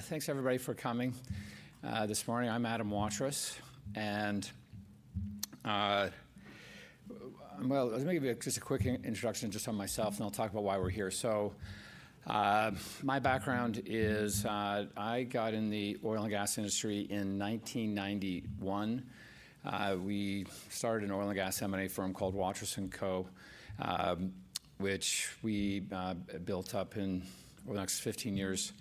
Thanks, everybody, for coming this morning. I'm Adam Waterous, and, well, let me give you just a quick introduction just on myself, and I'll talk about why we're here. So my background is I got in the oil and gas industry in 1991. We started an oil and gas M&A firm called Waterous & Co., which we built up in the next 15 years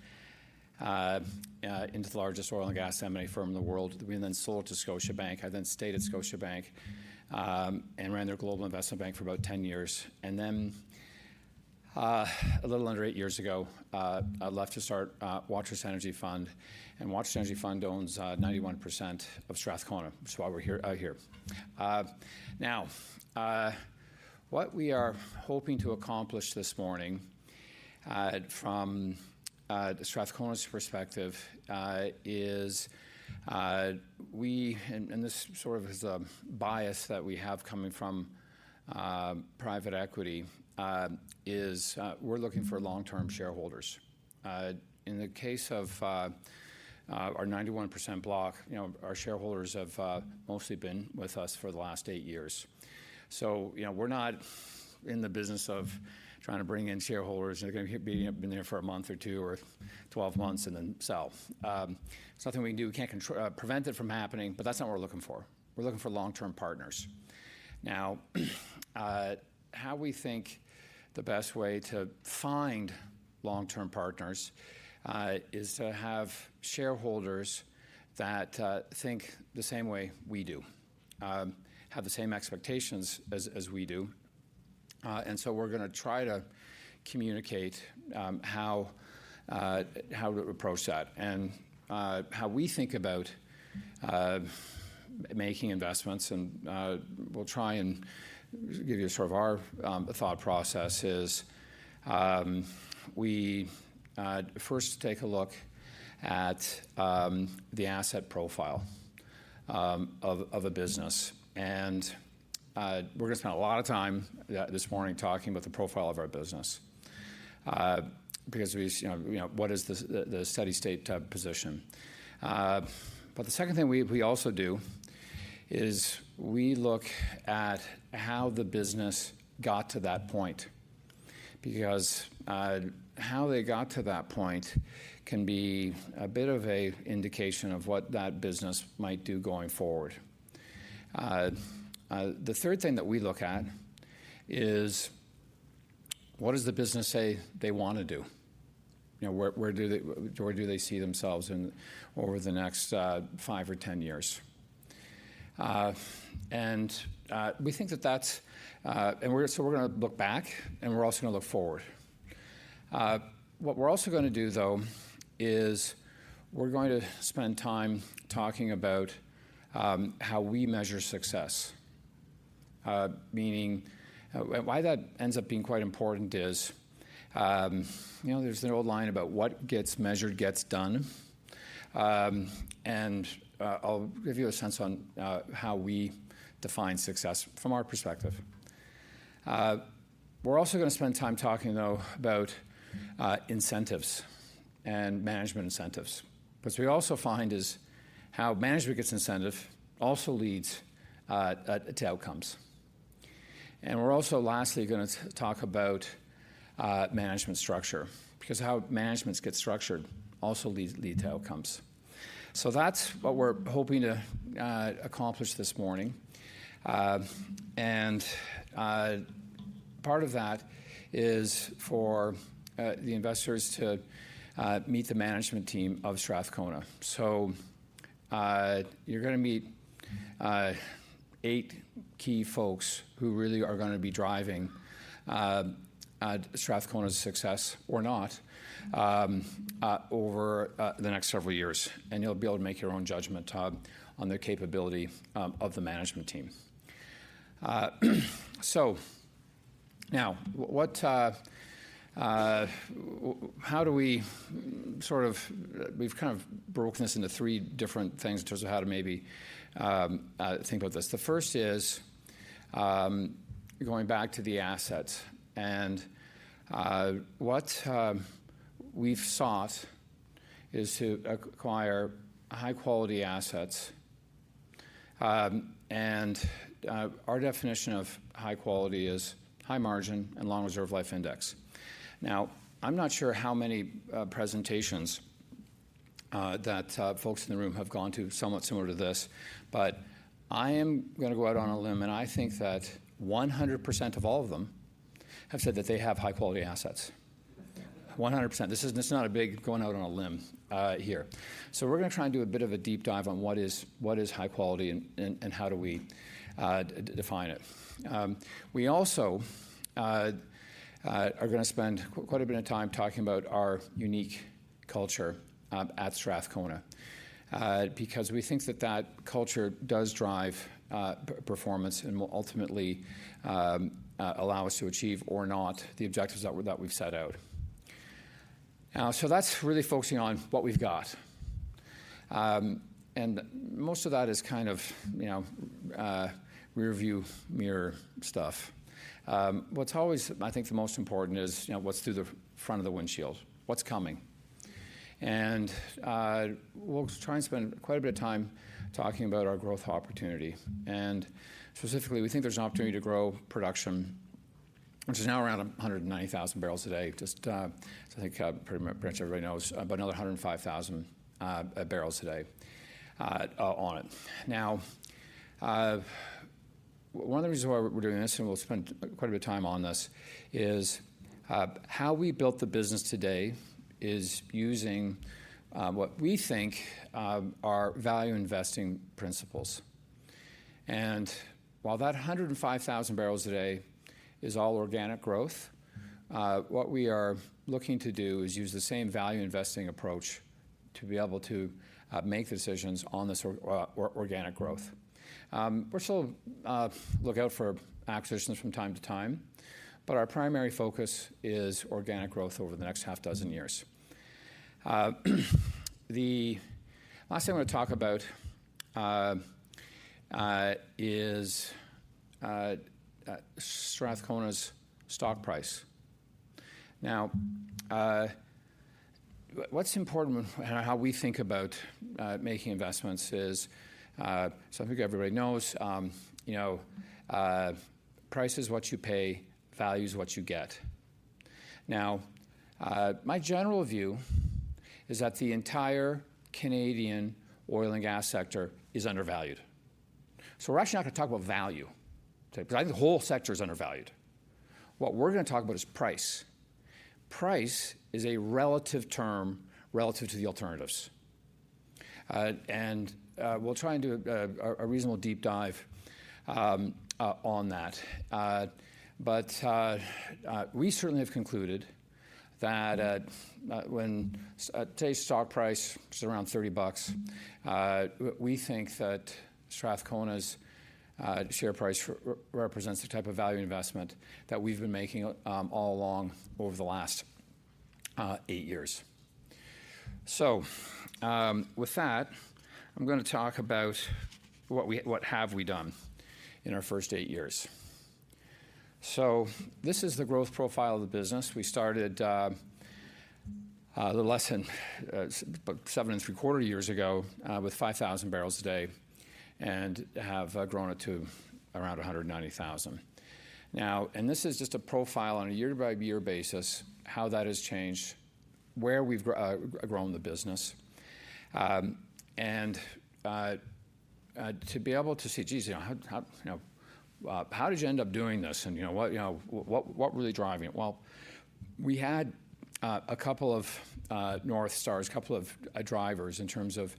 into the largest oil and gas M&A firm in the world. We then sold it to Scotiabank. I then stayed at Scotiabank and ran their global investment bank for about 10 years. And then, a little under eight years ago, I left to start Waterous Energy Fund. And Waterous Energy Fund owns 91% of Strathcona, which is why we're here. Now, what we are hoping to accomplish this morning from Strathcona's perspective is, and this sort of is a bias that we have coming from private equity, is we're looking for long-term shareholders. In the case of our 91% block, our shareholders have mostly been with us for the last eight years. So we're not in the business of trying to bring in shareholders that have been there for a month or two or 12 months and then sell. It's nothing we can do. We can't prevent it from happening, but that's not what we're looking for. We're looking for long-term partners. Now, how we think the best way to find long-term partners is to have shareholders that think the same way we do, have the same expectations as we do. And so we're going to try to communicate how to approach that and how we think about making investments. We'll try and give you sort of our thought process is we first take a look at the asset profile of a business. We're going to spend a lot of time this morning talking about the profile of our business because what is the steady-state position. The second thing we also do is we look at how the business got to that point because how they got to that point can be a bit of an indication of what that business might do going forward. The third thing that we look at is what does the business say they want to do? Where do they see themselves over the next five or 10 years? We think that that's, and so we're going to look back, and we're also going to look forward. What we're also going to do, though, is we're going to spend time talking about how we measure success, meaning why that ends up being quite important is there's an old line about what gets measured gets done. And I'll give you a sense on how we define success from our perspective. We're also going to spend time talking, though, about incentives and management incentives. What we also find is how management gets incentive also leads to outcomes. And we're also lastly going to talk about management structure because how management gets structured also leads to outcomes. So that's what we're hoping to accomplish this morning. And part of that is for the investors to meet the management team of Strathcona. So you're going to meet eight key folks who really are going to be driving Strathcona's success or not over the next several years. You'll be able to make your own judgment on the capability of the management team. Now, how do we sort of, we've kind of broken this into three different things in terms of how to maybe think about this. The first is going back to the assets. What we've sought is to acquire high-quality assets. Our definition of high quality is high margin and long reserve life index. Now, I'm not sure how many presentations that folks in the room have gone to somewhat similar to this, but I am going to go out on a limb, and I think that 100% of all of them have said that they have high-quality assets. 100%. This is not a big going out on a limb here. So we're going to try and do a bit of a deep dive on what is high quality and how do we define it. We also are going to spend quite a bit of time talking about our unique culture at Strathcona because we think that that culture does drive performance and will ultimately allow us to achieve or not the objectives that we've set out. So that's really focusing on what we've got. And most of that is kind of rearview mirror stuff. What's always, I think, the most important is what's through the front of the windshield, what's coming. And we'll try and spend quite a bit of time talking about our growth opportunity. And specifically, we think there's an opportunity to grow production, which is now around 190,000 barrels a day. Just I think pretty much everybody knows about another 105,000 barrels a day on it. Now, one of the reasons why we're doing this, and we'll spend quite a bit of time on this, is how we built the business today is using what we think are value investing principles. And while that 105,000 barrels a day is all organic growth, what we are looking to do is use the same value investing approach to be able to make decisions on this organic growth. We're still looking out for acquisitions from time to time, but our primary focus is organic growth over the next half dozen years. The last thing I want to talk about is Strathcona's stock price. Now, what's important and how we think about making investments is, so I think everybody knows, price is what you pay, value is what you get. Now, my general view is that the entire Canadian oil and gas sector is undervalued. So we're actually not going to talk about value because I think the whole sector is undervalued. What we're going to talk about is price. Price is a relative term relative to the alternatives. And we'll try and do a reasonable deep dive on that. But we certainly have concluded that when today's stock price is around $30, we think that Strathcona's share price represents the type of value investment that we've been making all along over the last eight years. So with that, I'm going to talk about what have we done in our first eight years. So this is the growth profile of the business. We started the business about seven and three-quarter years ago with 5,000 barrels a day and have grown it to around 190,000. Now, and this is just a profile on a year-by-year basis, how that has changed, where we've grown the business. And to be able to see, geez, how did you end up doing this and what really driving it? Well, we had a couple of North Stars, a couple of drivers in terms of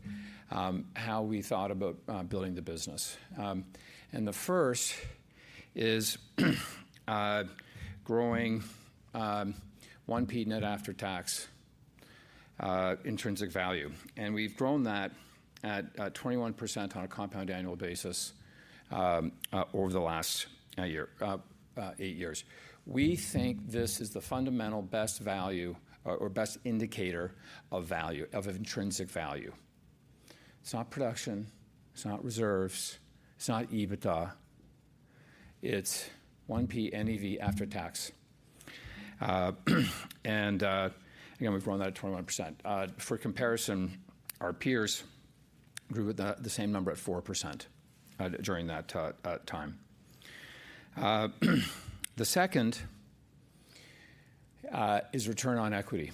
how we thought about building the business. And the first is growing 1P NAV net after-tax intrinsic value. And we've grown that at 21% on a compound annual basis over the last eight years. We think this is the fundamental best value or best indicator of value, of intrinsic value. It's not production, it's not reserves, it's not EBITDA, it's 1P NAV after-tax. And again, we've grown that at 21%. For comparison, our peers grew at the same number at 4% during that time. The second is return on equity.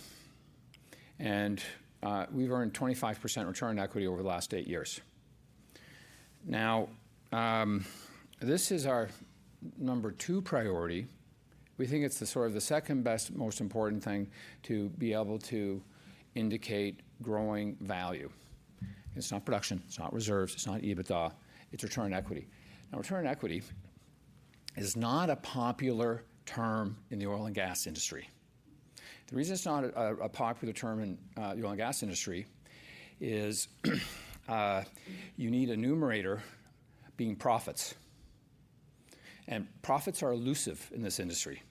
And we've earned 25% return on equity over the last eight years. Now, this is our number two priority. We think it's the sort of the second best, most important thing to be able to indicate growing value. It's not production, it's not reserves, it's not EBITDA, it's return on equity. Now, return on equity is not a popular term in the oil and gas industry. The reason it's not a popular term in the oil and gas industry is you need a numerator being profits. And profits are elusive in this industry.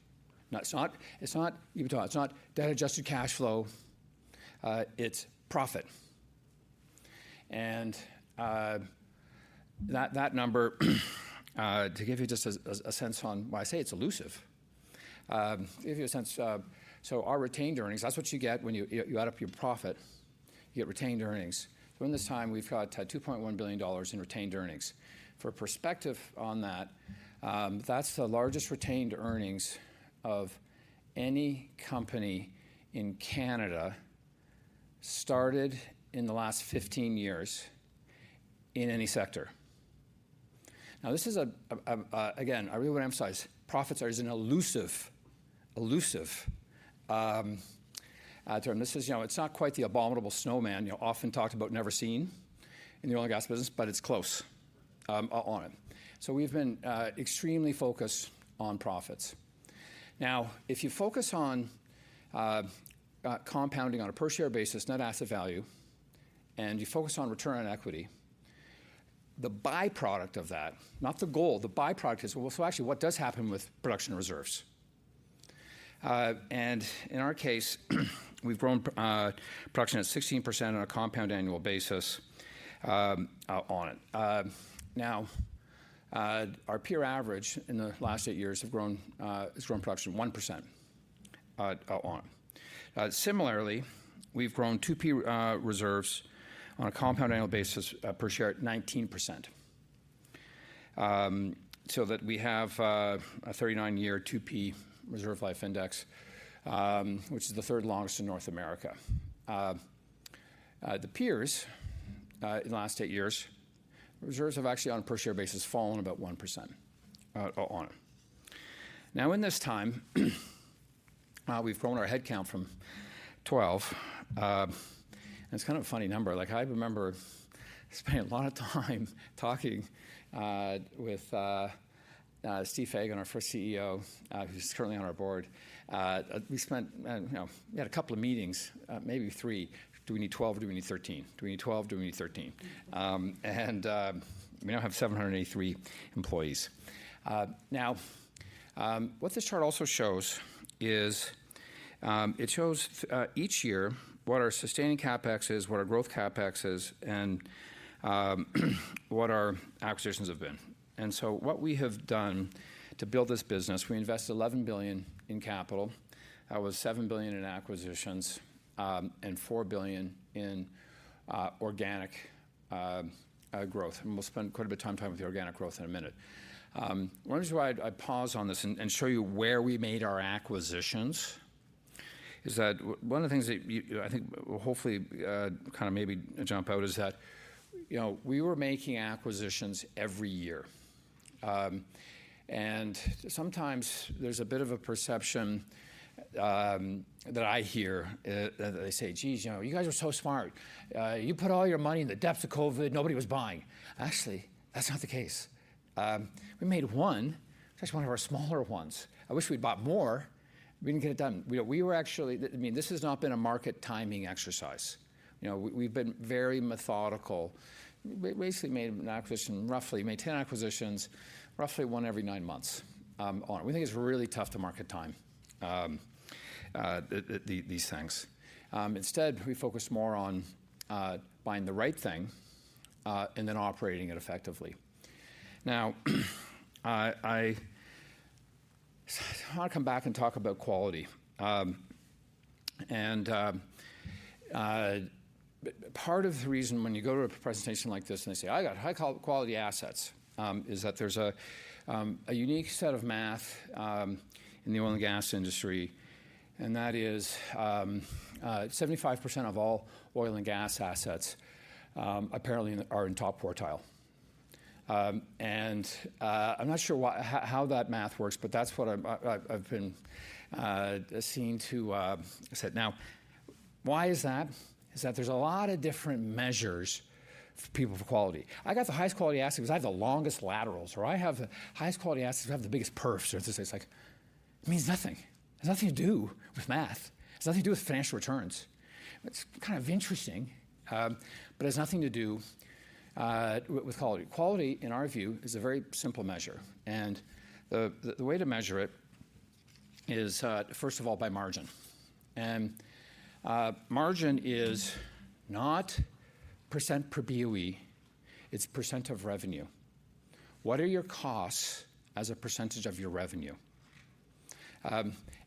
It's not EBITDA, it's not debt-adjusted cash flow, it's profit. And that number, to give you just a sense on why I say it's elusive, to give you a sense, so our retained earnings, that's what you get when you add up your profit, you get retained earnings. So in this time, we've got 2.1 billion dollars in retained earnings. For perspective on that, that's the largest retained earnings of any company in Canada started in the last 15 years in any sector. Now, this is, again, I really want to emphasize, profits are an elusive term. This is, it's not quite the abominable snowman often talked about, never seen in the oil and gas business, but it's close on it. So we've been extremely focused on profits. Now, if you focus on compounding on a per-share basis, net asset value, and you focus on return on equity, the byproduct of that, not the goal, the byproduct is, well, so actually what does happen with production reserves? And in our case, we've grown production at 16% on a compound annual basis on it. Now, our peer average in the last eight years has grown production 1% on it. Similarly, we've grown 2P reserves on a compound annual basis per share at 19%. So that we have a 39-year 2P reserve life index, which is the third longest in North America. The peers, in the last eight years, reserves have actually on a per-share basis fallen about 1% on it. Now, in this time, we've grown our headcount from 12, and it's kind of a funny number. Like I remember spending a lot of time talking with Steve Fagen, our first CEO, who's currently on our board. We spent, we had a couple of meetings, maybe three. Do we need 12 or do we need 13? Do we need 12 or do we need 13, and we now have 783 employees. Now, what this chart also shows is it shows each year what our sustaining CapEx is, what our growth CapEx is, and what our acquisitions have been, and so what we have done to build this business, we invested 11 billion in capital. That was 7 billion in acquisitions and 4 billion in organic growth, and we'll spend quite a bit of time with the organic growth in a minute. One reason why I pause on this and show you where we made our acquisitions is that one of the things that I think will hopefully kind of maybe jump out is that we were making acquisitions every year, and sometimes there's a bit of a perception that I hear that they say, "Geez, you guys are so smart. You put all your Montney in the depths of COVID, nobody was buying." Actually, that's not the case. We made one; it's actually one of our smaller ones. I wish we'd bought more; we didn't get it done. We were actually, I mean, this has not been a market timing exercise. We've been very methodical. We basically made an acquisition, roughly made 10 acquisitions, roughly one every nine months on it. We think it's really tough to market time these things. Instead, we focus more on buying the right thing and then operating it effectively. Now, I want to come back and talk about quality. And part of the reason when you go to a presentation like this and they say, "I got high-quality assets," is that there's a unique set of math in the oil and gas industry. And that is 75% of all oil and gas assets apparently are in top quartile. I'm not sure how that math works, but that's what I've been seen to say. Now, why is that? It's that there's a lot of different measures for people for quality. I got the highest quality asset because I have the longest laterals, or I have the highest quality assets who have the biggest perfs. It's like, it means nothing. It has nothing to do with math. It has nothing to do with financial returns. It's kind of interesting, but it has nothing to do with quality. Quality, in our view, is a very simple measure. And the way to measure it is, first of all, by margin. And margin is not % per BOE, it's % of revenue. What are your costs as a % of your revenue?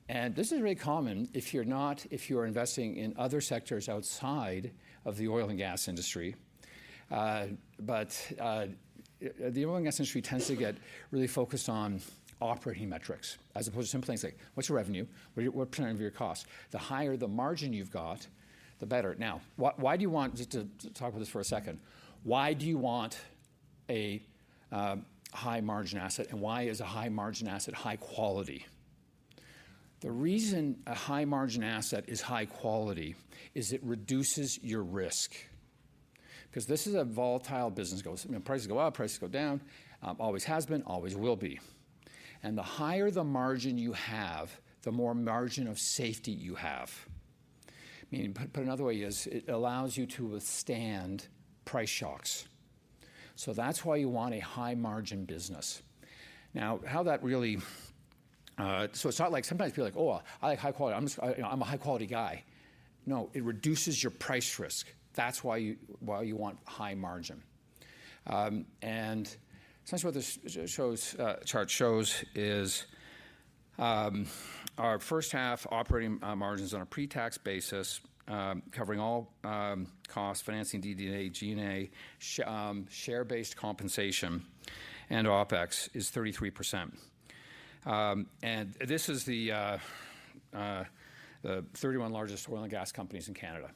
And this is very common if you're investing in other sectors outside of the oil and gas industry. But the oil and gas industry tends to get really focused on operating metrics as opposed to simple things like, what's your revenue, what % of your costs? The higher the margin you've got, the better. Now, why do you want to talk about this for a second? Why do you want a high-margin asset and why is a high-margin asset high quality? The reason a high-margin asset is high quality is it reduces your risk. Because this is a volatile business. Prices go up, prices go down, always has been, always will be. And the higher the margin you have, the more margin of safety you have. I mean, put another way, it allows you to withstand price shocks. So that's why you want a high-margin business. Now, how that really so it's not like sometimes people are like, "Oh, I like high quality, I'm a high-quality guy." No, it reduces your price risk. That's why you want high margin. And sometimes what this chart shows is our first half operating margins on a pre-tax basis covering all costs, financing, DD&A, G&A, share-based compensation, and OPEX is 33%. And this is the 31 largest oil and gas companies in Canada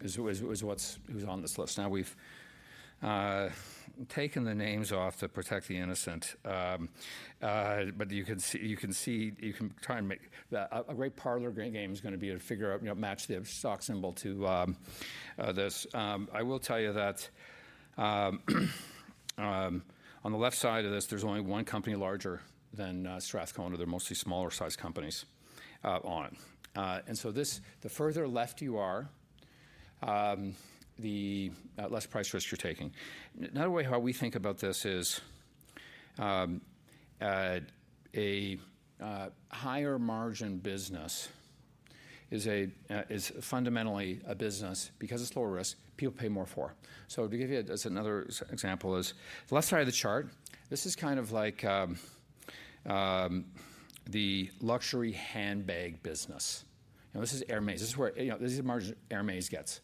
is what's on this list. Now, we've taken the names off to protect the innocent, but you can see, you can try and make a great parlor game is going to be to figure out, match the stock symbol to this. I will tell you that on the left side of this, there's only one company larger than Strathcona. They're mostly smaller-sized companies on it. The further left you are, the less price risk you're taking. Another way how we think about this is a higher margin business is fundamentally a business because it's lower risk, people pay more for. To give you another example is the left side of the chart, this is kind of like the luxury handbag business. This is Hermès. This is where this is the margin Hermès gets.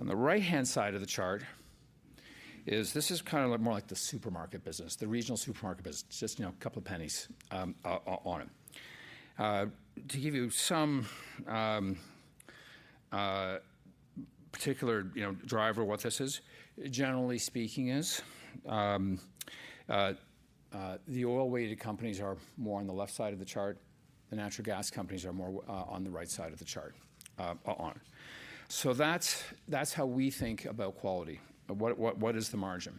On the right-hand side of the chart is this is kind of more like the supermarket business, the regional supermarket business, just a couple of pennies on it. To give you some particular driver of what this is, generally speaking, is the oil-weighted companies are more on the left side of the chart. The natural gas companies are more on the right side of the chart. So that's how we think about quality. What is the margin?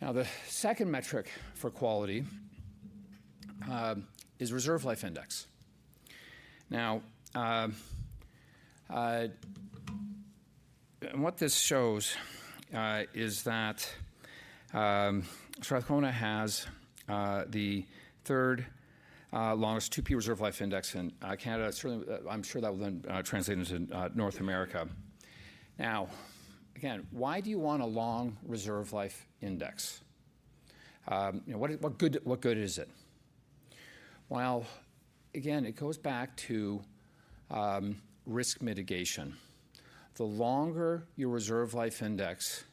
Now, the second metric for quality is reserve life index. Now, what this shows is that Strathcona has the third longest 2P reserve life index in Canada. Certainly, I'm sure that will then translate into North America. Now, again, why do you want a long reserve life index? What good is it? Well, again, it goes back to risk mitigation. The longer your reserve life index,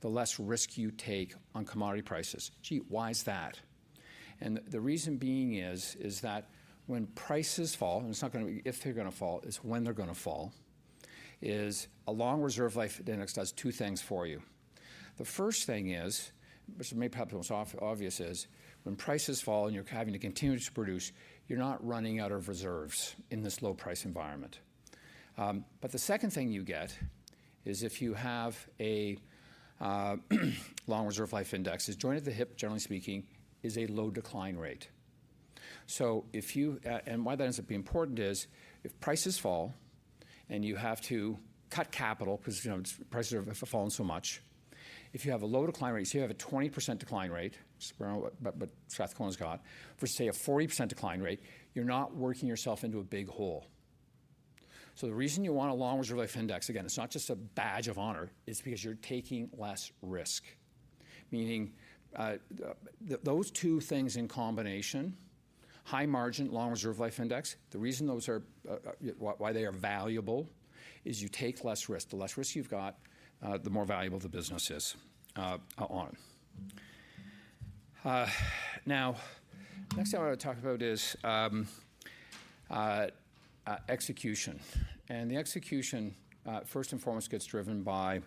the less risk you take on commodity prices. Gee, why is that? And the reason being is that when prices fall, and it's not going to be if they're going to fall, it's when they're going to fall, is a long reserve life index does two things for you. The first thing is, which may be perhaps the most obvious is when prices fall and you're having to continue to produce, you're not running out of reserves in this low-price environment. But the second thing you get is if you have a long reserve life index, it's joined at the hip, generally speaking, is a low decline rate. So if you, and why that ends up being important is if prices fall and you have to cut capital because prices have fallen so much, if you have a low decline rate, say you have a 20% decline rate, which Strathcona's got, versus say a 40% decline rate, you're not working yourself into a big hole. So the reason you want a long reserve life index, again, it's not just a badge of honor, it's because you're taking less risk. Meaning those two things in combination, high margin, long reserve life index, the reason why they are valuable is you take less risk. The less risk you've got, the more valuable the business is on it. Now, next thing I want to talk about is execution. And the execution, first and foremost, gets driven by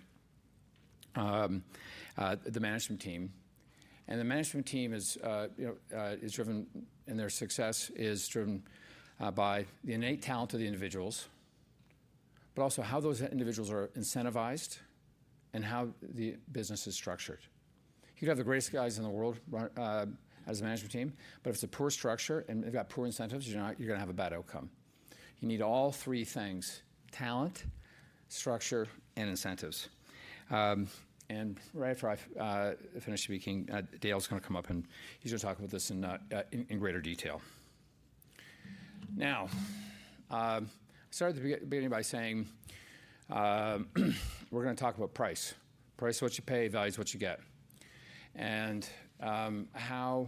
the management team. And the management team is driven and their success is driven by the innate talent of the individuals, but also how those individuals are incentivized and how the business is structured. You could have the greatest guys in the world as a management team, but if it's a poor structure and they've got poor incentives, you're going to have a bad outcome. You need all three things: talent, structure, and incentives. And right after I finish speaking, Dale's going to come up and he's going to talk about this in greater detail. Now, I started at the beginning by saying we're going to talk about price. Price is what you pay, value is what you get. And how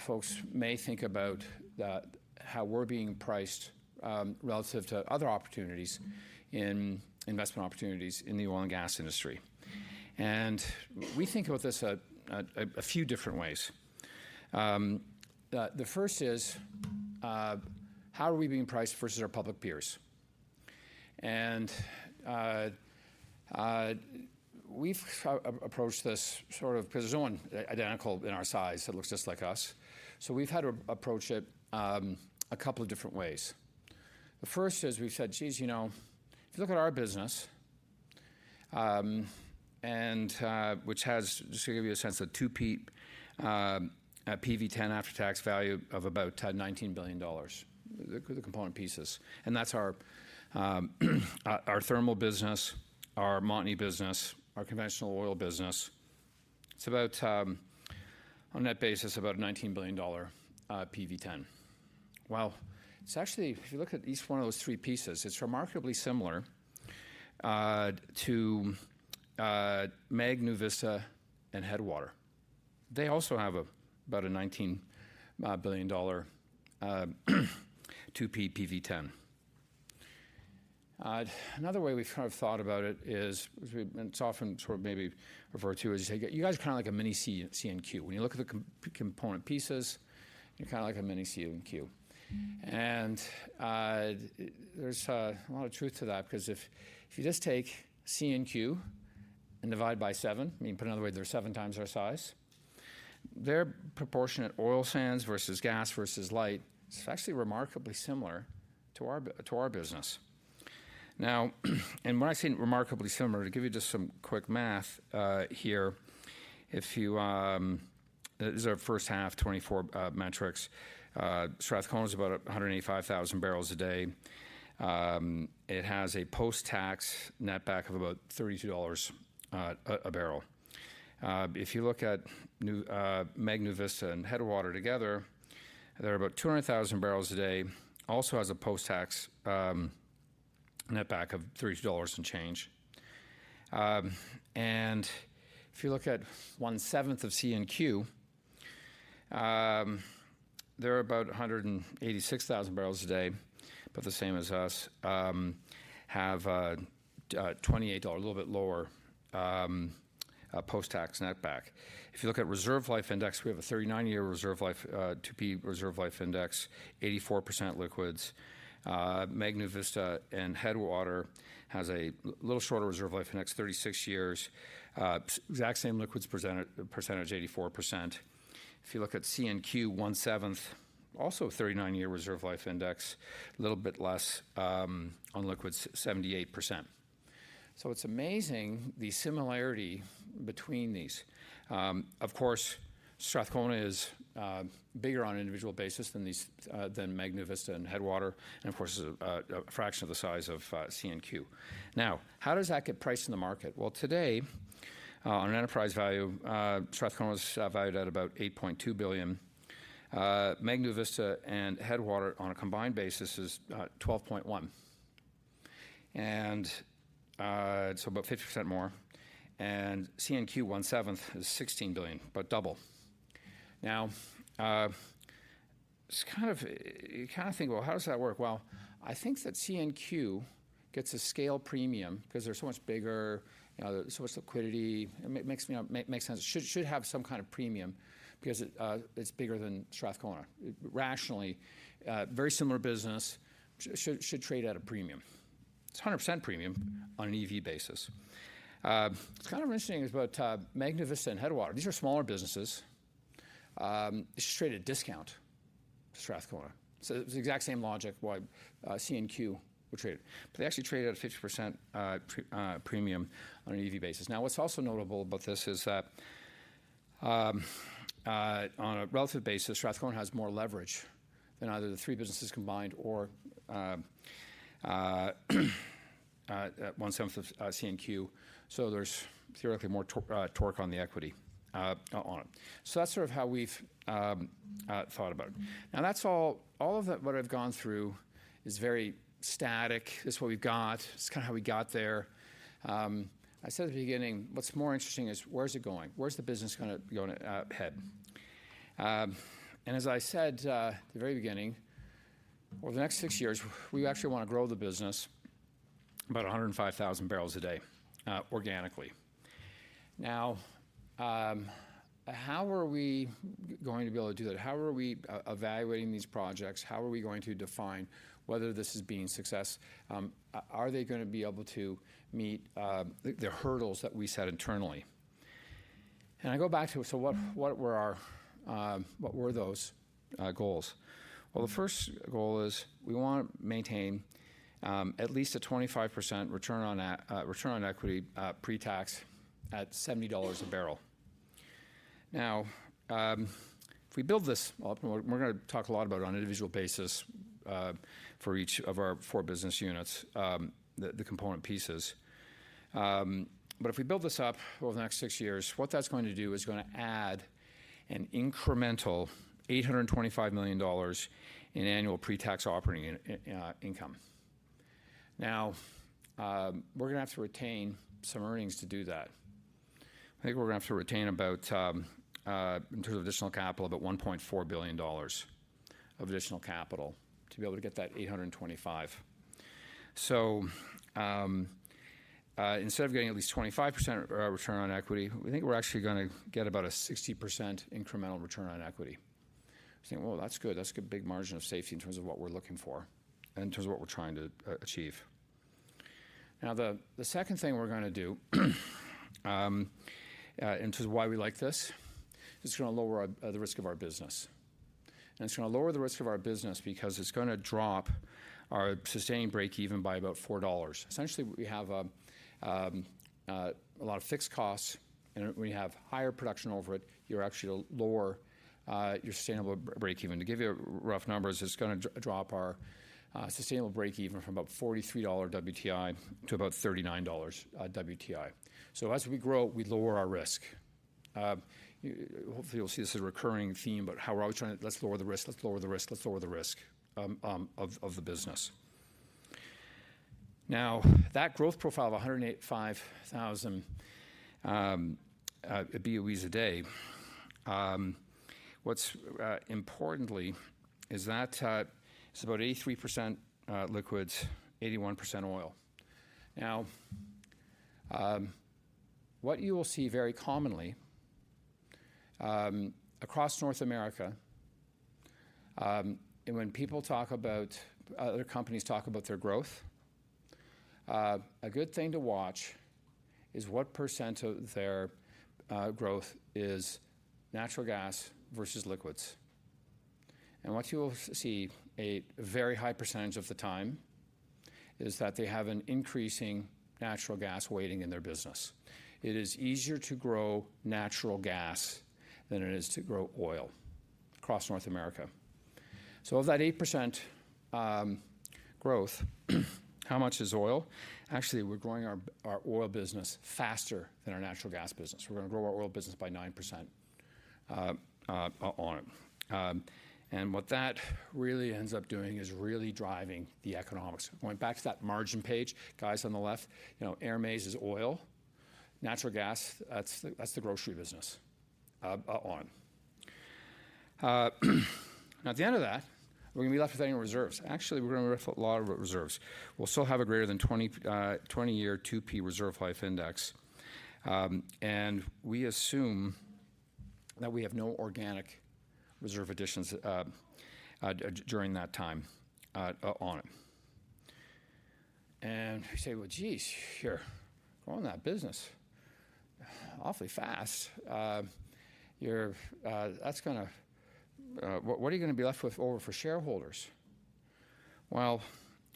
folks may think about how we're being priced relative to other opportunities in investment opportunities in the oil and gas industry. And we think about this a few different ways. The first is how are we being priced versus our public peers? And we've approached this sort of because there's no one identical in our size that looks just like us. So we've had to approach it a couple of different ways. The first is we've said, "Geez, if you look at our business," which has just to give you a sense of 2P NAV, PV10 after-tax value of about $19 billion, the component pieces. And that's our thermal business, our Montney business, our conventional oil business. It's about on that basis, about a $19 billion PV10. Well, it's actually, if you look at each one of those three pieces, it's remarkably similar to MEG, NuVista, and Headwater. They also have about a 19 billion dollar 2P PV10. Another way we've kind of thought about it is, which we've been talking about maybe referred to as, you guys are kind of like a mini CNQ. When you look at the component pieces, you're kind of like a mini CNQ. And there's a lot of truth to that because if you just take CNQ and divide by seven, I mean, put another way, they're seven times our size. Their proportionate oil sands versus gas versus light is actually remarkably similar to our business. Now, and when I say remarkably similar, to give you just some quick math here, these are first half 2024 metrics. Strathcona's about 185,000 barrels a day. It has a post-tax netback of about 32 dollars a barrel. If you look at MEG, NuVista, and Headwater together, they're about 200,000 barrels a day, also has a post-tax netback of $32 and change. And if you look at one seventh of CNQ, they're about 186,000 barrels a day, about the same as us, have a $28, a little bit lower post-tax netback. If you look at reserve life index, we have a 39-year reserve life 2P reserve life index, 84% liquids. MEG, NuVista, and Headwater has a little shorter reserve life index, 36 years, exact same liquids percentage, 84%. If you look at CNQ, one seventh, also a 39-year reserve life index, a little bit less on liquids, 78%. So it's amazing the similarity between these. Of course, Strathcona is bigger on an individual basis than MEG, NuVista, and Headwater, and of course, a fraction of the size of CNQ. Now, how does that get priced in the market? Well, today, on enterprise value, Strathcona's valued at about 8.2 billion. MEG, NuVista, and Headwater on a combined basis is 12.1. And so about 50% more. And CNQ, one seventh is 16 billion, about double. Now, you kind of think, well, how does that work? Well, I think that CNQ gets a scale premium because they're so much bigger, so much liquidity. It makes sense. It should have some kind of premium because it's bigger than Strathcona. Rationally, very similar business, should trade at a premium. It's 100% premium on an EV basis. It's kind of interesting about MEG, NuVista, and Headwater. These are smaller businesses. It's traded at a discount, Strathcona. So it's the exact same logic why CNQ were traded. But they actually trade at a 50% premium on an EV basis. Now, what's also notable about this is that on a relative basis, Strathcona has more leverage than either the three businesses combined or one seventh of CNQ. So there's theoretically more torque on the equity on it. So that's sort of how we've thought about it. Now, all of what I've gone through is very static. This is what we've got. It's kind of how we got there. I said at the beginning, what's more interesting is where's it going? Where's the business going to head? And as I said at the very beginning, over the next six years, we actually want to grow the business about 105,000 barrels a day organically. Now, how are we going to be able to do that? How are we evaluating these projects? How are we going to define whether this is being a success? Are they going to be able to meet the hurdles that we set internally? And I go back to, so what were those goals? Well, the first goal is we want to maintain at least a 25% return on equity pre-tax at $70 a barrel. Now, if we build this, we're going to talk a lot about it on an individual basis for each of our four business units, the component pieces. But if we build this up over the next six years, what that's going to do is going to add an incremental $825 million in annual pre-tax operating income. Now, we're going to have to retain some earnings to do that. I think we're going to have to retain about, in terms of additional capital, about $1.4 billion of additional capital to be able to get that 825. Instead of getting at least 25% return on equity, we think we're actually going to get about a 60% incremental return on equity. We're saying, well, that's good. That's a big margin of safety in terms of what we're looking for and in terms of what we're trying to achieve. The second thing we're going to do in terms of why we like this is it's going to lower the risk of our business. It's going to lower the risk of our business because it's going to drop our sustained break-even by about $4. Essentially, we have a lot of fixed costs, and when you have higher production over it, you're actually lowering your sustainable break-even. To give you rough numbers, it's going to drop our sustainable break-even from about $43 WTI to about $39 WTI. As we grow, we lower our risk. Hopefully, you'll see this as a recurring theme, but how we're always trying to, let's lower the risk, let's lower the risk, let's lower the risk of the business. Now, that growth profile of 185,000 BOEs a day. What's important is that it's about 83% liquids, 81% oil. Now, what you will see very commonly across North America, and when people talk about other companies talk about their growth, a good thing to watch is what % of their growth is natural gas versus liquids, and what you will see a very high percentage of the time is that they have an increasing natural gas weighting in their business. It is easier to grow natural gas than it is to grow oil across North America, so of that 8% growth, how much is oil? Actually, we're growing our oil business faster than our natural gas business. We're going to grow our oil business by 9% on it, and what that really ends up doing is really driving the economics. Going back to that margin page, guys on the left, Hermès is oil. Natural gas, that's the grocery business on it. Now, at the end of that, we're going to be left with any reserves. Actually, we're going to have a lot of reserves. We'll still have a greater than 20-year 2P reserve life index, and we assume that we have no organic reserve additions during that time on it. And you say, well, geez, here, growing that business awfully fast, that's going to, what are you going to be left with over for shareholders?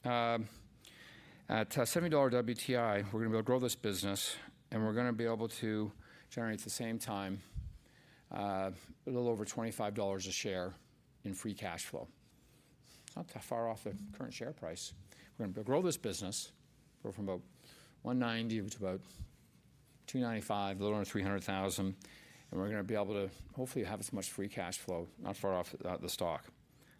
At $70 WTI, we're going to be able to grow this business, and we're going to be able to generate at the same time a little over $25 a share in free cash flow. Not far off the current share price. We're going to grow this business, go from about 190 to about 295, a little under 300,000, and we're going to be able to hopefully have as much free cash flow, not far off the stock.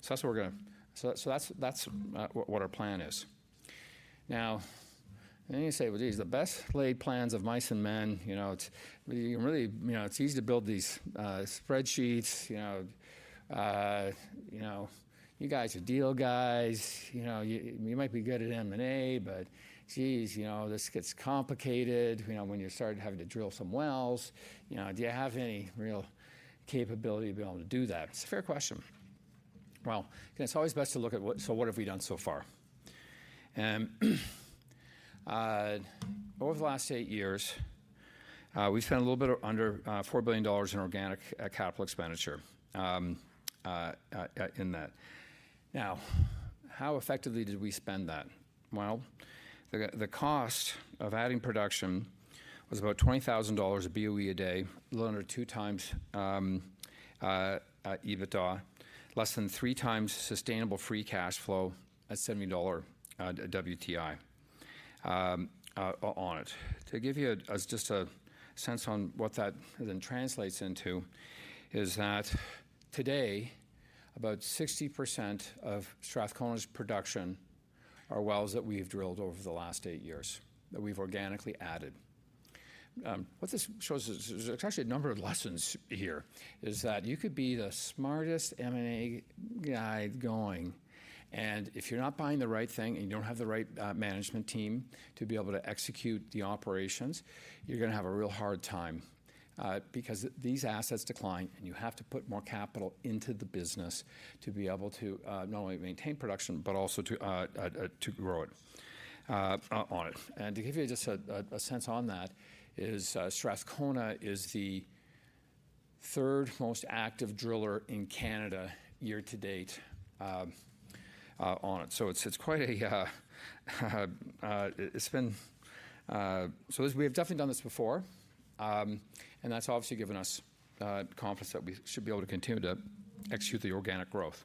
So that's what we're going to, so that's what our plan is. Now, then you say, well, geez, the best laid plans of mice and men, you can really, it's easy to build these spreadsheets. You guys are deal guys. You might be good at M&A, but geez, this gets complicated when you start having to drill some wells. Do you have any real capability to be able to do that? It's a fair question. Well, it's always best to look at what, so what have we done so far? And over the last eight years, we've spent a little bit under $4 billion in organic capital expenditure in that. Now, how effectively did we spend that? Well, the cost of adding production was about $20,000 of BOE a day, a little under two times EBITDA, less than three times sustainable free cash flow at $70 WTI on it. To give you just a sense on what that then translates into is that today, about 60% of Strathcona's production are wells that we have drilled over the last eight years that we've organically added. What this shows is there's actually a number of lessons here: that you could be the smartest M&A guy going, and if you're not buying the right thing and you don't have the right management team to be able to execute the operations, you're going to have a real hard time because these assets decline, and you have to put more capital into the business to be able to not only maintain production, but also to grow it. To give you just a sense on that, Strathcona is the third most active driller in Canada year to date. So it's quite a, it's been, so we have definitely done this before, and that's obviously given us confidence that we should be able to continue to execute the organic growth.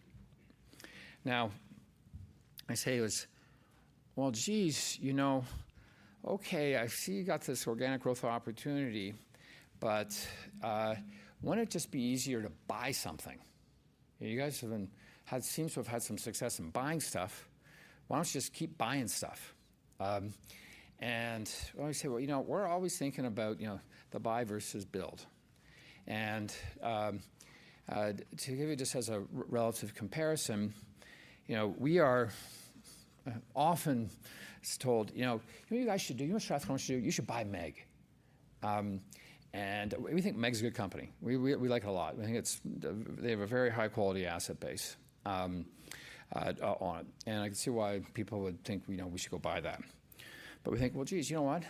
Now, I say to us, well, geez, you know, okay, I see you got this organic growth opportunity, but wouldn't it just be easier to buy something? You guys have been, seem to have had some success in buying stuff. Why don't you just keep buying stuff? And we say, well, you know, we're always thinking about the buy versus build. And to give you just as a relative comparison, we are often told, you know, what you guys should do, you know what Strathcona should do, you should buy MEG. And we think MEG's a good company. We like it a lot. We think they have a very high-quality asset base on it. And I can see why people would think we should go buy that. But we think, well, geez, you know what?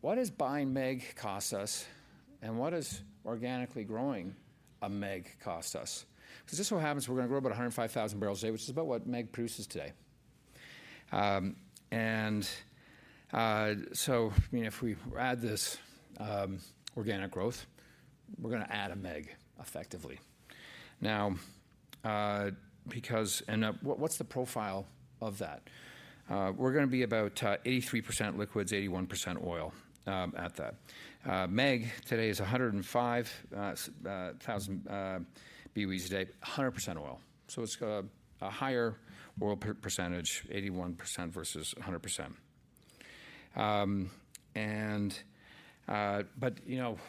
What does buying MEG cost us, and what does organically growing a MEG cost us? Because just what happens is we're going to grow about 105,000 barrels a day, which is about what MEG produces today, and so if we add this organic growth, we're going to add a MEG effectively. Now, because, and what's the profile of that? We're going to be about 83% liquids, 81% oil at that. MEG today is 105,000 BOEs a day, 100% oil, so it's a higher oil percentage, 81% versus 100%, and but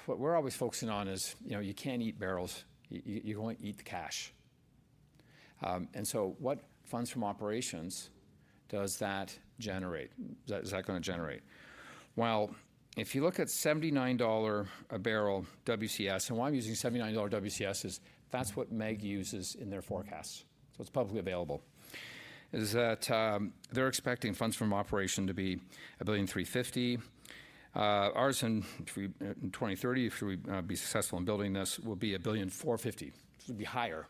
what we're always focusing on is you can't eat barrels. You only eat the cash, and so what funds from operations does that generate? Is that going to generate, well, if you look at 79 dollar a barrel WCS, and why I'm using 79 dollar WCS is that's what MEG uses in their forecasts, so it's publicly available. That is, they're expecting funds from operations to be 1.35 billion. Ours in 2030, if we be successful in building this, will be 1.45 billion. This would be higher.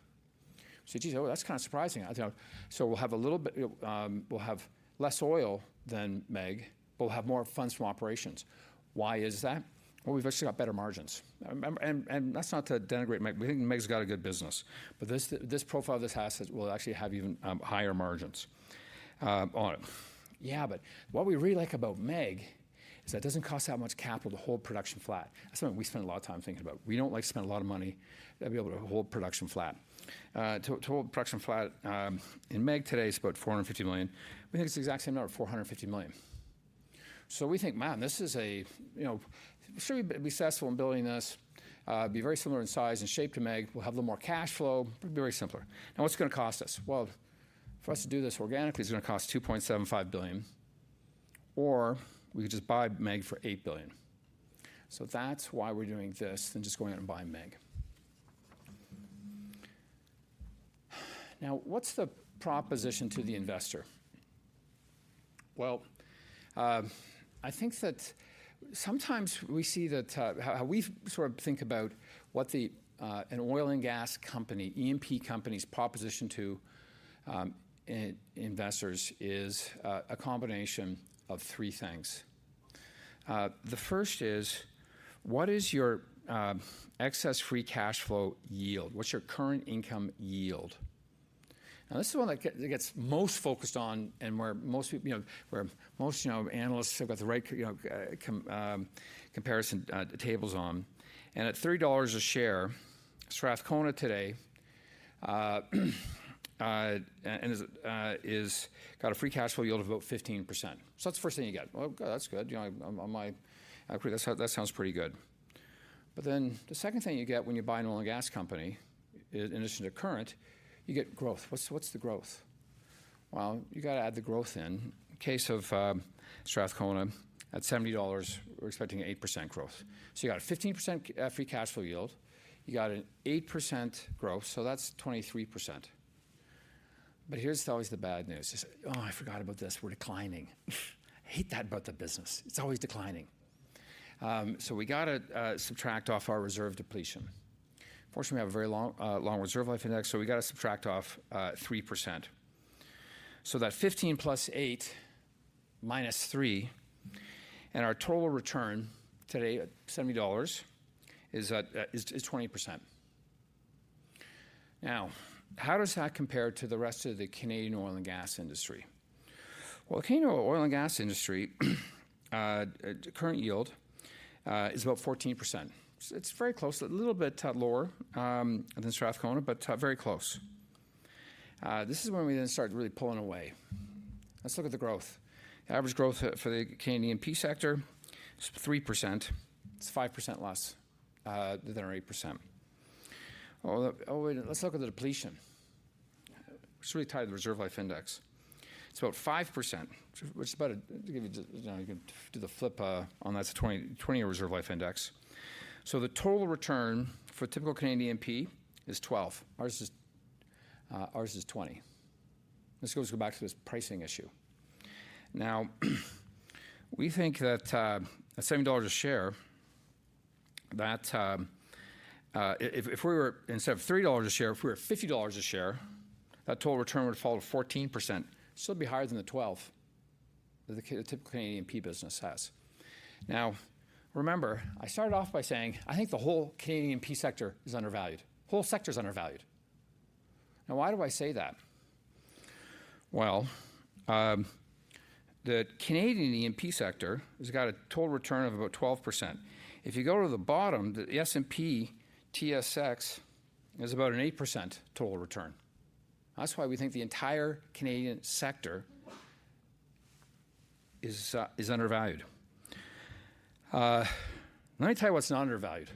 We say, geez, oh, that's kind of surprising. So we'll have a little bit, we'll have less oil than MEG, but we'll have more funds from operations. Why is that? Well, we've actually got better margins. And that's not to denigrate MEG. We think MEG's got a good business. But this profile of this asset will actually have even higher margins on it. Yeah, but what we really like about MEG is that it doesn't cost that much capital to hold production flat. That's something we spend a lot of time thinking about. We don't like to spend a lot of money to be able to hold production flat. To hold production flat in MEG today is about 450 million. We think it's the exact same number, 450 million. So we think, man, this is a, we'll be successful in building this, be very similar in size and shape to MEG, we'll have a little more cash flow, be very simpler. Now, what's it going to cost us? Well, for us to do this organically, it's going to cost 2.75 billion, or we could just buy MEG for 8 billion. So that's why we're doing this than just going out and buying MEG. Now, what's the proposition to the investor? Well, I think that sometimes we see that how we sort of think about what an oil and gas company, E&P companies' proposition to investors is a combination of three things. The first is, what is your excess free cash flow yield? What's your current income yield? And this is one that gets most focused on and where most analysts have got the right comparison tables on. And at $30 a share, Strathcona today has got a free cash flow yield of about 15%. So that's the first thing you get. Well, that's good. That sounds pretty good. But then the second thing you get when you buy an oil and gas company, in addition to current, you get growth. What's the growth? Well, you got to add the growth in. In case of Strathcona, at $70, we're expecting 8% growth. So you got a 15% free cash flow yield. You got an 8% growth, so that's 23%. But here's always the bad news. Oh, I forgot about this. We're declining. I hate that about the business. It's always declining. So we got to subtract off our reserve depletion. Unfortunately, we have a very long reserve life index, so we got to subtract off 3%. So that 15 plus 8 minus 3, and our total return today at $70 is 20%. Now, how does that compare to the rest of the Canadian oil and gas industry? The Canadian oil and gas industry current yield is about 14%. It's very close, a little bit lower than Strathcona, but very close. This is when we then start really pulling away. Let's look at the growth. Average growth for the Canadian E&P sector is 3%. It's 5% less than our 8%. Oh, wait, let's look at the depletion. It's really tied to the reserve life index. It's about 5%, which is about, to give you, you can do the flip on that, it's a 20-year reserve life index. So the total return for typical Canadian E&P is 12%. Ours is 20%. This goes back to this pricing issue. Now, we think that at 70 dollars a share, that if we were instead of 3 dollars a share, if we were at 50 dollars a share, that total return would fall to 14%. Still be higher than the 12% that the typical Canadian E&P business has. Now, remember, I started off by saying I think the whole Canadian E&P sector is undervalued. The whole sector is undervalued. Now, why do I say that? Well, the Canadian E&P sector has got a total return of about 12%. If you go to the bottom, the S&P TSX is about an 8% total return. That's why we think the entire Canadian sector is undervalued. Let me tell you what's not undervalued.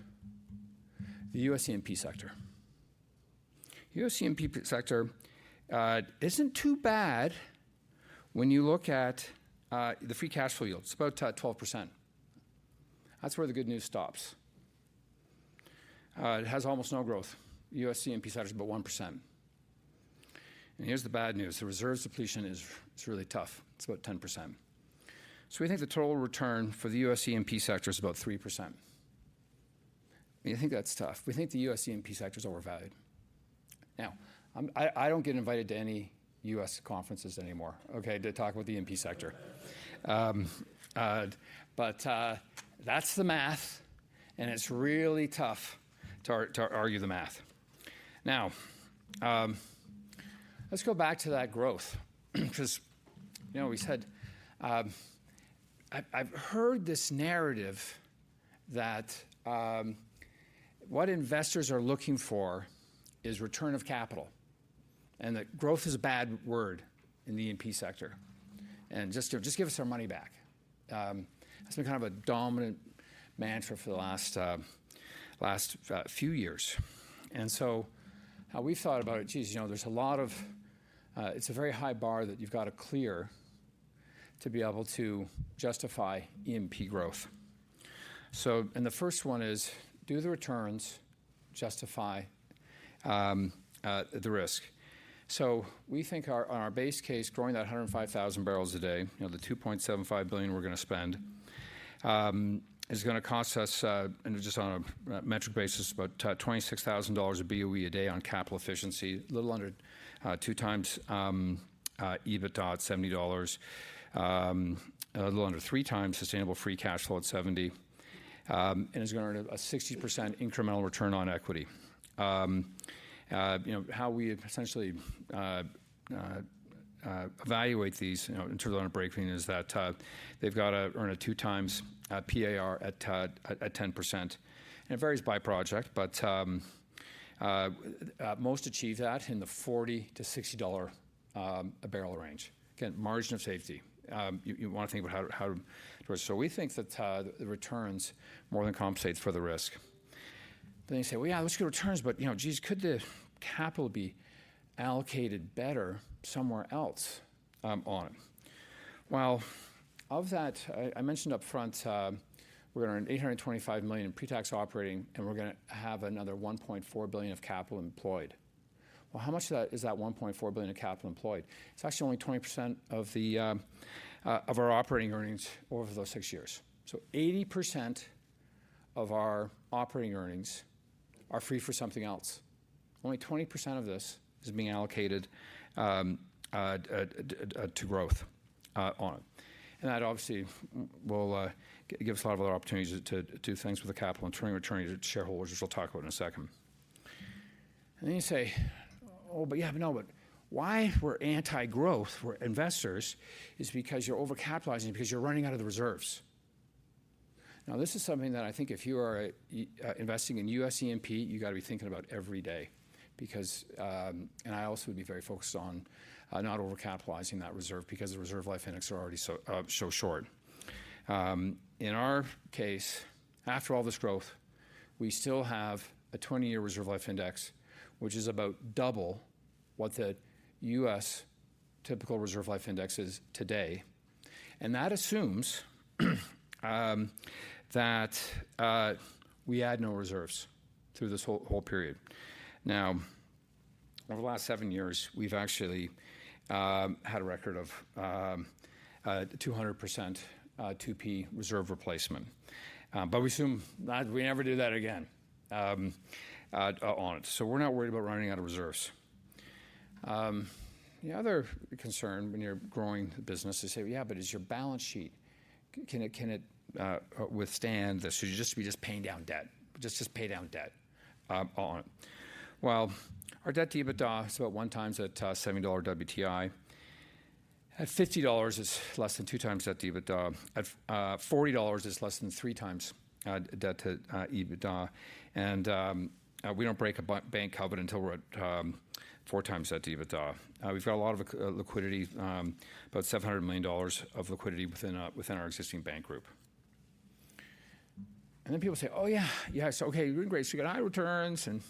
The US E&P sector. US E&P sector isn't too bad when you look at the free cash flow yield. It's about 12%. That's where the good news stops. It has almost no growth. U.S. E&P sector is about 1%. Here's the bad news. The reserve depletion is really tough. It's about 10%. So we think the total return for the U.S. E&P sector is about 3%. We think that's tough. We think the U.S. E&P sector is overvalued. Now, I don't get invited to any U.S. conferences anymore, okay, to talk about the E&P sector. But that's the math, and it's really tough to argue the math. Now, let's go back to that growth, because we said I've heard this narrative that what investors are looking for is return of capital, and that growth is a bad word in the E&P sector. Just give us our money back. That's been kind of a dominant mantra for the last few years. And so how we've thought about it, geez, there's a lot of, it's a very high bar that you've got to clear to be able to justify E&P growth. So and the first one is do the returns, justify the risk. So we think on our base case, growing that 105,000 barrels a day, the 2.75 billion we're going to spend is going to cost us, just on a metric basis, about $26,000 of BOE a day on capital efficiency, a little under two times EBITDA at $70, a little under three times sustainable free cash flow at 70, and is going to earn a 60% incremental return on equity. How we essentially evaluate these in terms of payback is that they've got to earn a two times payback at 10%. And it varies by project, but most achieve that in the $40-$60 a barrel range. Again, margin of safety. You want to think about how to do it. So we think that the returns more than compensate for the risk. Then you say, well, yeah, let's get returns, but geez, could the capital be allocated better somewhere else on it? Well, of that, I mentioned upfront, we're going to earn CAD 825 million in pre-tax operating, and we're going to have another 1.4 billion of capital employed. Well, how much of that is that 1.4 billion of capital employed? It's actually only 20% of our operating earnings over those six years. So 80% of our operating earnings are free for something else. Only 20% of this is being allocated to growth on it. And that obviously will give us a lot of other opportunities to do things with the capital and turning returns to shareholders, which we'll talk about in a second. Then you say, oh, but yeah, but no, but why we're anti-growth for investors is because you're overcapitalizing because you're running out of the reserves. Now, this is something that I think if you are investing in U.S. E&P, you got to be thinking about every day. Because, and I also would be very focused on not overcapitalizing that reserve because the reserve life index are already so short. In our case, after all this growth, we still have a 20-year reserve life index, which is about double what the U.S. typical reserve life index is today. That assumes that we had no reserves through this whole period. Now, over the last seven years, we've actually had a record of 200% 2P reserve replacement. We assume we never do that again on it. We're not worried about running out of reserves. The other concern when you're growing the business is, say, yeah, but is your balance sheet, can it withstand this? So you're just paying down debt, just pay down debt on it. Well, our debt to EBITDA is about one times at $70 WTI. At $50, it's less than two times debt to EBITDA. At $40, it's less than three times debt to EBITDA. And we don't break a covenant until we're at four times debt to EBITDA. We've got a lot of liquidity, about 700 million dollars of liquidity within our existing bank group. And then people say, oh yeah, yeah, so okay, great, so you got high returns and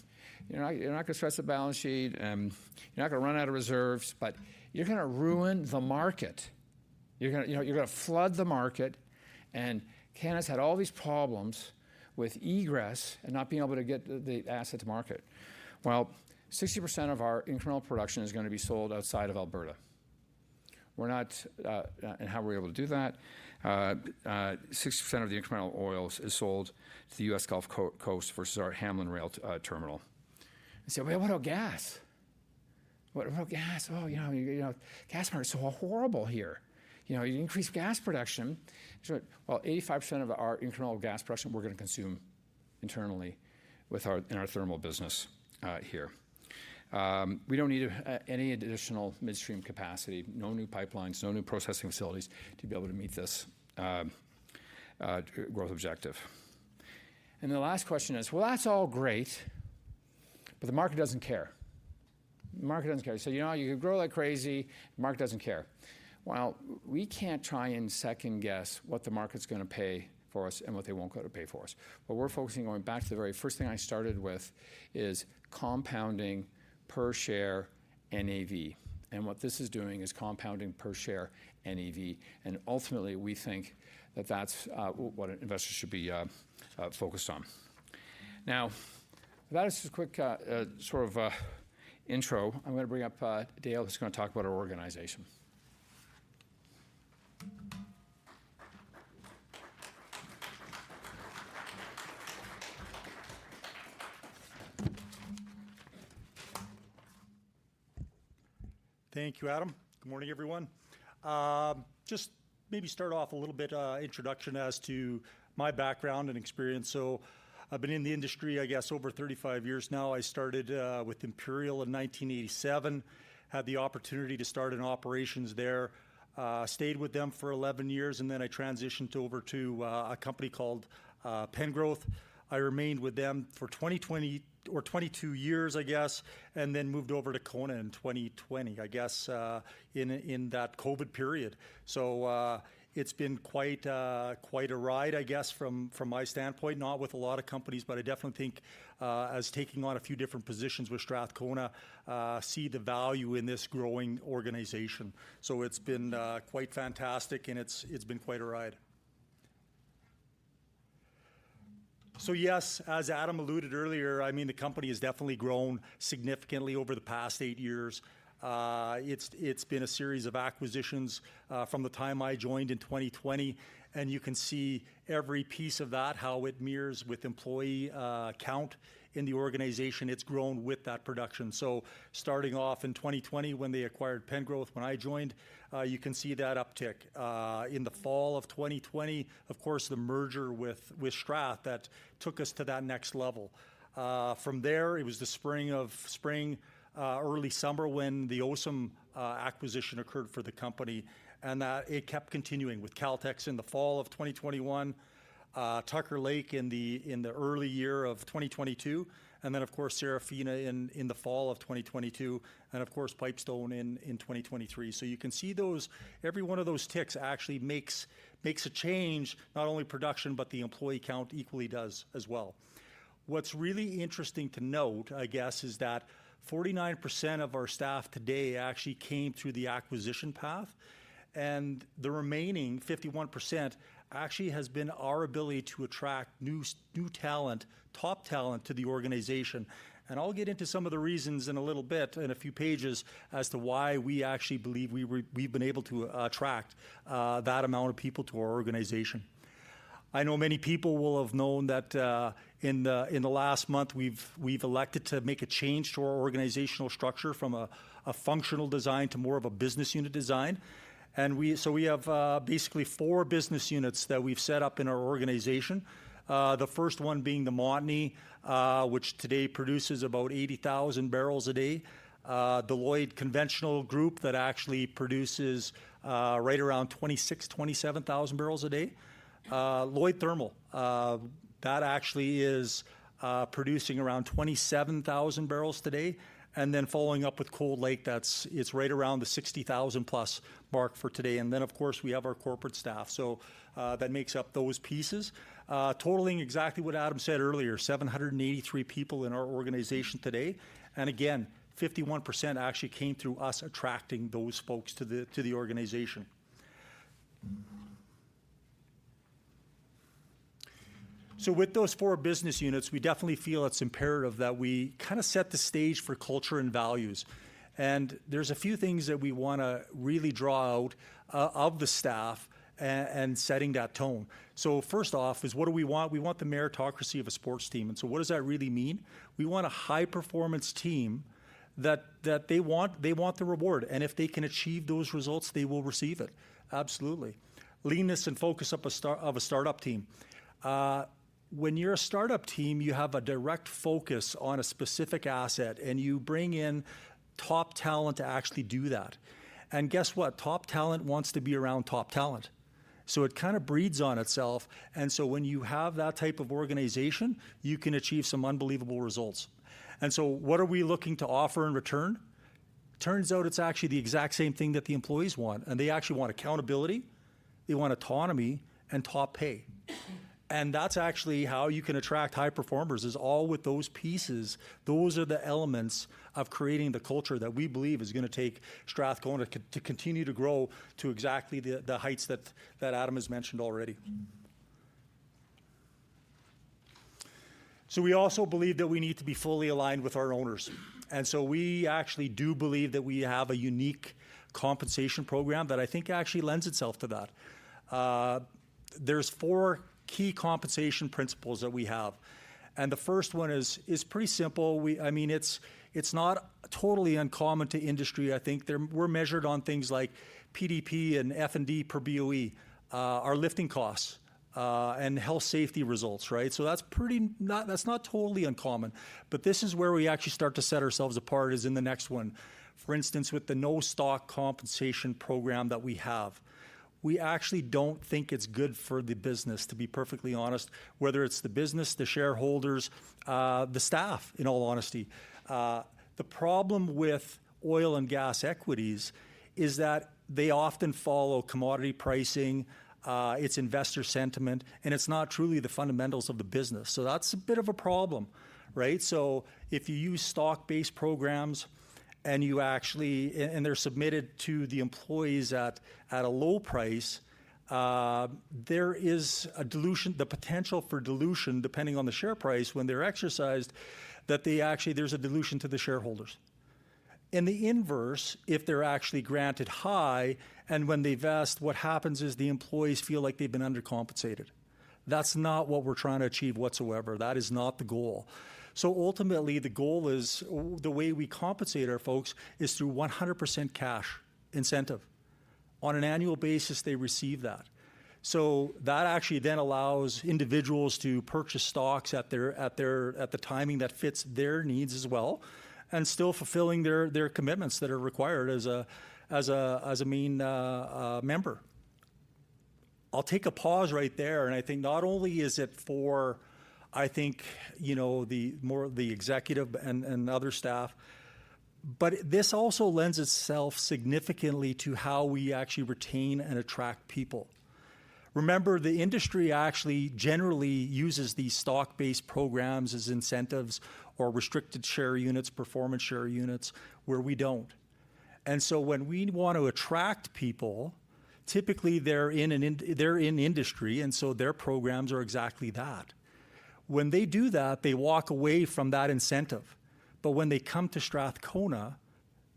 you're not going to stress the balance sheet and you're not going to run out of reserves, but you're going to ruin the market. You're going to flood the market. Cenovus had all these problems with egress and not being able to get the asset to market. Well, 60% of our incremental production is going to be sold outside of Alberta. We're not, and how are we able to do that? 60% of the incremental oil is sold to the U.S. Gulf Coast versus our Hamlin rail terminal. And say, well, what about gas? What about gas? Oh, you know, gas market is so horrible here. You increase gas production, well, 85% of our incremental gas production we're going to consume internally in our thermal business here. We don't need any additional midstream capacity, no new pipelines, no new processing facilities to be able to meet this growth objective. And the last question is, well, that's all great, but the market doesn't care. The market doesn't care. You say, you know, you can grow like crazy, the market doesn't care. Well, we can't try and second guess what the market's going to pay for us and what they won't go to pay for us. What we're focusing on going back to the very first thing I started with is compounding per share NAV. And what this is doing is compounding per share NAV. And ultimately, we think that that's what investors should be focused on. Now, that is just a quick sort of intro. I'm going to bring up Dale, who's going to talk about our organization. Thank you, Adam. Good morning, everyone. Just maybe start off a little bit introduction as to my background and experience. So I've been in the industry, I guess, over 35 years now. I started with Imperial in 1987, had the opportunity to start in operations there, stayed with them for 11 years, and then I transitioned over to a company called Pengrowth. I remained with them for 20 or 22 years, I guess, and then moved over to Cona in 2020, I guess, in that COVID period. So it's been quite a ride, I guess, from my standpoint, not with a lot of companies, but I definitely think, as taking on a few different positions with Strathcona, see the value in this growing organization. So it's been quite fantastic and it's been quite a ride. So yes, as Adam alluded earlier, I mean, the company has definitely grown significantly over the past eight years. It's been a series of acquisitions from the time I joined in 2020. And you can see every piece of that, how it mirrors with employee count in the organization. It's grown with that production. So starting off in 2020, when they acquired Pengrowth, when I joined, you can see that uptick. In the fall of 2020, of course, the merger with Strathcona that took us to that next level. From there, it was the spring of early summer when the Osum acquisition occurred for the company. And it kept continuing with Caltex in the fall of 2021, Tucker Lake in the early year of 2022, and then, of course, Serafina in the fall of 2022, and of course, Pipestone in 2023. So you can see those, every one of those ticks actually makes a change, not only production, but the employee count equally does as well. What's really interesting to note, I guess, is that 49% of our staff today actually came through the acquisition path, and the remaining 51% actually has been our ability to attract new talent, top talent to the organization, and I'll get into some of the reasons in a little bit, in a few pages, as to why we actually believe we've been able to attract that amount of people to our organization. I know many people will have known that in the last month, we've elected to make a change to our organizational structure from a functional design to more of a business unit design, and so we have basically four business units that we've set up in our organization. The first one being the Montney, which today produces about 80,000 barrels a day. Lloydminster Conventional Group that actually produces right around 26,000-27,000 barrels a day. Lloyd Thermal, that actually is producing around 27,000 barrels today, and then following up with Cold Lake, that's right around the 60,000 plus mark for today, and then, of course, we have our corporate staff, so that makes up those pieces, totaling exactly what Adam said earlier, 783 people in our organization today. And again, 51% actually came through us attracting those folks to the organization. So with those four business units, we definitely feel it's imperative that we kind of set the stage for culture and values. And there's a few things that we want to really draw out of the staff and setting that tone. So first off is what do we want? We want the meritocracy of a sports team, and so what does that really mean? We want a high-performance team that they want the reward. And if they can achieve those results, they will receive it. Absolutely. Leanness and focus of a startup team. When you're a startup team, you have a direct focus on a specific asset, and you bring in top talent to actually do that. And guess what? Top talent wants to be around top talent. So it kind of breeds on itself. And so when you have that type of organization, you can achieve some unbelievable results. And so what are we looking to offer in return? Turns out it's actually the exact same thing that the employees want. And they actually want accountability. They want autonomy and top pay. And that's actually how you can attract high performers, is all with those pieces. Those are the elements of creating the culture that we believe is going to take Strathcona to continue to grow to exactly the heights that Adam has mentioned already, so we also believe that we need to be fully aligned with our owners, and so we actually do believe that we have a unique compensation program that I think actually lends itself to that. There's four key compensation principles that we have, and the first one is pretty simple. I mean, it's not totally uncommon to industry. I think we're measured on things like PDP and F&D per BOE, our lifting costs, and health safety results, right? So that's not totally uncommon, but this is where we actually start to set ourselves apart is in the next one. For instance, with the no-stock compensation program that we have, we actually don't think it's good for the business, to be perfectly honest, whether it's the business, the shareholders, the staff, in all honesty. The problem with oil and gas equities is that they often follow commodity pricing, it's investor sentiment, and it's not truly the fundamentals of the business. So that's a bit of a problem, right? So if you use stock-based programs and they're submitted to the employees at a low price, there is a dilution, the potential for dilution, depending on the share price when they're exercised, that they actually, there's a dilution to the shareholders. In the inverse, if they're actually granted high, and when they vest, what happens is the employees feel like they've been undercompensated. That's not what we're trying to achieve whatsoever. That is not the goal. So ultimately, the goal is the way we compensate our folks is through 100% cash incentive. On an annual basis, they receive that. So that actually then allows individuals to purchase stocks at the timing that fits their needs as well, and still fulfilling their commitments that are required as a main member. I'll take a pause right there. And I think not only is it for, I think, the executive and other staff, but this also lends itself significantly to how we actually retain and attract people. Remember, the industry actually generally uses these stock-based programs as incentives or restricted share units, performance share units, where we don't. And so when we want to attract people, typically they're in industry, and so their programs are exactly that. When they do that, they walk away from that incentive. But when they come to Strathcona,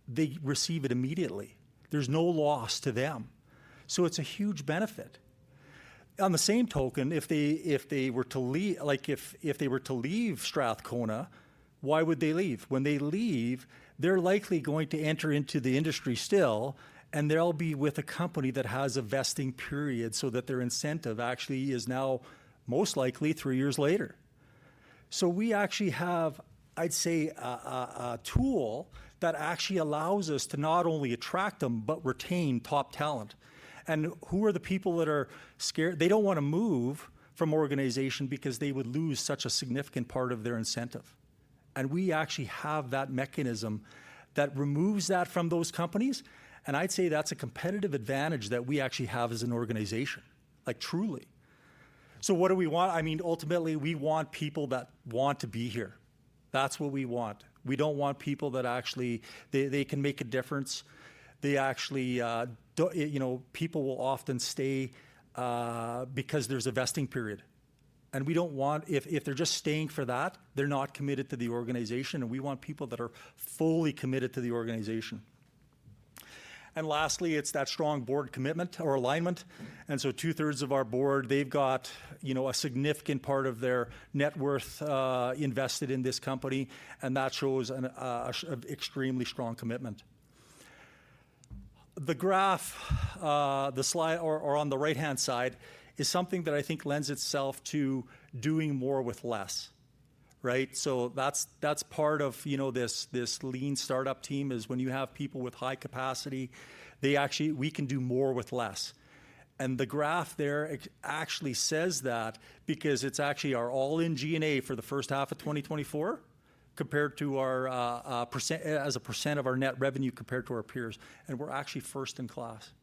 they receive it immediately. There's no loss to them. So it's a huge benefit. On the same token, if they were to leave, like if they were to leave Strathcona, why would they leave? When they leave, they're likely going to enter into the industry still, and they'll be with a company that has a vesting period so that their incentive actually is now most likely three years later. So we actually have, I'd say, a tool that actually allows us to not only attract them, but retain top talent. And who are the people that are scared? They don't want to move from organization because they would lose such a significant part of their incentive. And we actually have that mechanism that removes that from those companies. And I'd say that's a competitive advantage that we actually have as an organization, like truly. So what do we want? I mean, ultimately, we want people that want to be here. That's what we want. We don't want people that actually, they can make a difference. They actually, people will often stay because there's a vesting period, and we don't want, if they're just staying for that, they're not committed to the organization, and we want people that are fully committed to the organization, and lastly, it's that strong board commitment or alignment, and so two-thirds of our board, they've got a significant part of their net worth invested in this company, and that shows an extremely strong commitment. The graph, the slide or on the right-hand side is something that I think lends itself to doing more with less, right, so that's part of this lean startup team is when you have people with high capacity, they actually, we can do more with less. And the graph there actually says that because it's actually our all-in G&A for the first half of 2024 compared to our G&A as a percent of our net revenue compared to our peers. And we're actually first in class.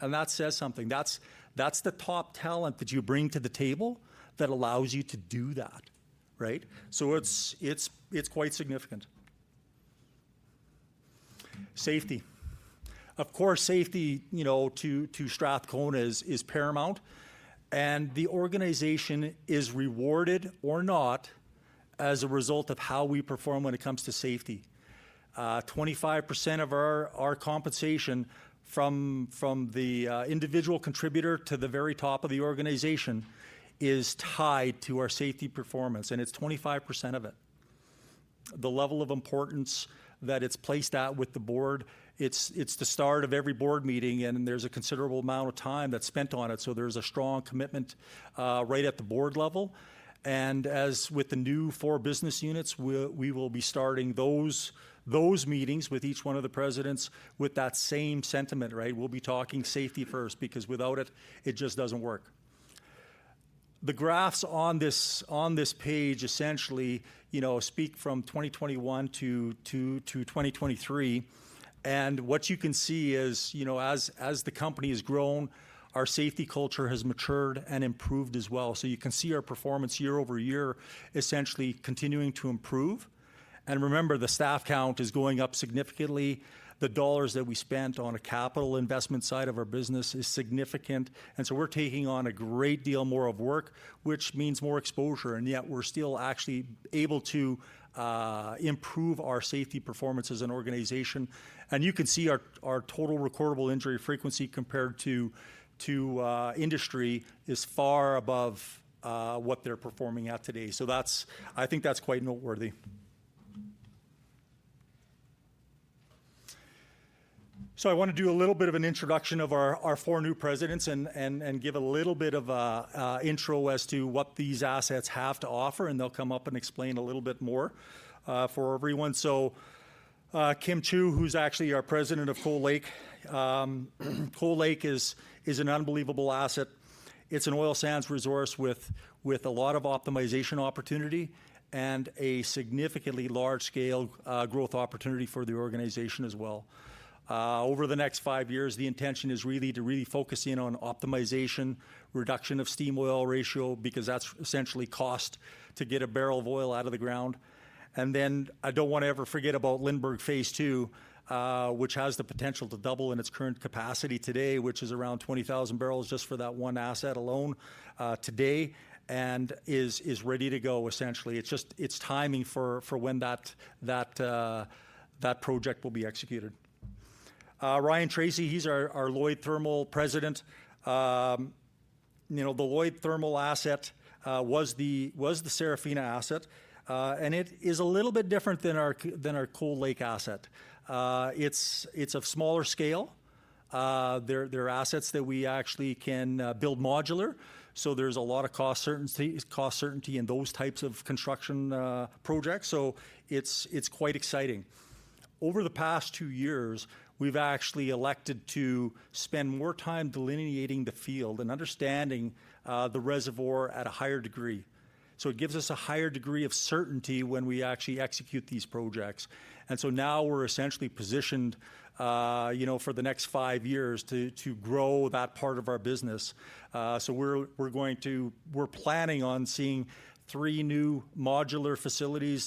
And that says something. That's the top talent that you bring to the table that allows you to do that, right? So it's quite significant. Safety. Of course, safety to Strathcona is paramount. And the organization is rewarded or not as a result of how we perform when it comes to safety. 25% of our compensation from the individual contributor to the very top of the organization is tied to our safety performance. And it's 25% of it. The level of importance that it's placed at with the board, it's the start of every board meeting, and there's a considerable amount of time that's spent on it. So there's a strong commitment right at the board level. And as with the new four business units, we will be starting those meetings with each one of the presidents with that same sentiment, right? We'll be talking safety first because without it, it just doesn't work. The graphs on this page essentially speak from 2021 to 2023. And what you can see is as the company has grown, our safety culture has matured and improved as well. So you can see our performance year over year essentially continuing to improve. And remember, the staff count is going up significantly. The dollars that we spent on a capital investment side of our business is significant. And so we're taking on a great deal more of work, which means more exposure. And yet we're still actually able to improve our safety performance as an organization. You can see our total recordable injury frequency compared to industry is far above what they're performing at today. So I think that's quite noteworthy. I want to do a little bit of an introduction of our four new presidents and give a little bit of an intro as to what these assets have to offer. And they'll come up and explain a little bit more for everyone. So Kim Chiu, who's actually our President of Cold Lake, Cold Lake is an unbelievable asset. It's an oil sands resource with a lot of optimization opportunity and a significantly large-scale growth opportunity for the organization as well. Over the next five years, the intention is really to focus in on optimization, reduction of steam oil ratio because that's essentially cost to get a barrel of oil out of the ground. I don't want to ever forget about Lindbergh Phase Two, which has the potential to double in its current capacity today, which is around 20,000 barrels just for that one asset alone today and is ready to go essentially. It's timing for when that project will be executed. Ryan Tracey, he's our Lloyd Thermal President. The Lloyd Thermal asset was the Serafina asset. And it is a little bit different than our Cold Lake asset. It's of smaller scale. They're assets that we actually can build modular. So there's a lot of cost certainty in those types of construction projects. So it's quite exciting. Over the past two years, we've actually elected to spend more time delineating the field and understanding the reservoir at a higher degree. So it gives us a higher degree of certainty when we actually execute these projects. And so now we're essentially positioned for the next five years to grow that part of our business. So we're planning on seeing three new modular facilities,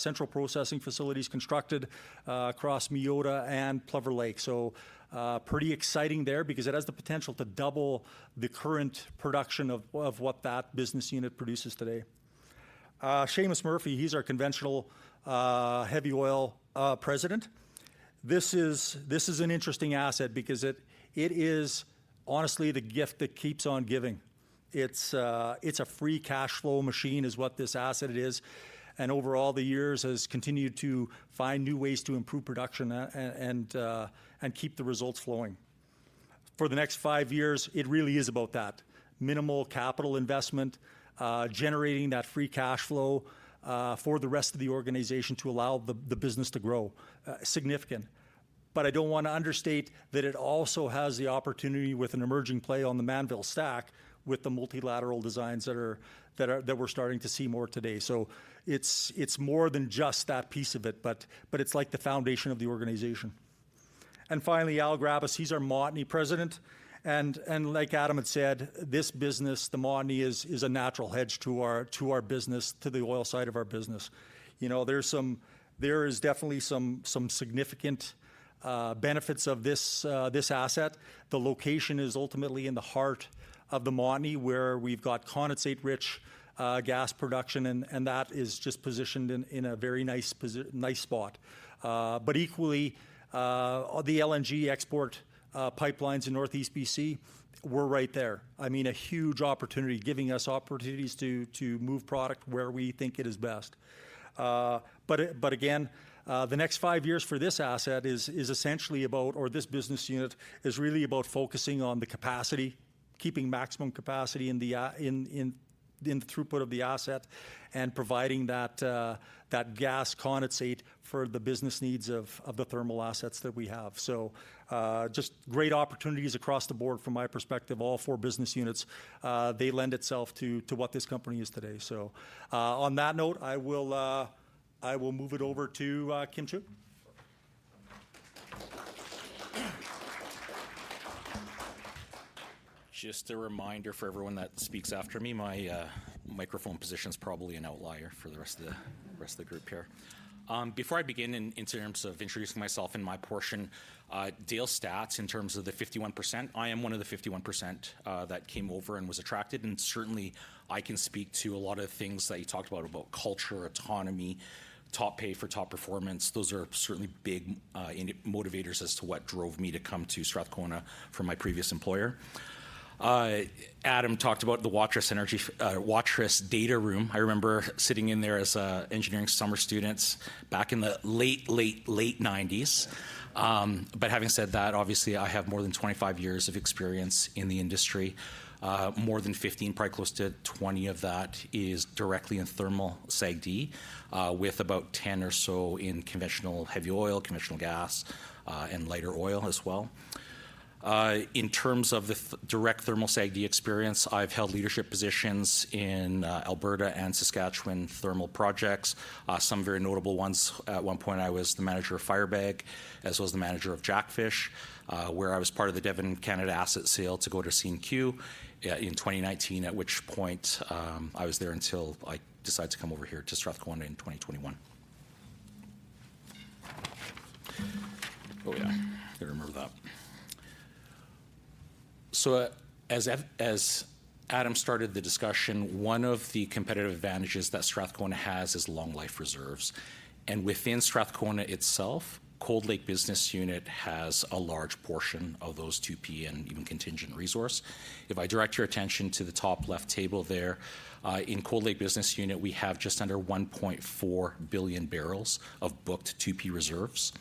central processing facilities constructed across Meota and Plover Lake. So pretty exciting there because it has the potential to double the current production of what that business unit produces today. Seamus Murphy, he's our conventional heavy oil President. This is an interesting asset because it is honestly the gift that keeps on giving. It's a free cash flow machine is what this asset is. And over all the years, has continued to find new ways to improve production and keep the results flowing. For the next five years, it really is about that. Minimal capital investment, generating that free cash flow for the rest of the organization to allow the business to grow significant. But I don't want to understate that it also has the opportunity with an emerging play on the Mannville stack with the multilateral designs that we're starting to see more today. So it's more than just that piece of it, but it's like the foundation of the organization. And finally, Al Grabas, he's our Montney President. And like Adam had said, this business, the Montney, is a natural hedge to our business, to the oil side of our business. There is definitely some significant benefits of this asset. The location is ultimately in the heart of the Montney, where we've got condensate-rich gas production, and that is just positioned in a very nice spot. But equally, the LNG export pipelines in Northeast BC were right there. I mean, a huge opportunity giving us opportunities to move product where we think it is best. But again, the next five years for this asset is essentially about, or this business unit is really about focusing on the capacity, keeping maximum capacity in the throughput of the asset and providing that gas condensate for the business needs of the thermal assets that we have. So just great opportunities across the board from my perspective, all four business units. They lend itself to what this company is today. So on that note, I will move it over to Kim Chiu. Just a reminder for everyone that speaks after me, my microphone position is probably an outlier for the rest of the group here. Before I begin in terms of introducing myself and my portion, Dale's stats in terms of the 51%, I am one of the 51% that came over and was attracted. And certainly, I can speak to a lot of things that you talked about, about culture, autonomy, top pay for top performance. Those are certainly big motivators as to what drove me to come to Strathcona from my previous employer. Adam talked about the Waterous data room. I remember sitting in there as an engineering summer student back in the late, late, late 1990s. But having said that, obviously, I have more than 25 years of experience in the industry. More than 15, probably close to 20 of that is directly in thermal SAGD with about 10 or so in conventional heavy oil, conventional gas, and lighter oil as well. In terms of the direct thermal SAGD experience, I've held leadership positions in Alberta and Saskatchewan thermal projects. Some very notable ones. At one point, I was the manager of Firebag, as well as the manager of Jackfish, where I was part of the Devon Canada asset sale to CNQ in 2019, at which point I was there until I decided to come over here to Strathcona in 2021. Oh, yeah, I remember that. So as Adam started the discussion, one of the competitive advantages that Strathcona has is long life reserves. Within Strathcona itself, Cold Lake business unit has a large portion of those 2P and even contingent resource. If I direct your attention to the top left table there, in Cold Lake business unit, we have just under 1.4 billion barrels of booked 2P reserves.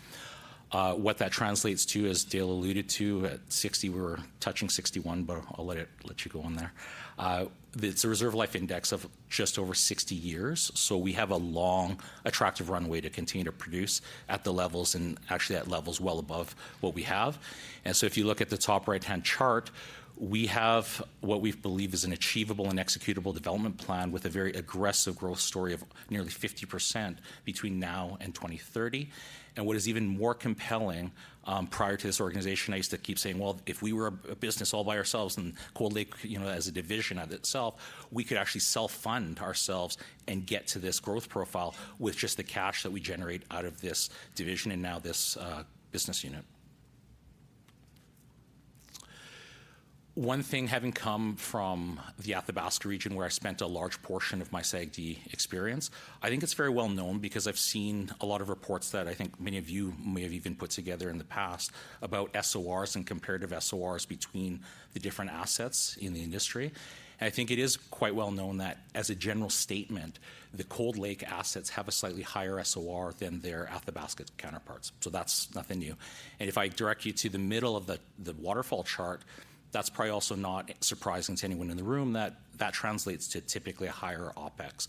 What that translates to, as Dale alluded to, at 60, we're touching 61, but I'll let you go on there. It's a reserve life index of just over 60 years. So we have a long attractive runway to continue to produce at the levels, and actually at levels well above what we have. And so if you look at the top right-hand chart, we have what we believe is an achievable and executable development plan with a very aggressive growth story of nearly 50% between now and 2030. And what is even more compelling prior to this organization, I used to keep saying, well, if we were a business all by ourselves and Cold Lake as a division of itself, we could actually self-fund ourselves and get to this growth profile with just the cash that we generate out of this division and now this business unit. One thing, having come from the Athabasca region where I spent a large portion of my SAGD experience, I think it's very well known because I've seen a lot of reports that I think many of you may have even put together in the past about SORs and comparative SORs between the different assets in the industry. I think it is quite well known that as a general statement, the Cold Lake assets have a slightly higher SOR than their Athabasca counterparts. So that's nothing new. And if I direct you to the middle of the waterfall chart, that's probably also not surprising to anyone in the room that that translates to typically a higher OPEX.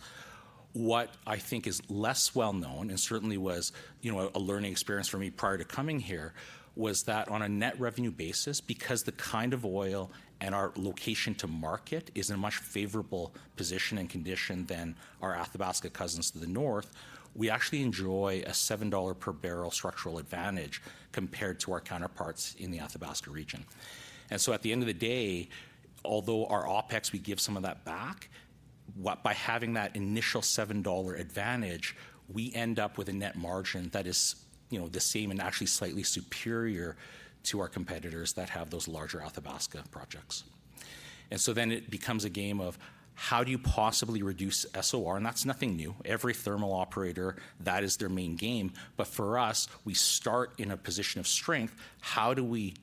What I think is less well known and certainly was a learning experience for me prior to coming here was that on a net revenue basis, because the kind of oil and our location to market is in a much favorable position and condition than our Athabasca cousins to the north, we actually enjoy a $7 per barrel structural advantage compared to our counterparts in the Athabasca region. And so at the end of the day, although our OpEx, we give some of that back, by having that initial $7 advantage, we end up with a net margin that is the same and actually slightly superior to our competitors that have those larger Athabasca projects. And so then it becomes a game of how do you possibly reduce SOR? And that's nothing new. Every thermal operator, that is their main game. But for us, we start in a position of strength. How do we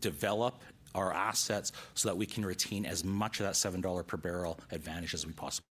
develop our assets so that we can retain as much of that $7 per barrel advantage as we possibly can?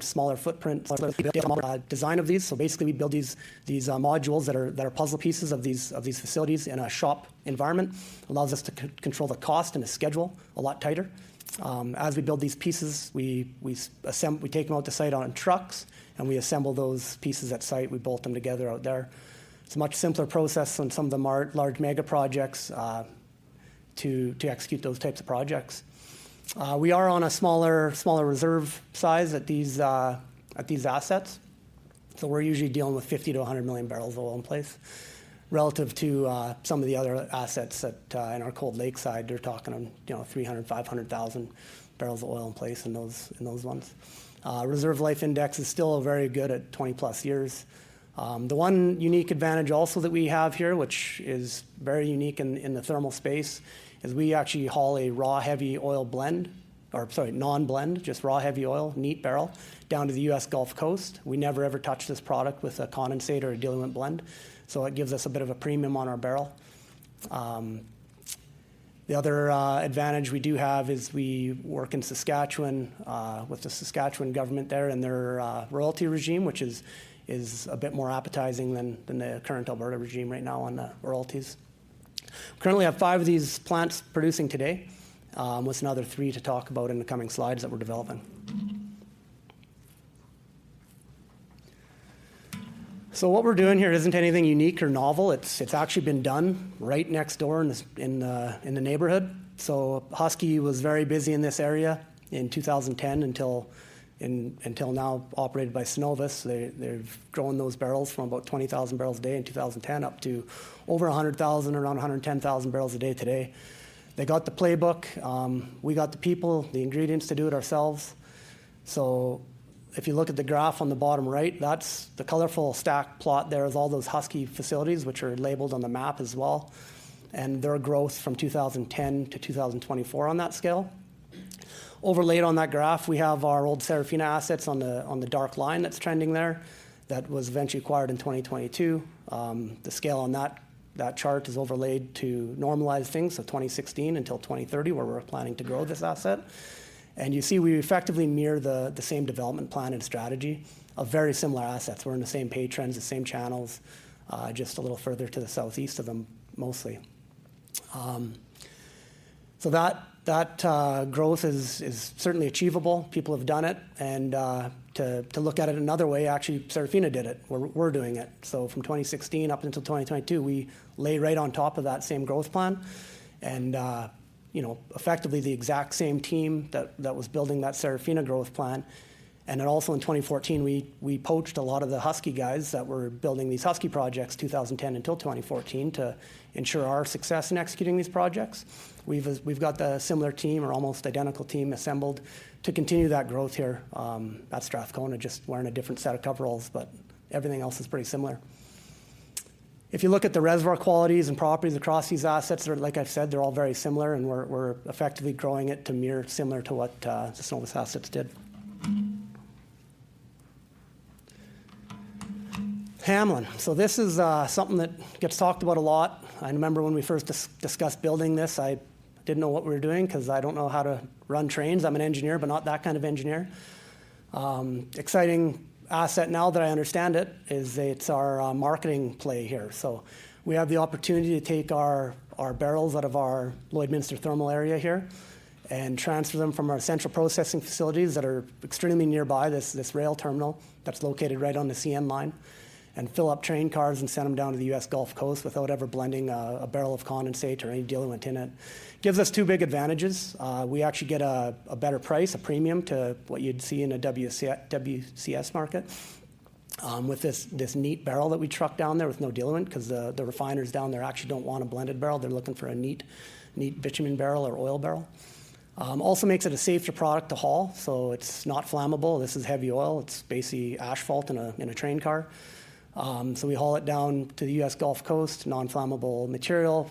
Smaller footprint. Design of these. So basically, we build these modules that are puzzle pieces of these facilities in a shop environment. It allows us to control the cost and the schedule a lot tighter. As we build these pieces, we take them out to site on trucks, and we assemble those pieces at site. We bolt them together out there. It's a much simpler process on some of the large mega projects to execute those types of projects. We are on a smaller reserve size at these assets. We're usually dealing with 50 to 100 million barrels of oil in place relative to some of the other assets that, in our Cold Lake side, they're talking on 300,000, 500,000 barrels of oil in place in those months. Reserve life index is still very good at 20 plus years. The one unique advantage also that we have here, which is very unique in the thermal space, is we actually haul a raw heavy oil blend, or sorry, non-blend, just raw heavy oil, neat barrel down to the U.S. Gulf Coast. We never, ever touch this product with a condensate or a diluent blend. It gives us a bit of a premium on our barrel. The other advantage we do have is we work in Saskatchewan with the Saskatchewan government there and their royalty regime, which is a bit more appetizing than the current Alberta regime right now on the royalties. Currently, we have five of these plants producing today, with another three to talk about in the coming slides that we're developing. So what we're doing here isn't anything unique or novel. It's actually been done right next door in the neighborhood. So Husky was very busy in this area in 2010 until now, operated by Cenovus. They've grown those barrels from about 20,000 barrels a day in 2010 up to over 100,000, around 110,000 barrels a day today. They got the playbook. We got the people, the ingredients to do it ourselves. So if you look at the graph on the bottom right, that's the colorful stack plot that is all those Husky facilities, which are labeled on the map as well. And their growth from 2010 to 2024 on that scale. Overlaid on that graph, we have our old Serafina assets on the dark line that's trending there that was eventually acquired in 2022. The scale on that chart is overlaid to normalize things of 2016 until 2030, where we're planning to grow this asset. And you see we effectively mirror the same development plan and strategy of very similar assets. We're in the same patterns, the same channels, just a little further to the southeast of them mostly. So that growth is certainly achievable. People have done it. And to look at it another way, actually, Serafina did it. We're doing it. So from 2016 up until 2022, we lay right on top of that same growth plan. And effectively, the exact same team that was building that Serafina growth plan. And then also in 2014, we poached a lot of the Husky guys that were building these Husky projects 2010 until 2014 to ensure our success in executing these projects. We've got the similar team or almost identical team assembled to continue that growth here at Strathcona, just wearing a different set of coveralls, but everything else is pretty similar. If you look at the reservoir qualities and properties across these assets, like I've said, they're all very similar. And we're effectively growing it to mirror similar to what the Cenovus assets did. Hamlin. So this is something that gets talked about a lot. I remember when we first discussed building this. I didn't know what we were doing because I don't know how to run trains. I'm an engineer, but not that kind of engineer. Exciting asset. Now that I understand it, it's our marketing play here. So we have the opportunity to take our barrels out of our Lloydminster thermal area here and transfer them from our central processing facilities that are extremely nearby, this rail terminal that's located right on the CN line, and fill up train cars and send them down to the US Gulf Coast without ever blending a barrel of condensate or any diluent in it. Gives us two big advantages. We actually get a better price, a premium to what you'd see in a WCS market with this neat barrel that we truck down there with no diluent because the refiners down there actually don't want a blended barrel. They're looking for a neat bitumen barrel or oil barrel. Also makes it a safer product to haul. So it's not flammable. This is heavy oil. It's basically asphalt in a train car. So we haul it down to the US Gulf Coast, non-flammable material.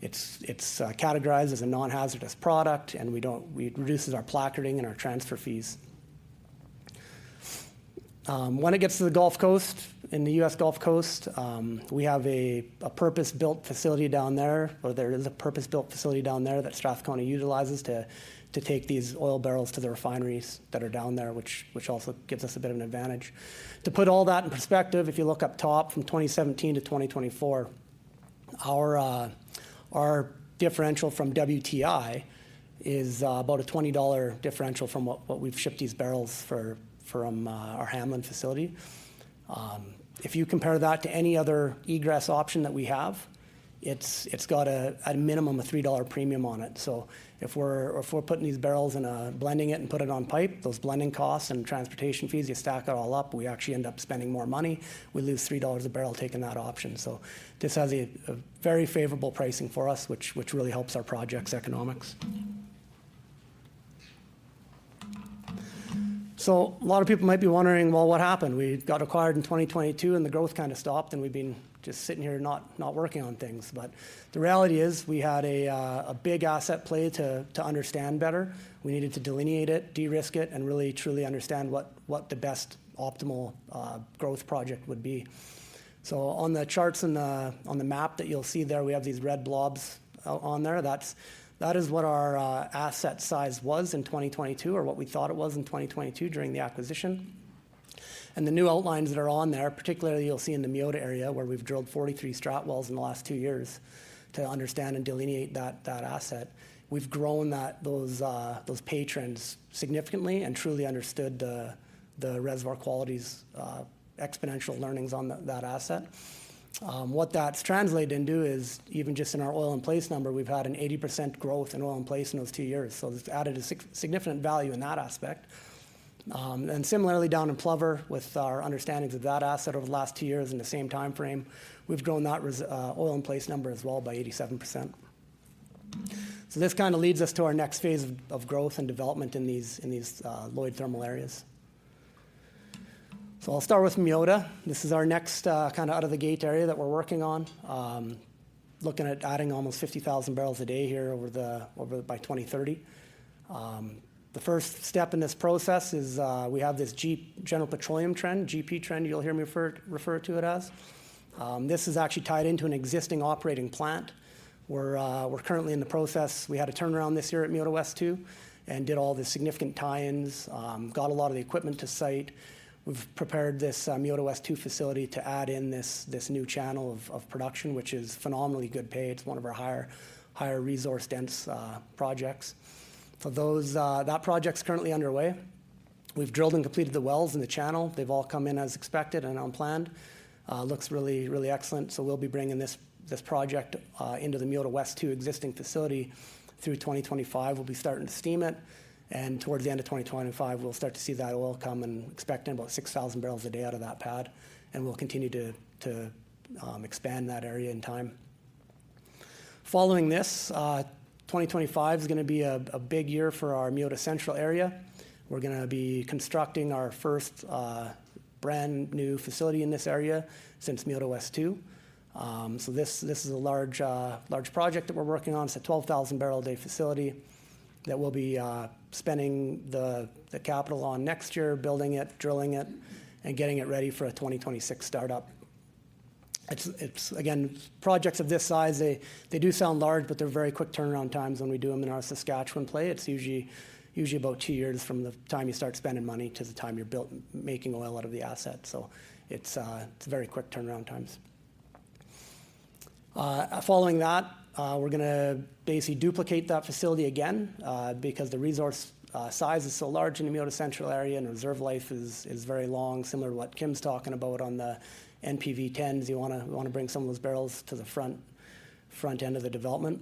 It's categorized as a non-hazardous product, and it reduces our placarding and our transfer fees. When it gets to the Gulf Coast, in the US Gulf Coast, we have a purpose-built facility down there, or there is a purpose-built facility down there that Strathcona utilizes to take these oil barrels to the refineries that are down there, which also gives us a bit of an advantage. To put all that in perspective, if you look up top from 2017 to 2024, our differential from WTI is about a $20 differential from what we've shipped these barrels from our Hamlin facility. If you compare that to any other egress option that we have, it's got at a minimum a $3 premium on it. So if we're putting these barrels and blending it and putting it on pipe, those blending costs and transportation fees, you stack it all up, we actually end up spending more money. We lose $3 a barrel taking that option. So this has a very favorable pricing for us, which really helps our project's economics. So a lot of people might be wondering, well, what happened? We got acquired in 2022, and the growth kind of stopped, and we've been just sitting here not working on things. But the reality is we had a big asset play to understand better. We needed to delineate it, de-risk it, and really truly understand what the best optimal growth project would be. So on the charts and on the map that you'll see there, we have these red blobs on there. That is what our asset size was in 2022 or what we thought it was in 2022 during the acquisition. And the new outlines that are on there, particularly you'll see in the Meota area where we've drilled 43 strat wells in the last two years to understand and delineate that asset. We've grown those patterns significantly and truly understood the reservoir qualities, exponential learnings on that asset. What that's translated into is even just in our oil in place number, we've had an 80% growth in oil in place in those two years. It has added a significant value in that aspect. And similarly, down in Plover, with our understandings of that asset over the last two years in the same time frame, we've grown that oil in place number as well by 87%. This kind of leads us to our next phase of growth and development in these Lloyd thermal areas. I'll start with Meota. This is our next kind of out of the gate area that we're working on, looking at adding almost 50,000 barrels a day here by 2030. The first step in this process is we have this General Petroleum trend, GP trend, you'll hear me refer to it as. This is actually tied into an existing operating plant. We're currently in the process. We had a turnaround this year at Meota West 2 and did all the significant tie-ins, got a lot of the equipment to site. We've prepared this Meota West 2 facility to add in this new channel of production, which is phenomenally good pay. It's one of our higher resource dense projects. So that project's currently underway. We've drilled and completed the wells and the channel. They've all come in as expected and unplanned. Looks really excellent. So we'll be bringing this project into the Meota West 2 existing facility through 2025. We'll be starting to steam it. And towards the end of 2025, we'll start to see that oil come, and expect in about 6,000 barrels a day out of that pad. And we'll continue to expand that area in time. Following this, 2025 is going to be a big year for our Meota Central area. We're going to be constructing our first brand new facility in this area since Meota West 2. So this is a large project that we're working on. It's a 12,000 barrel a day facility that we'll be spending the capital on next year, building it, drilling it, and getting it ready for a 2026 startup. Again, projects of this size, they do sound large, but they're very quick turnaround times when we do them in our Saskatchewan play. It's usually about two years from the time you start spending money to the time you're making oil out of the asset. So it's very quick turnaround times. Following that, we're going to basically duplicate that facility again because the resource size is so large in the Meota Central area and reserve life is very long, similar to what Kim's talking about on the PV10s. We want to bring some of those barrels to the front end of the development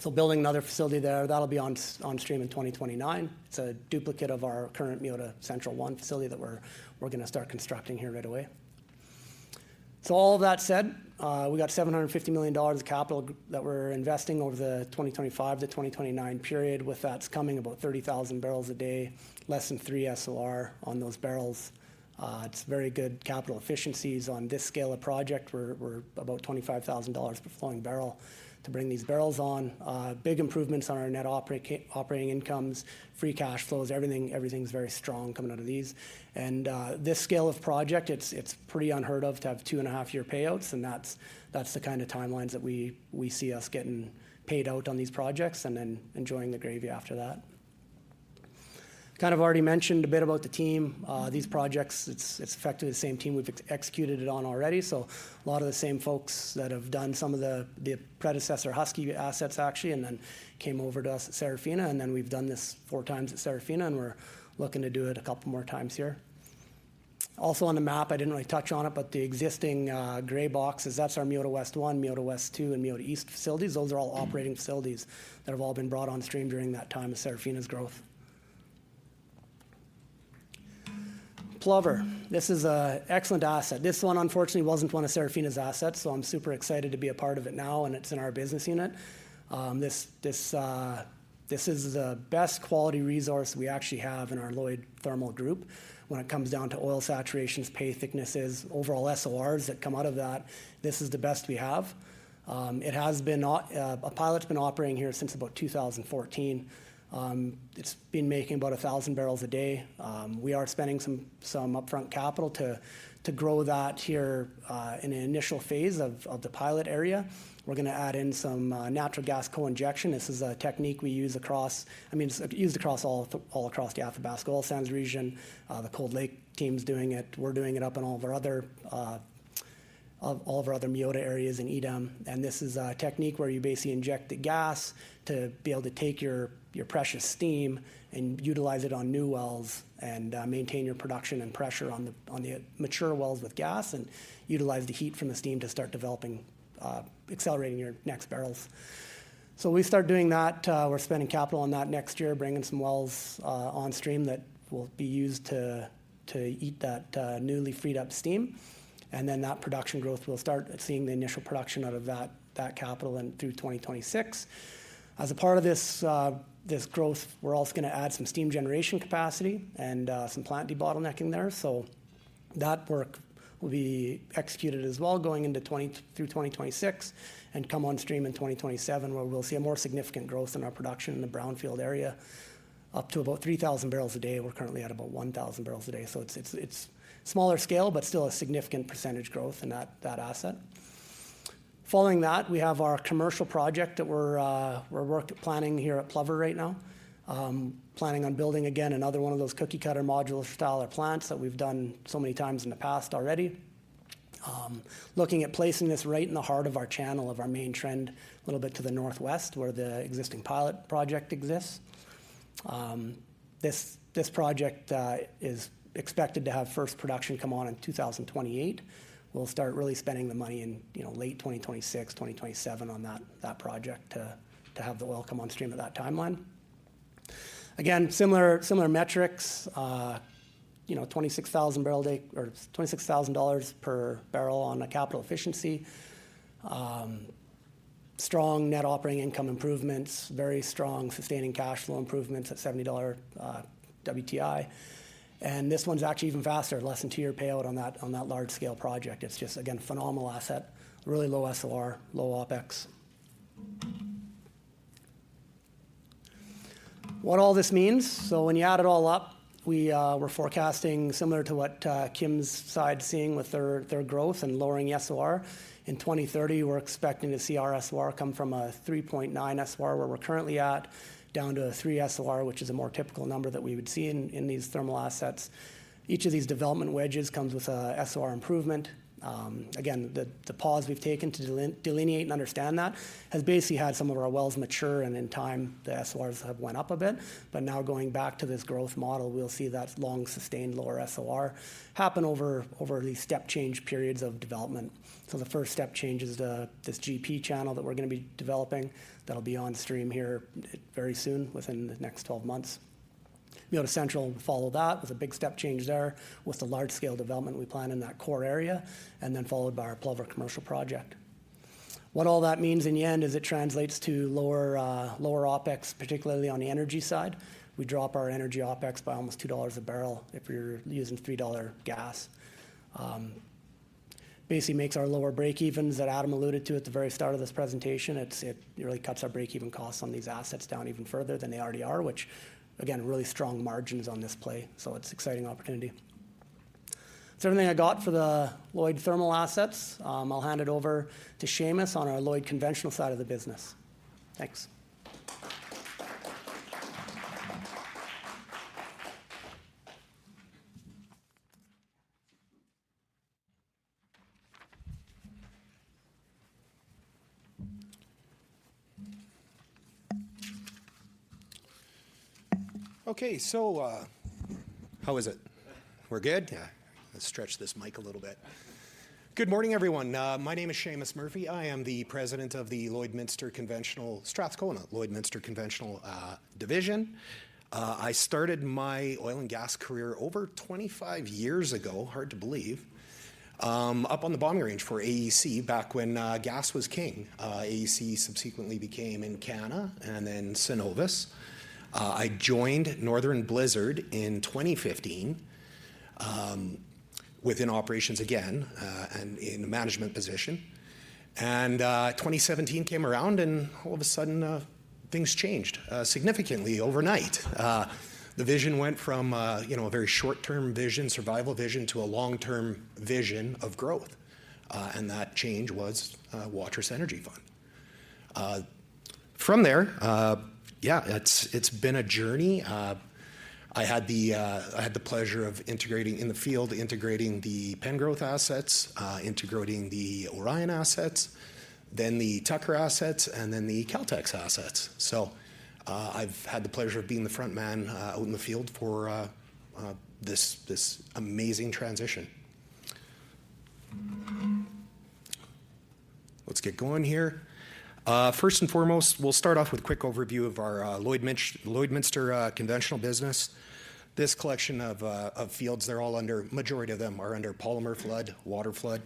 so building another facility there, that'll be on stream in 2029. It's a duplicate of our current Meota Central 1 facility that we're going to start constructing here right away. So all of that said, we got 750 million dollars of capital that we're investing over the 2025 to 2029 period with, that's coming about 30,000 barrels a day, less than 3 SOR on those barrels. It's very good capital efficiencies on this scale of project. We're about 25,000 dollars per flowing barrel to bring these barrels on. Big improvements on our net operating incomes, free cash flows, everything's very strong coming out of these and this scale of project, it's pretty unheard of to have two and a half year payouts. And that's the kind of timelines that we see us getting paid out on these projects and then enjoying the gravy after that. Kind of already mentioned a bit about the team. These projects, it's effectively the same team we've executed it on already. So a lot of the same folks that have done some of the predecessor Husky assets actually and then came over to us at Serafina. And then we've done this four times at Serafina, and we're looking to do it a couple more times here. Also on the map, I didn't really touch on it, but the existing gray boxes, that's our Meota West 1, Meota West 2, and Meota East facilities. Those are all operating facilities that have all been brought on stream during that time of Serafina's growth. Plover. This is an excellent asset. This one, unfortunately, wasn't one of Serafina's assets. I'm super excited to be a part of it now, and it's in our business unit. This is the best quality resource we actually have in our Lloyd Thermal group. When it comes down to oil saturations, pay thicknesses, overall SORs that come out of that, this is the best we have. A pilot's been operating here since about 2014. It's been making about 1,000 barrels a day. We are spending some upfront capital to grow that here in an initial phase of the pilot area. We're going to add in some natural gas co-injection. This is a technique we use across, I mean, used across the Athabasca Oil Sands region. The Cold Lake team's doing it. We're doing it up in all of our other Meota areas in Edam. And this is a technique where you basically inject the gas to be able to take your precious steam and utilize it on new wells and maintain your production and pressure on the mature wells with gas and utilize the heat from the steam to start developing, accelerating your next barrels. So we start doing that. We're spending capital on that next year, bringing some wells on stream that will be used to eat that newly freed up steam. And then that production growth, we'll start seeing the initial production out of that capital through 2026. As a part of this growth, we're also going to add some steam generation capacity and some plant debottlenecking there. So that work will be executed as well going into 2026 and come on stream in 2027, where we'll see a more significant growth in our production in the brownfield area. Up to about 3,000 barrels a day, we're currently at about 1,000 barrels a day. So it's smaller scale, but still a significant percentage growth in that asset. Following that, we have our commercial project that we're planning here at Plover right now. Planning on building again another one of those cookie cutter modular style of plants that we've done so many times in the past already. Looking at placing this right in the heart of our channel of our main trend a little bit to the northwest where the existing pilot project exists. This project is expected to have first production come on in 2028. We'll start really spending the money in late 2026, 2027 on that project to have the oil come on stream at that timeline. Again, similar metrics, $26,000 per barrel on a capital efficiency. Strong net operating income improvements, very strong sustaining cash flow improvements at $70 WTI, and this one's actually even faster, less than two-year payout on that large scale project. It's just, again, a phenomenal asset, really low SOR, low OPEX. What all this means, so when you add it all up, we're forecasting similar to what Kim's side is seeing with their growth and lowering SOR. In 2030, we're expecting to see our SOR come from a 3.9 SOR where we're currently at down to a 3 SOR, which is a more typical number that we would see in these thermal assets. Each of these development wedges comes with an SOR improvement. Again, the pause we've taken to delineate and understand that has basically had some of our wells mature and in time the SORs have went up a bit. But now going back to this growth model, we'll see that long sustained lower SOR happen over these step change periods of development. So the first step change is this GP channel that we're going to be developing that'll be on stream here very soon within the next 12 months. Meota Central will follow that. There's a big step change there with the large scale development we plan in that core area and then followed by our Plover commercial project. What all that means in the end is it translates to lower OPEX, particularly on the energy side. We drop our energy OPEX by almost $2 a barrel if you're using $3 gas. Basically makes our lower breakevens that Adam alluded to at the very start of this presentation. It really cuts our breakeven costs on these assets down even further than they already are, which, again, really strong margins on this play. So it's an exciting opportunity. That's everything I got for the Lloyd thermal assets. I'll hand it over to Seamus on our Lloyd conventional side of the business. Thanks. Okay, so how is it? We're good? Yeah. Let's stretch this mic a little bit. Good morning, everyone. My name is Seamus Murphy. I am the President of the Lloydminster Conventional Strathcona Lloydminster Conventional Division. I started my oil and gas career over 25 years ago, hard to believe, up on the bombing range for AEC back when gas was king. AEC subsequently became Encana and then Ovintiv. I joined Northern Blizzard in 2015 within operations again and in a management position. 2017 came around and all of a sudden things changed significantly overnight. The vision went from a very short-term vision, survival vision to a long-term vision of growth. And that change was Waterous Energy Fund. From there, yeah, it's been a journey. I had the pleasure of integrating in the field, integrating the Pengrowth assets, integrating the Orion assets, then the Tucker assets, and then the Cold Lake assets. So I've had the pleasure of being the front man out in the field for this amazing transition. Let's get going here. First and foremost, we'll start off with a quick overview of our Lloydminster conventional business. This collection of fields, they're all under, majority of them are under polymer flood, water flood.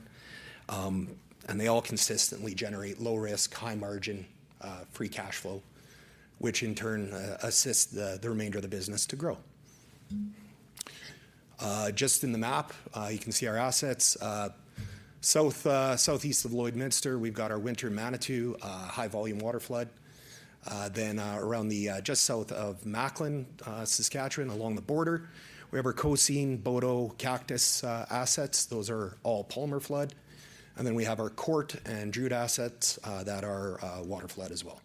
And they all consistently generate low risk, high margin, free cash flow, which in turn assists the remainder of the business to grow. Just on the map, you can see our assets. Southeast of Lloydminster, we've got our Winter Manitou, high volume water flood. Then around just south of Macklin, Saskatchewan, along the border, we have our Cosine, Bodo, Cactus assets. Those are all polymer flood, and then we have our Court and Druid assets that are water flood as well.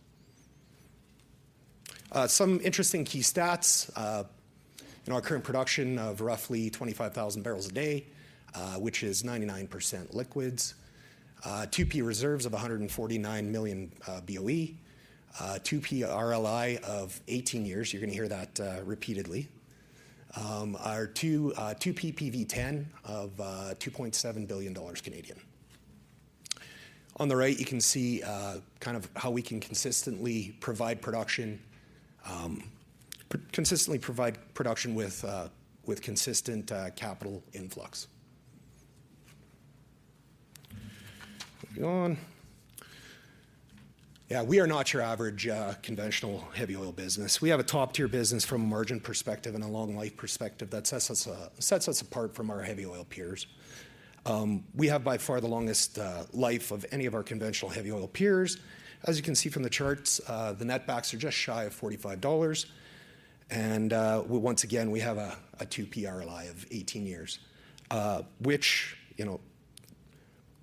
Some interesting key stats in our current production of roughly 25,000 barrels a day, which is 99% liquids. 2P reserves of 149 million BOE. 2P RLI of 18 years. You're going to hear that repeatedly. Our 2P PV10 of 2.7 billion Canadian dollars. On the right, you can see kind of how we can consistently provide production with consistent capital influx. Moving on. Yeah, we are not your average conventional heavy oil business. We have a top tier business from a margin perspective and a long life perspective that sets us apart from our heavy oil peers. We have by far the longest life of any of our conventional heavy oil peers. As you can see from the charts, the netbacks are just shy of $45. And once again, we have a 2P RLI of 18 years,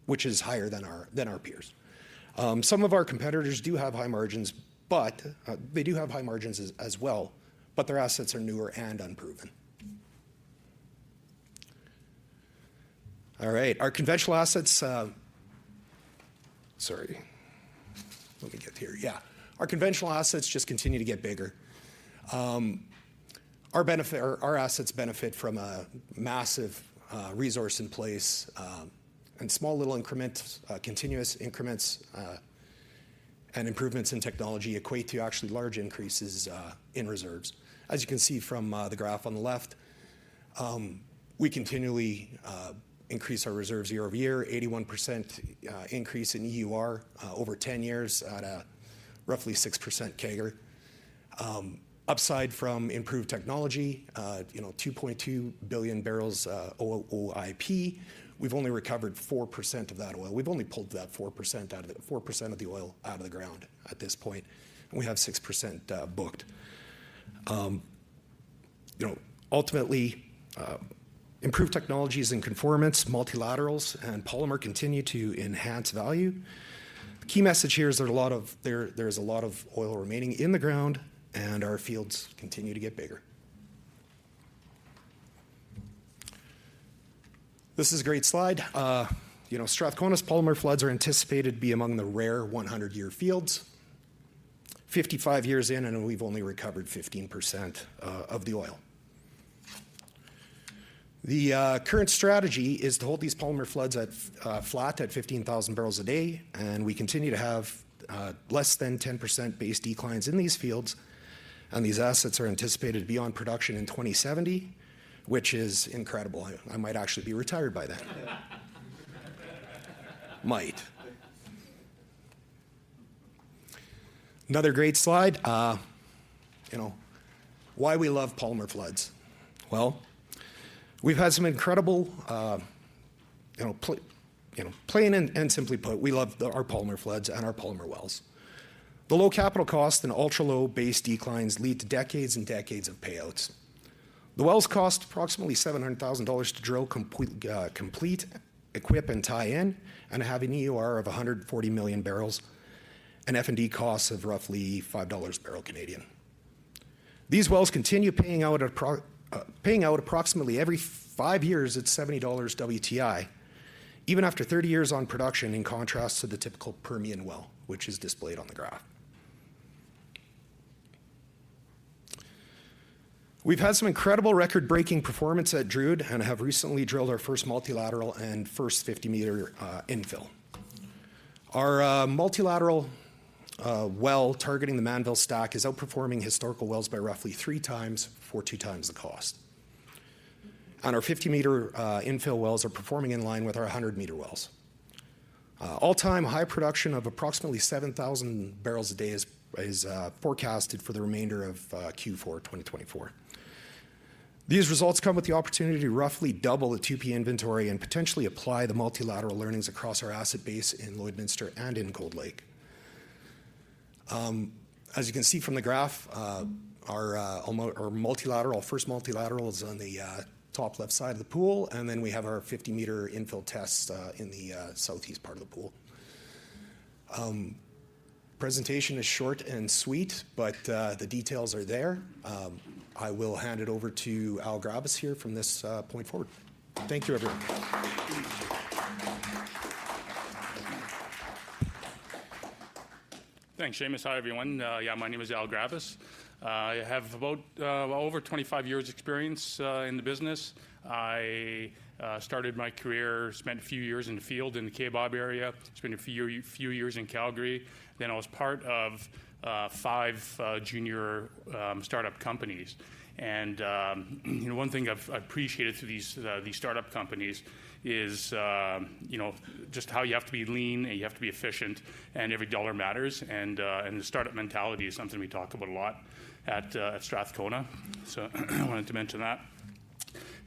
which is higher than our peers. Some of our competitors do have high margins, but they do have high margins as well, but their assets are newer and unproven. All right. Our conventional assets, sorry, let me get here. Yeah. Our conventional assets just continue to get bigger. Our assets benefit from a massive resource in place. And small little increments, continuous increments and improvements in technology equate to actually large increases in reserves. As you can see from the graph on the left, we continually increase our reserves year over year, 81% increase in EUR over 10 years at a roughly 6% CAGR. Upside from improved technology, 2.2 billion barrels OIP. We've only recovered 4% of that oil. We've only pulled that 4% of the oil out of the ground at this point, and we have 6% booked. Ultimately, improved technologies and conformance, multilaterals and polymer continue to enhance value. The key message here is there's a lot of oil remaining in the ground and our fields continue to get bigger. This is a great slide. Strathcona's polymer floods are anticipated to be among the rare 100-year fields. 55 years in and we've only recovered 15% of the oil. The current strategy is to hold these polymer floods flat at 15,000 barrels a day, and we continue to have less than 10% base declines in these fields, and these assets are anticipated to be on production in 2070, which is incredible. I might actually be retired by then. Might. Another great slide. Why we love polymer floods. Well, we've had some incredible, plain and simply put, we love our polymer floods and our polymer wells. The low capital cost and ultra-low base declines lead to decades and decades of payouts. The wells cost approximately 700,000 dollars to drill, complete, equip, and tie in, and have an EUR of 140 million barrels. And F&D costs of roughly 5 dollars a barrel Canadian. These wells continue paying out approximately every five years at $70 WTI, even after 30 years on production in contrast to the typical Permian well, which is displayed on the graph. We've had some incredible record-breaking performance at Druid and have recently drilled our first multilateral and first 50-meter infill. Our multilateral well targeting the Mannville stack is outperforming historical wells by roughly three times for two times the cost. Our 50-meter infill wells are performing in line with our 100-meter wells. All-time high production of approximately 7,000 barrels a day is forecasted for the remainder of Q4 2024. These results come with the opportunity to roughly double the 2P inventory and potentially apply the multilateral learnings across our asset base in Lloydminster and in Cold Lake. As you can see from the graph, our first multilateral is on the top left side of the pool. Then we have our 50-meter infill tests in the southeast part of the pool. Presentation is short and sweet, but the details are there. I will hand it over to Al Grabas here from this point forward. Thank you, everyone. Thanks, Seamus. Hi, everyone. Yeah, my name is Al Grabas. I have about over 25 years' experience in the business. I started my career, spent a few years in the field in the Kaybob area, spent a few years in Calgary. Then I was part of five junior startup companies, and one thing I've appreciated through these startup companies is just how you have to be lean and you have to be efficient and every dollar matters, and the startup mentality is something we talk about a lot at Strathcona, so I wanted to mention that,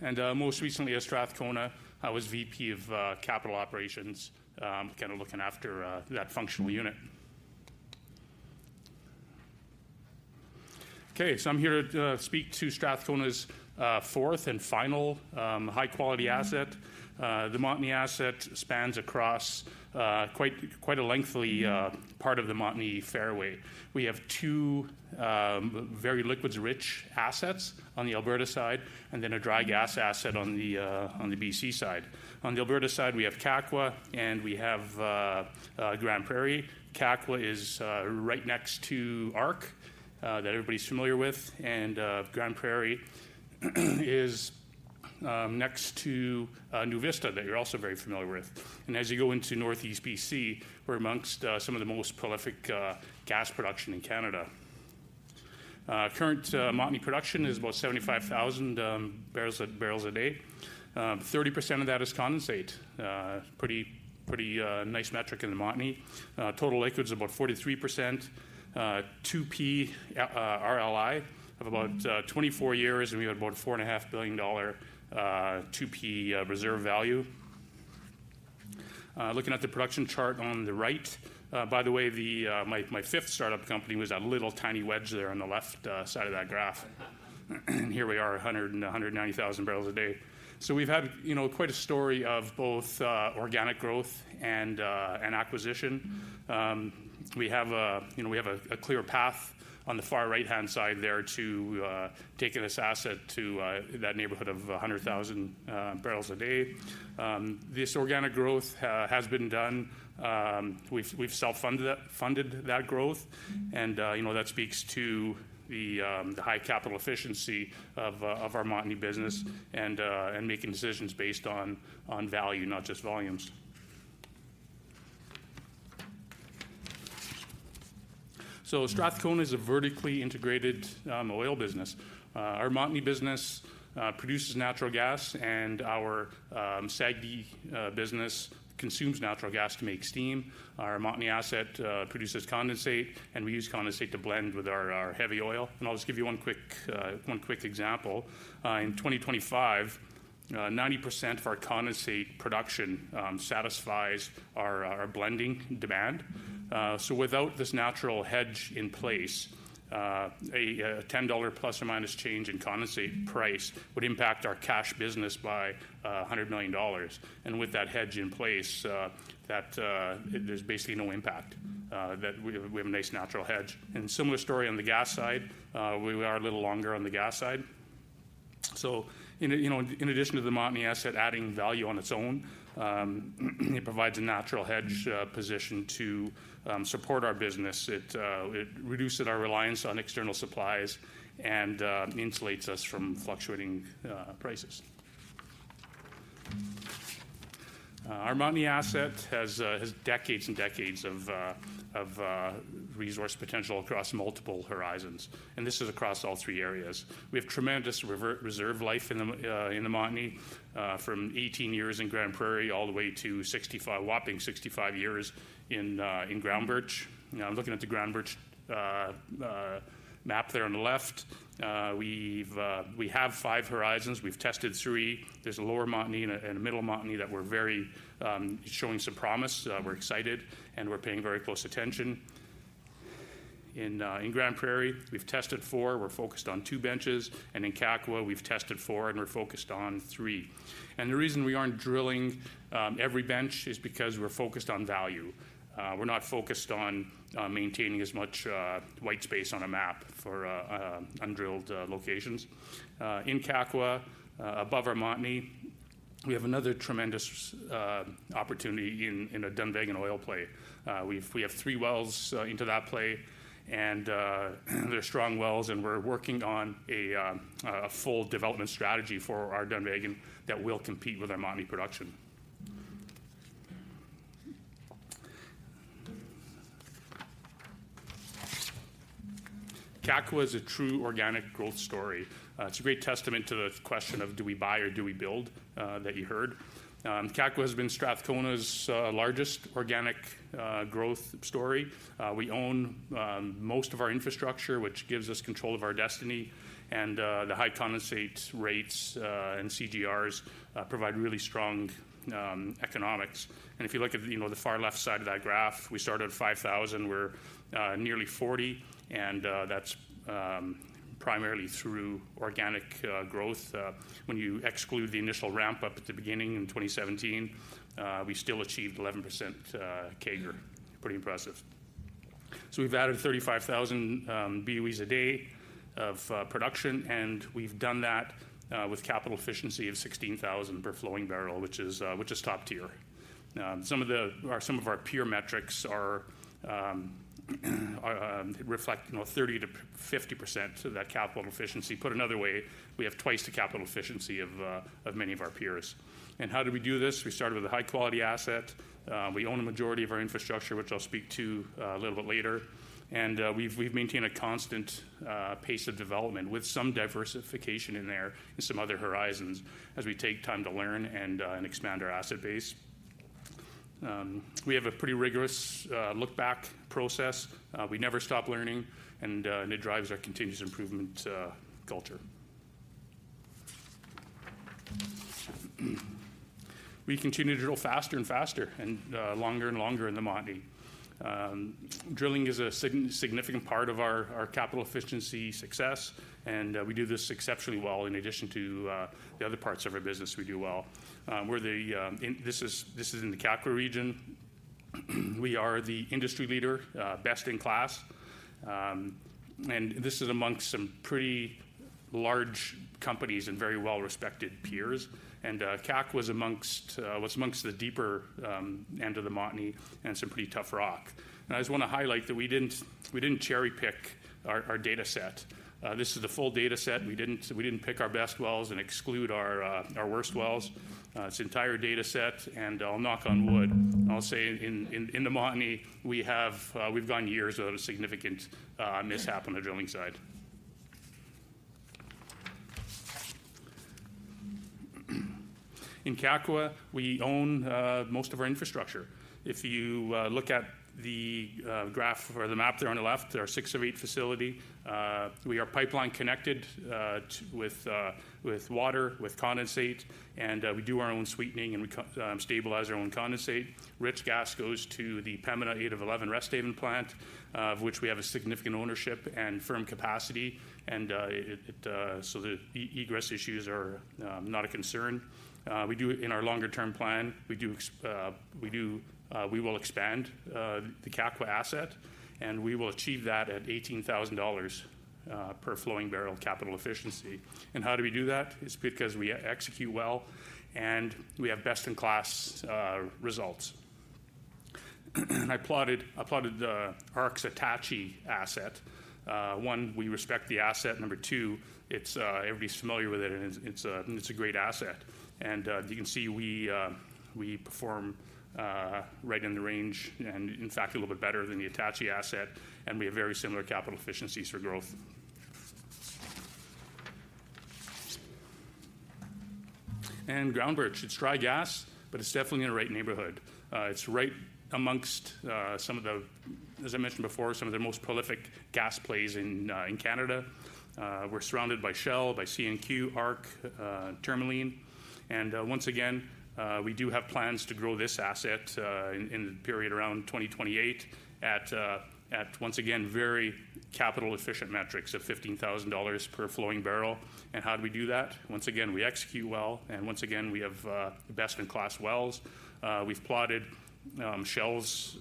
and most recently at Strathcona, I was VP of Capital Operations, kind of looking after that functional unit. Okay, so I'm here to speak to Strathcona's fourth and final high-quality asset. The Montney asset spans across quite a lengthy part of the Montney fairway. We have two very liquids-rich assets on the Alberta side and then a dry gas asset on the BC side. On the Alberta side, we have Kakwa and we have Grande Prairie. Kakwa is right next to ARC that everybody's familiar with, and Grande Prairie is next to NuVista that you're also very familiar with, and as you go into northeast BC, we're amongst some of the most prolific gas production in Canada. Current Montney production is about 75,000 barrels a day. 30% of that is condensate. Pretty nice metric in the Montney. Total liquids about 43%. 2P RLI of about 24 years and we have about 4.5 billion dollar 2P reserve value. Looking at the production chart on the right, by the way, my fifth startup company was that little tiny wedge there on the left side of that graph, and here we are, 190,000 barrels a day, so we've had quite a story of both organic growth and acquisition. We have a clear path on the far right-hand side there to take this asset to that neighborhood of 100,000 barrels a day. This organic growth has been done. We've self-funded that growth, and that speaks to the high capital efficiency of our Montney business and making decisions based on value, not just volumes, so Strathcona is a vertically integrated oil business. Our Montney business produces natural gas and our SAGD business consumes natural gas to make steam. Our Montney asset produces condensate and we use condensate to blend with our heavy oil, and I'll just give you one quick example. In 2025, 90% of our condensate production satisfies our blending demand, so without this natural hedge in place, a $10 plus or minus change in condensate price would impact our cash business by $100 million, and with that hedge in place, there's basically no impact. We have a nice natural hedge, and a similar story on the gas side. We are a little longer on the gas side, so in addition to the Montney asset adding value on its own, it provides a natural hedge position to support our business. It reduces our reliance on external supplies and insulates us from fluctuating prices. Our Montney asset has decades and decades of resource potential across multiple horizons, and this is across all three areas. We have tremendous reserve life in the Montney from 18 years in Grande Prairie all the way to a whopping 65 years in Groundbirch. I'm looking at the Groundbirch map there on the left. We have five horizons. We've tested three. There's a lower Montney and a middle Montney that we're very showing some promise. We're excited and we're paying very close attention. In Grande Prairie, we've tested four. We're focused on two benches. And in Kakwa, we've tested four and we're focused on three. And the reason we aren't drilling every bench is because we're focused on value. We're not focused on maintaining as much white space on a map for undrilled locations. In Kakwa, above our Montney, we have another tremendous opportunity in a Dunvegan oil play. We have three wells into that play. And they're strong wells. And we're working on a full development strategy for our Dunvegan that will compete with our Montney production. Kakwa is a true organic growth story. It's a great testament to the question of, do we buy or do we build that you heard. Kakwa has been Strathcona's largest organic growth story. We own most of our infrastructure, which gives us control of our destiny. And the high condensate rates and CGRs provide really strong economics. And if you look at the far left side of that graph, we started at 5,000. We're nearly 40. And that's primarily through organic growth. When you exclude the initial ramp up at the beginning in 2017, we still achieved 11% CAGR. Pretty impressive. So we've added 35,000 BOEs a day of production. And we've done that with capital efficiency of 16,000 per flowing barrel, which is top tier. Some of our peer metrics reflect 30%-50% of that capital efficiency. Put another way, we have twice the capital efficiency of many of our peers. And how did we do this? We started with a high-quality asset. We own a majority of our infrastructure, which I'll speak to a little bit later. And we've maintained a constant pace of development with some diversification in there and some other horizons as we take time to learn and expand our asset base. We have a pretty rigorous look-back process. We never stop learning. And it drives our continuous improvement culture. We continue to drill faster and faster and longer and longer in the Montney. Drilling is a significant part of our capital efficiency success. And we do this exceptionally well in addition to the other parts of our business we do well. This is in the Kakwa region. We are the industry leader, best in class. And this is amongst some pretty large companies and very well-respected peers. And Kakwa was amongst the deeper end of the Montney and some pretty tough rock. And I just want to highlight that we didn't cherry-pick our data set. This is the full data set. We didn't pick our best wells and exclude our worst wells. It's an entire data set, and I'll knock on wood. I'll say in the Montney, we've gone years without significant mishap on the drilling side. In Kakwa, we own most of our infrastructure. If you look at the graph or the map there on the left, there are six of eight facilities. We are pipeline connected with water, with condensate, and we do our own sweetening and we stabilize our own condensate. Rich gas goes to the Pembina 8-11 Resthaven plant, of which we have a significant ownership and firm capacity, and so the egress issues are not a concern. In our longer-term plan, we will expand the Kakwa asset, and we will achieve that at 18,000 dollars per flowing barrel capital efficiency, and how do we do that? It's because we execute well and we have best-in-class results. I applauded ARC's Attachie asset. One, we respect the asset. Number two, everybody's familiar with it. It's a great asset. And you can see we perform right in the range and in fact, a little bit better than the Attachie asset. And we have very similar capital efficiencies for growth. And Groundbirch, it's dry gas, but it's definitely in the right neighborhood. It's right amongst some of the, as I mentioned before, some of the most prolific gas plays in Canada. We're surrounded by Shell, by CNQ, ARC, Tourmaline. And once again, we do have plans to grow this asset in the period around 2028 at, once again, very capital-efficient metrics of 15,000 dollars per flowing barrel. And how do we do that? Once again, we execute well. And once again, we have best-in-class wells. We've applauded Shell's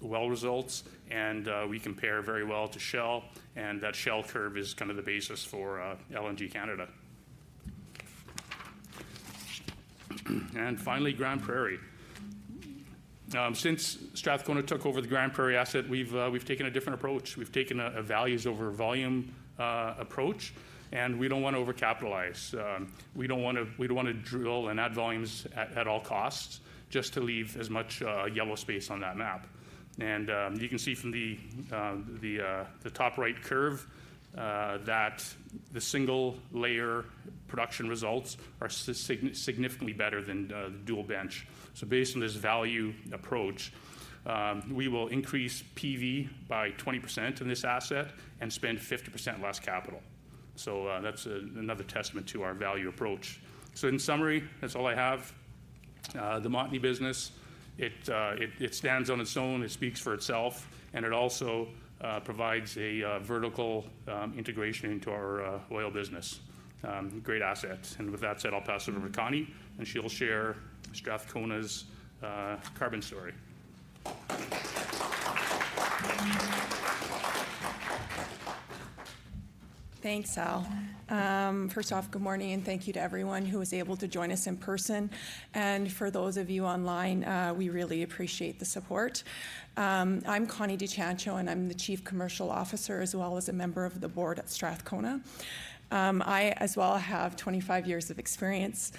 well results. We compare very well to Shell. That Shell curve is kind of the basis for LNG Canada. Finally, Grande Prairie. Since Strathcona took over the Grande Prairie asset, we've taken a different approach. We've taken a value over volume approach. We don't want to over-capitalize. We don't want to drill and add volumes at all costs just to leave as much yellow space on that map. You can see from the top right curve that the single-layer production results are significantly better than the dual bench. Based on this value approach, we will increase PV by 20% in this asset and spend 50% less capital. That's another testament to our value approach. In summary, that's all I have. The Montney business, it stands on its own. It speaks for itself. It also provides a vertical integration into our oil business. Great asset. And with that said, I'll pass it over to Connie. And she'll share Strathcona's carbon story. Thanks, Al. First off, good morning. And thank you to everyone who was able to join us in person. And for those of you online, we really appreciate the support. I'm Connie De Ciancio, and I'm the Chief Commercial Officer as well as a member of the board at Strathcona. I as well have 25 years of experience.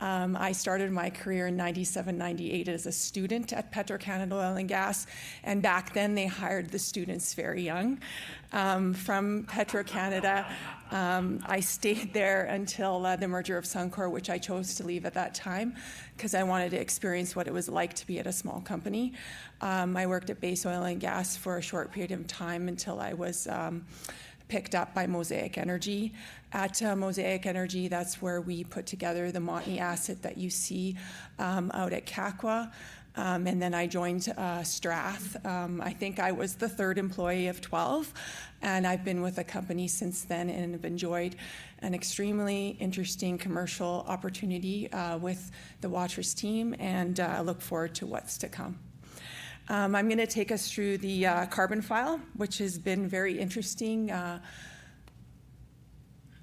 I started my career in 1997, 1998 as a student at Petro-Canada Oil and Gas. And back then, they hired the students very young. From Petro-Canada, I stayed there until the merger of Suncor, which I chose to leave at that time because I wanted to experience what it was like to be at a small company. I worked at Baytex Energy for a short period of time until I was picked up by Mosaic Energy. At Mosaic Energy, that's where we put together the Montney asset that you see out at Kakwa, and then I joined Strath. I think I was the third employee of 12, and I've been with the company since then and have enjoyed an extremely interesting commercial opportunity with the Waterous team. I look forward to what's to come. I'm going to take us through the carbon profile, which has been very interesting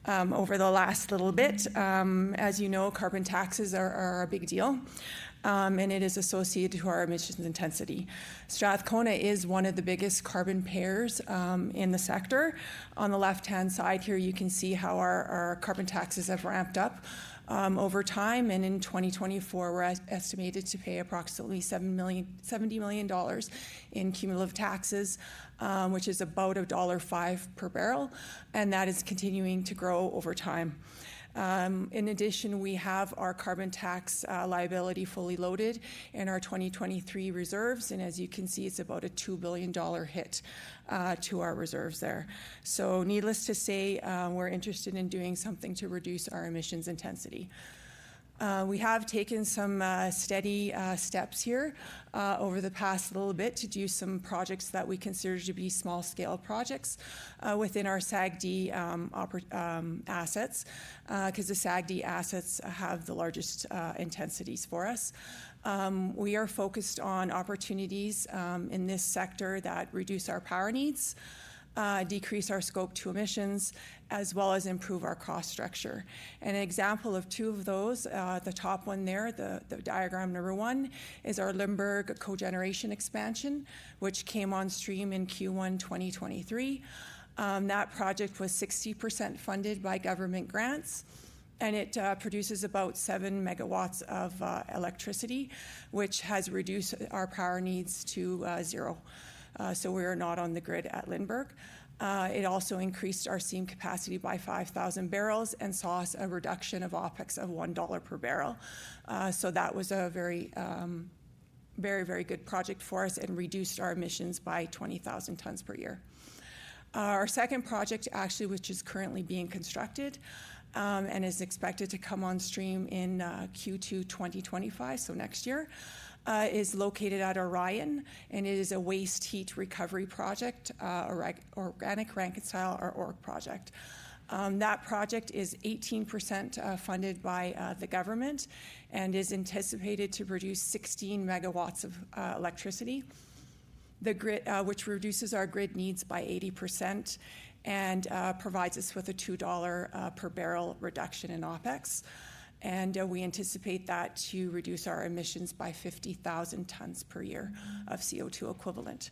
over the last little bit. As you know, carbon taxes are a big deal, and it is associated to our emissions intensity. Strathcona is one of the biggest carbon payers in the sector. On the left-hand side here, you can see how our carbon taxes have ramped up over time. In 2024, we're estimated to pay approximately 70 million dollars in cumulative taxes, which is about a dollar 1.05 per barrel. That is continuing to grow over time. In addition, we have our carbon tax liability fully loaded in our 2023 reserves. As you can see, it's about a 2 billion dollar hit to our reserves there. Needless to say, we're interested in doing something to reduce our emissions intensity. We have taken some steady steps here over the past little bit to do some projects that we consider to be small-scale projects within our SAGD assets because the SAGD assets have the largest intensities for us. We are focused on opportunities in this sector that reduce our power needs, decrease our Scope 2 emissions, as well as improve our cost structure. An example of two of those, the top one there, the diagram number one, is our Lindbergh cogeneration expansion, which came on stream in Q1 2023. That project was 60% funded by government grants. It produces about seven MW of electricity, which has reduced our power needs to zero. We are not on the grid at Lindbergh. It also increased our steam capacity by 5,000 barrels and saw a reduction of OPEX of 1 dollar per barrel. That was a very, very, very good project for us and reduced our emissions by 20,000 tons per year. Our second project, actually, which is currently being constructed and is expected to come on stream in Q2 2025, so next year, is located at Orion. It is a waste heat recovery project, Organic Rankine cycle or ORC project. That project is 18% funded by the government and is anticipated to produce 16 MW of electricity, which reduces our grid needs by 80% and provides us with a $2 per barrel reduction in OpEx. We anticipate that to reduce our emissions by 50,000 tons per year of CO2 equivalent.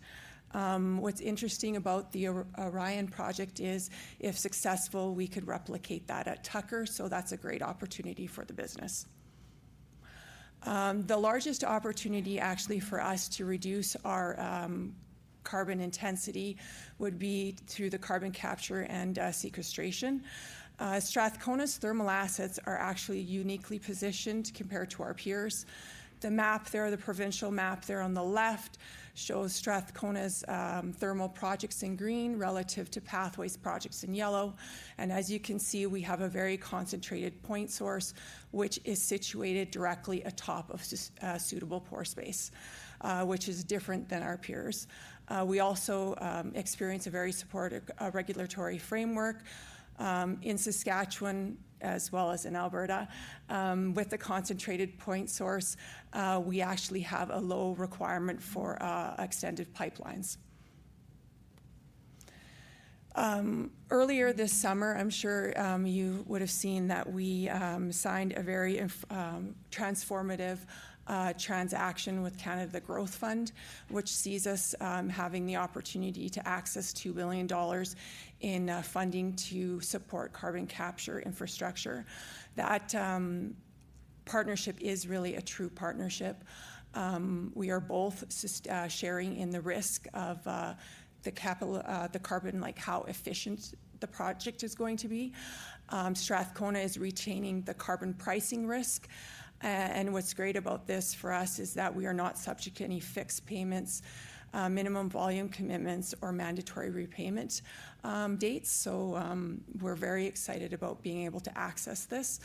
What's interesting about the Orion project is, if successful, we could replicate that at Tucker. That's a great opportunity for the business. The largest opportunity, actually, for us to reduce our carbon intensity would be through the carbon capture and sequestration. Strathcona's thermal assets are actually uniquely positioned compared to our peers. The map there, the provincial map there on the left, shows Strathcona's thermal projects in green relative to Pathways projects in yellow. As you can see, we have a very concentrated point source, which is situated directly atop of suitable pore space, which is different than our peers. We also experience a very supportive regulatory framework in Saskatchewan, as well as in Alberta. With the concentrated point source, we actually have a low requirement for extended pipelines. Earlier this summer, I'm sure you would have seen that we signed a very transformative transaction with Canada Growth Fund, which sees us having the opportunity to access 2 billion dollars in funding to support carbon capture infrastructure. That partnership is really a true partnership. We are both sharing in the risk of the carbon, like how efficient the project is going to be. Strathcona is retaining the carbon pricing risk. What's great about this for us is that we are not subject to any fixed payments, minimum volume commitments, or mandatory repayment dates. So we're very excited about being able to access this.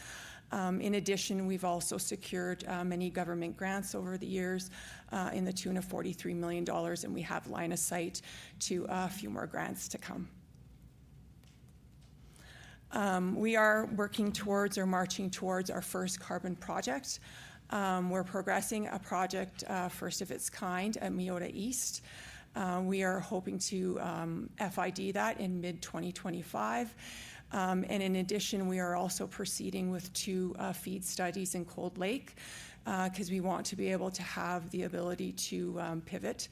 In addition, we've also secured many government grants over the years to the tune of 43 million dollars. And we have line of sight to a few more grants to come. We are working towards or marching towards our first carbon project. We're progressing a project, first of its kind, at Meota East. We are hoping to FID that in mid-2025. And in addition, we are also proceeding with two FEED studies in Cold Lake because we want to be able to have the ability to pivot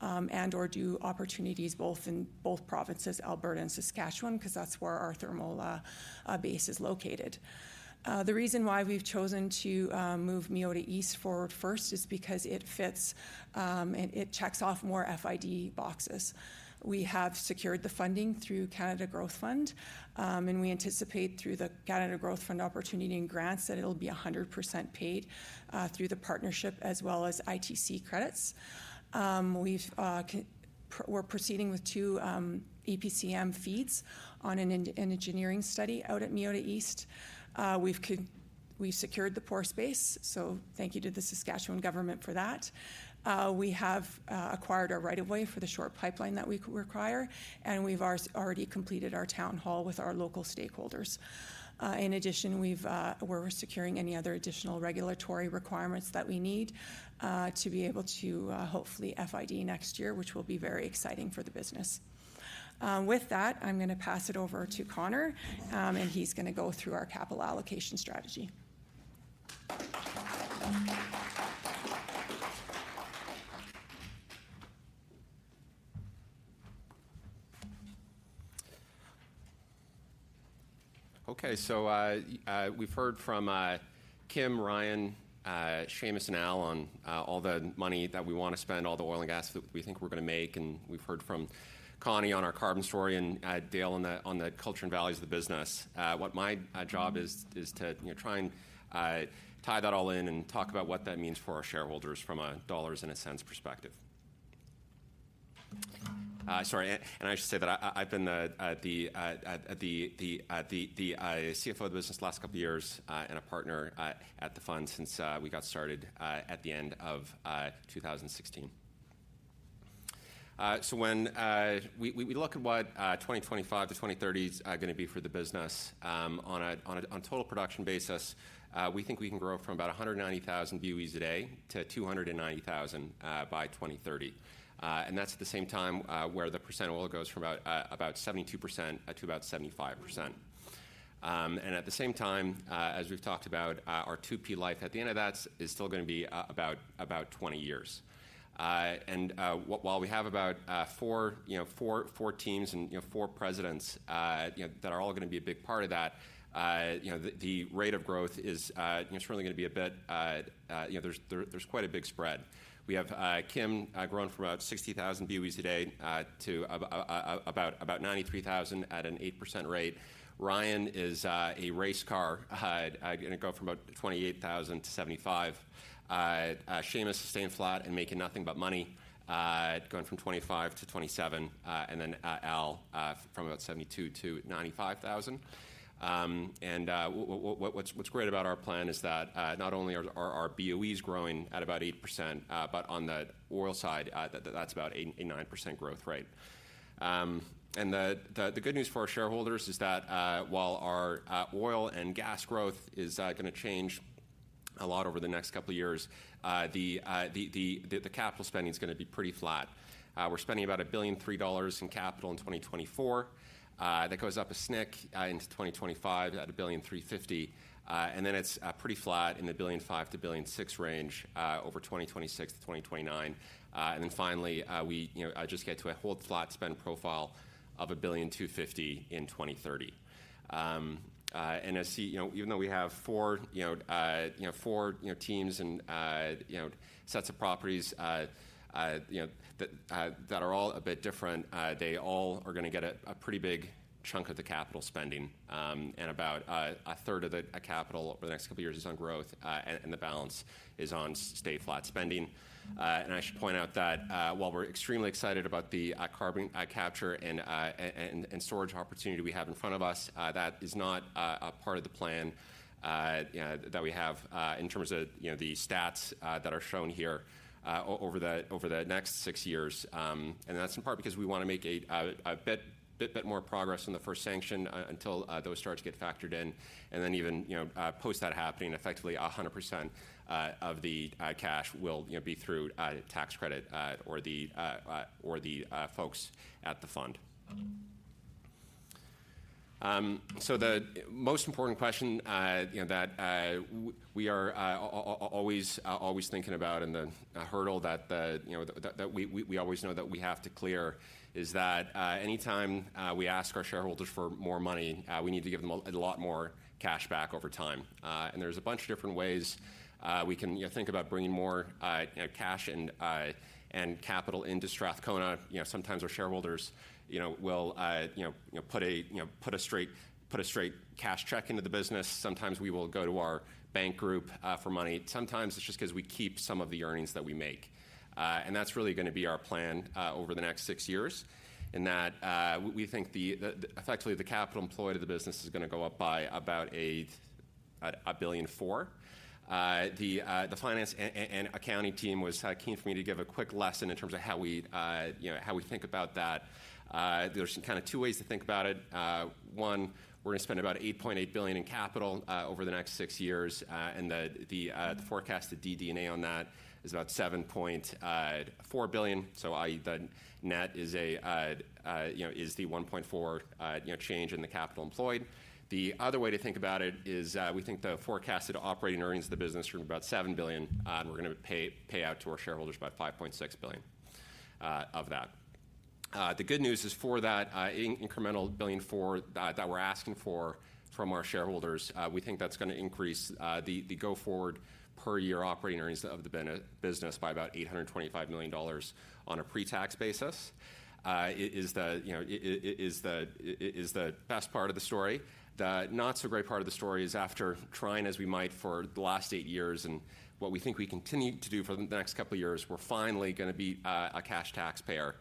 and/or do opportunities both in both provinces, Alberta and Saskatchewan, because that's where our thermal base is located. The reason why we've chosen to move Meota East forward first is because it fits and it checks off more FID boxes. We have secured the funding through Canada Growth Fund. And we anticipate through the Canada Growth Fund opportunity and grants that it'll be 100% paid through the partnership as well as ITC credits. We're proceeding with two EPCM FEEDs on an engineering study out at Meota East. We've secured the pore space. So thank you to the Saskatchewan government for that. We have acquired our right of way for the short pipeline that we require. And we've already completed our town hall with our local stakeholders. In addition, we're securing any other additional regulatory requirements that we need to be able to hopefully FID next year, which will be very exciting for the business. With that, I'm going to pass it over to Connor. And he's going to go through our capital allocation strategy. Okay. So we've heard from Kim, Ryan, Seamus, and Al on all the money that we want to spend, all the oil and gas that we think we're going to make. And we've heard from Connie on our carbon story and Dale on the culture and values of the business. What my job is to try and tie that all in and talk about what that means for our shareholders from a dollars and a cents perspective. Sorry. And I should say that I've been the CFO of the business the last couple of years and a partner at the fund since we got started at the end of 2016. So when we look at what 2025 to 2030 is going to be for the business, on a total production basis, we think we can grow from about 190,000 BOEs a day to 290,000 by 2030. And that's at the same time where the percent oil goes from about 72% to about 75%. And at the same time, as we've talked about, our 2P life at the end of that is still going to be about 20 years. And while we have about four teams and four presidents that are all going to be a big part of that, the rate of growth is surely going to be a bit, there's quite a big spread. We have Kim growing from about 60,000 BOEs a day to about 93,000 at an 8% rate. Ryan is a race car going to go from about 28,000 to 75. Seamus staying flat and making nothing but money, going from 25 to 27. And then Al from about 72 to 95,000. What's great about our plan is that not only are our BOEs growing at about 8%, but on the oil side, that's about an 89% growth rate. The good news for our shareholders is that while our oil and gas growth is going to change a lot over the next couple of years, the capital spending is going to be pretty flat. We're spending about 1.03 billion in capital in 2024. That goes up a smidge into 2025 at 1.035 billion. Then it's pretty flat in the 1.05 billion-1.06 billion range over 2026 to 2029. Then finally, we just get to a hold-flat spend profile of 1.025 billion in 2030. Even though we have four teams and sets of properties that are all a bit different, they all are going to get a pretty big chunk of the capital spending. About a third of the capital over the next couple of years is on growth. The balance is on stay flat spending. I should point out that while we're extremely excited about the carbon capture and storage opportunity we have in front of us, that is not a part of the plan that we have in terms of the stats that are shown here over the next six years. That's in part because we want to make a bit more progress on the first sanction until those start to get factored in. Even post that happening, effectively 100% of the cash will be through tax credit or the folks at the fund. So the most important question that we are always thinking about and the hurdle that we always know that we have to clear is that anytime we ask our shareholders for more money, we need to give them a lot more cash back over time. And there's a bunch of different ways we can think about bringing more cash and capital into Strathcona. Sometimes our shareholders will put a straight cash check into the business. Sometimes we will go to our bank group for money. Sometimes it's just because we keep some of the earnings that we make. And that's really going to be our plan over the next six years in that we think effectively the capital employed to the business is going to go up by about 1.04 billion. The finance and accounting team was keen for me to give a quick lesson in terms of how we think about that. There's kind of two ways to think about it. One, we're going to spend about 8.8 billion in capital over the next six years, and the forecast to DD&A on that is about 7.4 billion, so the net is the 1.4 change in the capital employed. The other way to think about it is we think the forecasted operating earnings of the business are about 7 billion, and we're going to pay out to our shareholders about 5.6 billion of that. The good news is for that incremental 1.04 billion that we're asking for from our shareholders, we think that's going to increase the go-forward per year operating earnings of the business by about 825 million dollars on a pre-tax basis. It is the best part of the story. The not-so-great part of the story is after trying as we might for the last eight years and what we think we continue to do for the next couple of years, we're finally going to be a cash taxpayer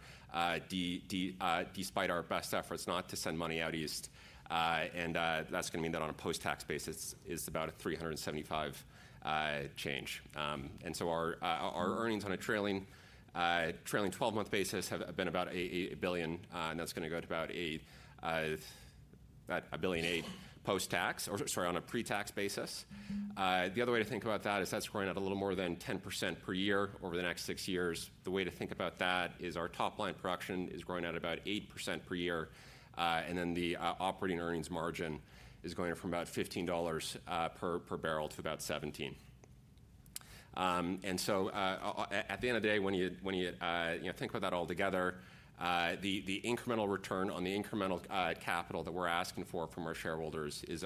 despite our best efforts not to send money out east. And that's going to mean that on a post-tax basis is about a $375 change. And so our earnings on a trailing 12-month basis have been about $1.00 billion. And that's going to go to about $1.08 billion post-tax or sorry, on a pre-tax basis. The other way to think about that is that's growing at a little more than 10% per year over the next six years. The way to think about that is our top line production is growing at about 8% per year. And then the operating earnings margin is going from about $15 per barrel to about $17. And so at the end of the day, when you think about that all together, the incremental return on the incremental capital that we're asking for from our shareholders is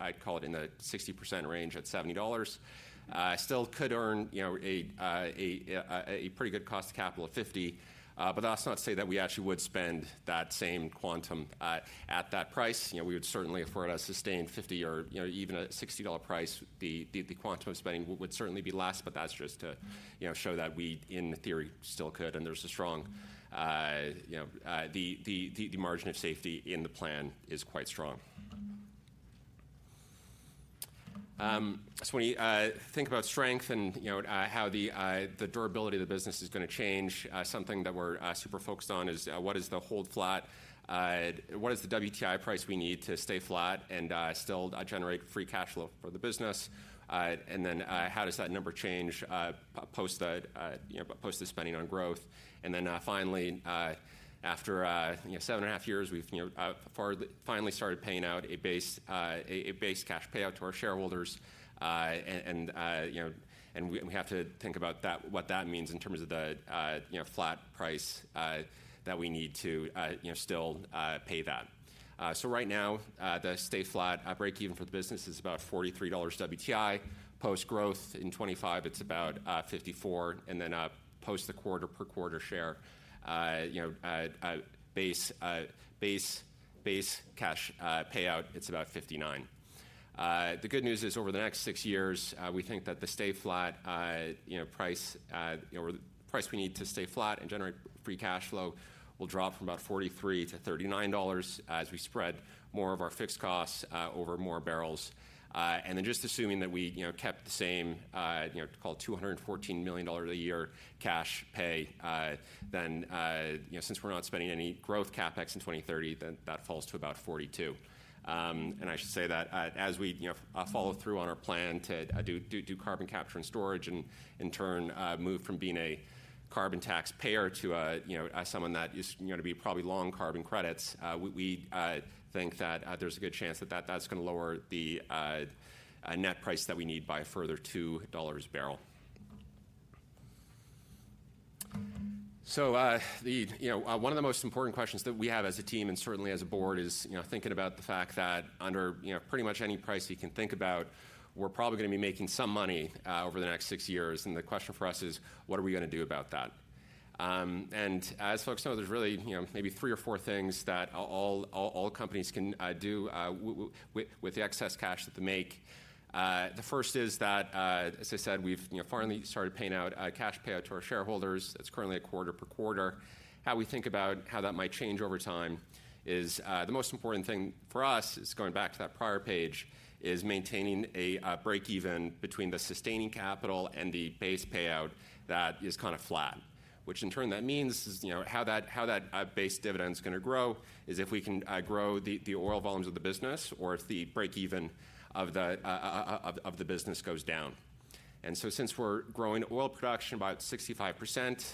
I'd call it in the 60% range at $70. Still could earn a pretty good cost of capital of $50. But that's not to say that we actually would spend that same quantum at that price. We would certainly, if we're at a sustained $50 or even a $60 price, the quantum of spending would certainly be less. But that's just to show that we, in theory, still could. And there's a strong margin of safety in the plan is quite strong. When you think about strength and how the durability of the business is going to change, something that we're super focused on is what is the hold flat. What is the WTI price we need to stay flat and still generate free cash flow for the business? And then how does that number change post the spending on growth? And then finally, after seven and a half years, we've finally started paying out a base cash payout to our shareholders. And we have to think about what that means in terms of the flat price that we need to still pay that. Right now, the stay flat break-even for the business is about $43 WTI. Post growth in 2025, it's about $54. And then post the quarter-per-quarter share base cash payout, it's about $59. The good news is over the next six years, we think that the stay flat price we need to stay flat and generate free cash flow will drop from about $43 to $39 as we spread more of our fixed costs over more barrels. And then just assuming that we kept the same, call it $214 million a year cash pay, then since we're not spending any growth CapEx in 2030, then that falls to about $42. And I should say that as we follow through on our plan to do carbon capture and storage and in turn move from being a carbon taxpayer to someone that is going to be probably long carbon credits, we think that there's a good chance that that's going to lower the net price that we need by a further $2 a barrel. One of the most important questions that we have as a team and certainly as a board is thinking about the fact that under pretty much any price you can think about, we're probably going to be making some money over the next six years. The question for us is, what are we going to do about that? As folks know, there's really maybe three or four things that all companies can do with the excess cash that they make. The first is that, as I said, we've finally started paying out cash payout to our shareholders. It's currently a quarter-per-quarter. How we think about how that might change over time is the most important thing for us, going back to that prior page, is maintaining a break-even between the sustaining capital and the base payout that is kind of flat. Which, in turn, that means how that base dividend is going to grow is if we can grow the oil volumes of the business or if the break-even of the business goes down. So since we're growing oil production about 65%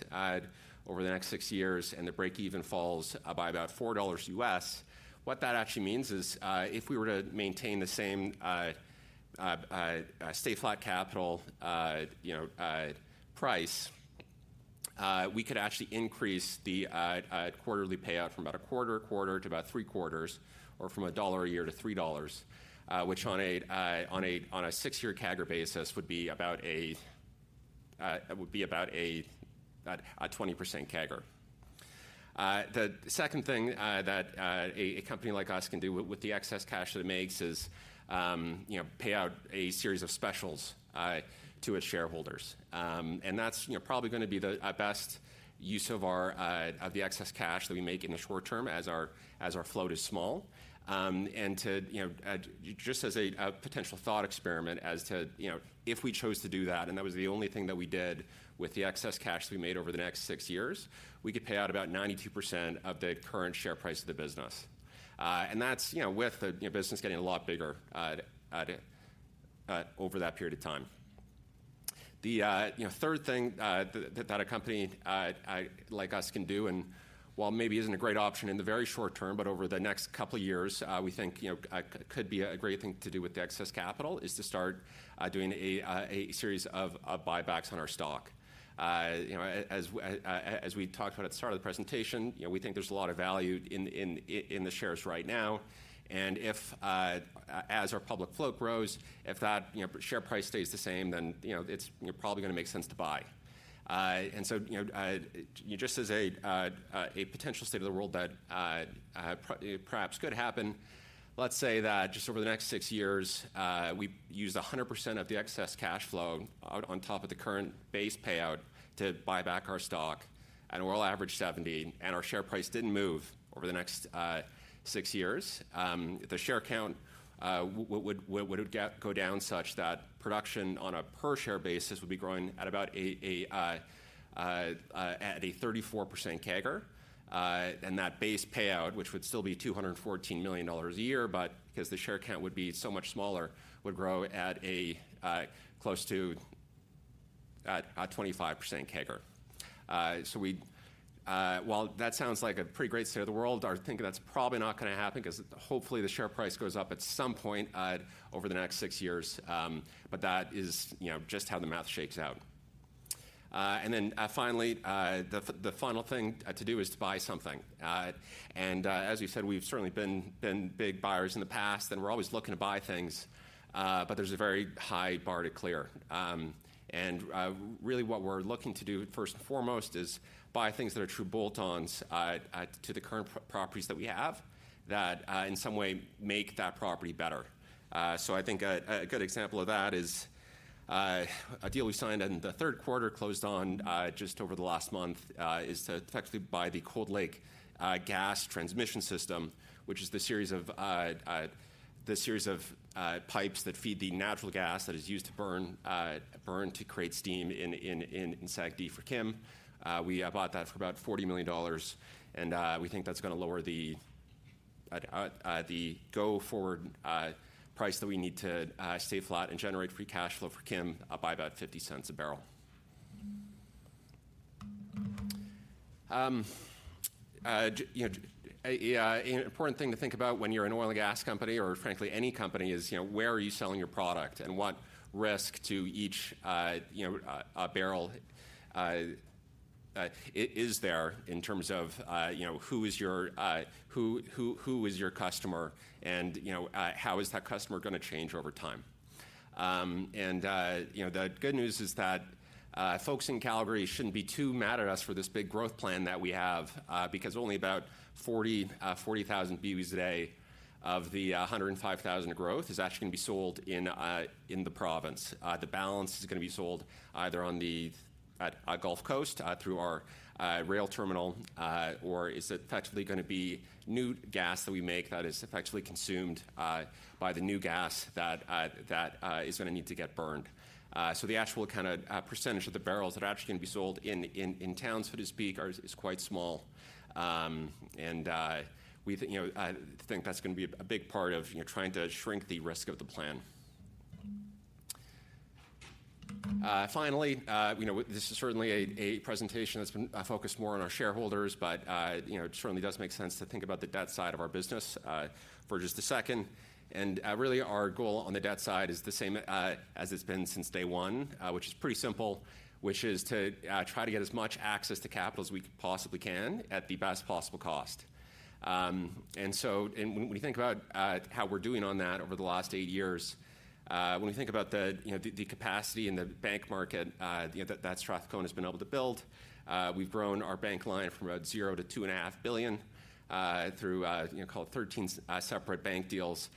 over the next six years and the break-even falls by about $4 USD, what that actually means is if we were to maintain the same stay flat capital price, we could actually increase the quarterly payout from about a quarter-to-quarter to about three quarters or from $1 a year to $3, which on a six-year CAGR basis would be about a 20% CAGR. The second thing that a company like us can do with the excess cash that it makes is pay out a series of specials to its shareholders. That's probably going to be the best use of the excess cash that we make in the short term as our float is small. Just as a potential thought experiment as to if we chose to do that, and that was the only thing that we did with the excess cash that we made over the next six years, we could pay out about 92% of the current share price of the business. That's with the business getting a lot bigger over that period of time. The third thing that a company like us can do, and while maybe isn't a great option in the very short term, but over the next couple of years, we think could be a great thing to do with the excess capital is to start doing a series of buybacks on our stock. As we talked about at the start of the presentation, we think there's a lot of value in the shares right now, and as our public float grows, if that share price stays the same, then it's probably going to make sense to buy, and so just as a potential state of the world that perhaps could happen, let's say that just over the next six years, we use 100% of the excess cash flow on top of the current base payout to buy back our stock at an oil average of $70, and our share price didn't move over the next six years. The share count would go down such that production on a per-share basis would be growing at about a 34% CAGR. That base payout, which would still be 214 million dollars a year, but because the share count would be so much smaller, would grow at close to 25% CAGR. While that sounds like a pretty great state of the world, I think that's probably not going to happen because hopefully the share price goes up at some point over the next six years. That is just how the math shakes out. Finally, the final thing to do is to buy something. As you said, we've certainly been big buyers in the past. We're always looking to buy things. There's a very high bar to clear. Really what we're looking to do first and foremost is buy things that are true bolt-ons to the current properties that we have that in some way make that property better. So I think a good example of that is a deal we signed in the third quarter, closed just over the last month, is to effectively buy the Cold Lake gas transmission system, which is the series of pipes that feed the natural gas that is used to burn to create steam in SAGD for Kim. We bought that for about 40 million dollars. And we think that's going to lower the go-forward price that we need to stay flat and generate free cash flow for Kim by about CAD 0.50 a barrel. An important thing to think about when you're an oil and gas company or frankly any company is where are you selling your product and what risk to each barrel is there in terms of who is your customer and how is that customer going to change over time. And the good news is that folks in Calgary shouldn't be too mad at us for this big growth plan that we have because only about 40,000 BOEs a day of the 105,000 of growth is actually going to be sold in the province. The balance is going to be sold either on the Gulf Coast through our rail terminal or is effectively going to be new gas that we make that is effectively consumed by the new gas that is going to need to get burned. So the actual kind of percentage of the barrels that are actually going to be sold in towns, so to speak, is quite small. And we think that's going to be a big part of trying to shrink the risk of the plan. Finally, this is certainly a presentation that's been focused more on our shareholders, but it certainly does make sense to think about the debt side of our business versus the second. And really our goal on the debt side is the same as it's been since day one, which is pretty simple, which is to try to get as much access to capital as we possibly can at the best possible cost. And so when you think about how we're doing on that over the last eight years, when we think about the capacity in the bank market that Strathcona has been able to build, we've grown our bank line from about 0 to 2.5 billion through, call it, 13 separate bank deals.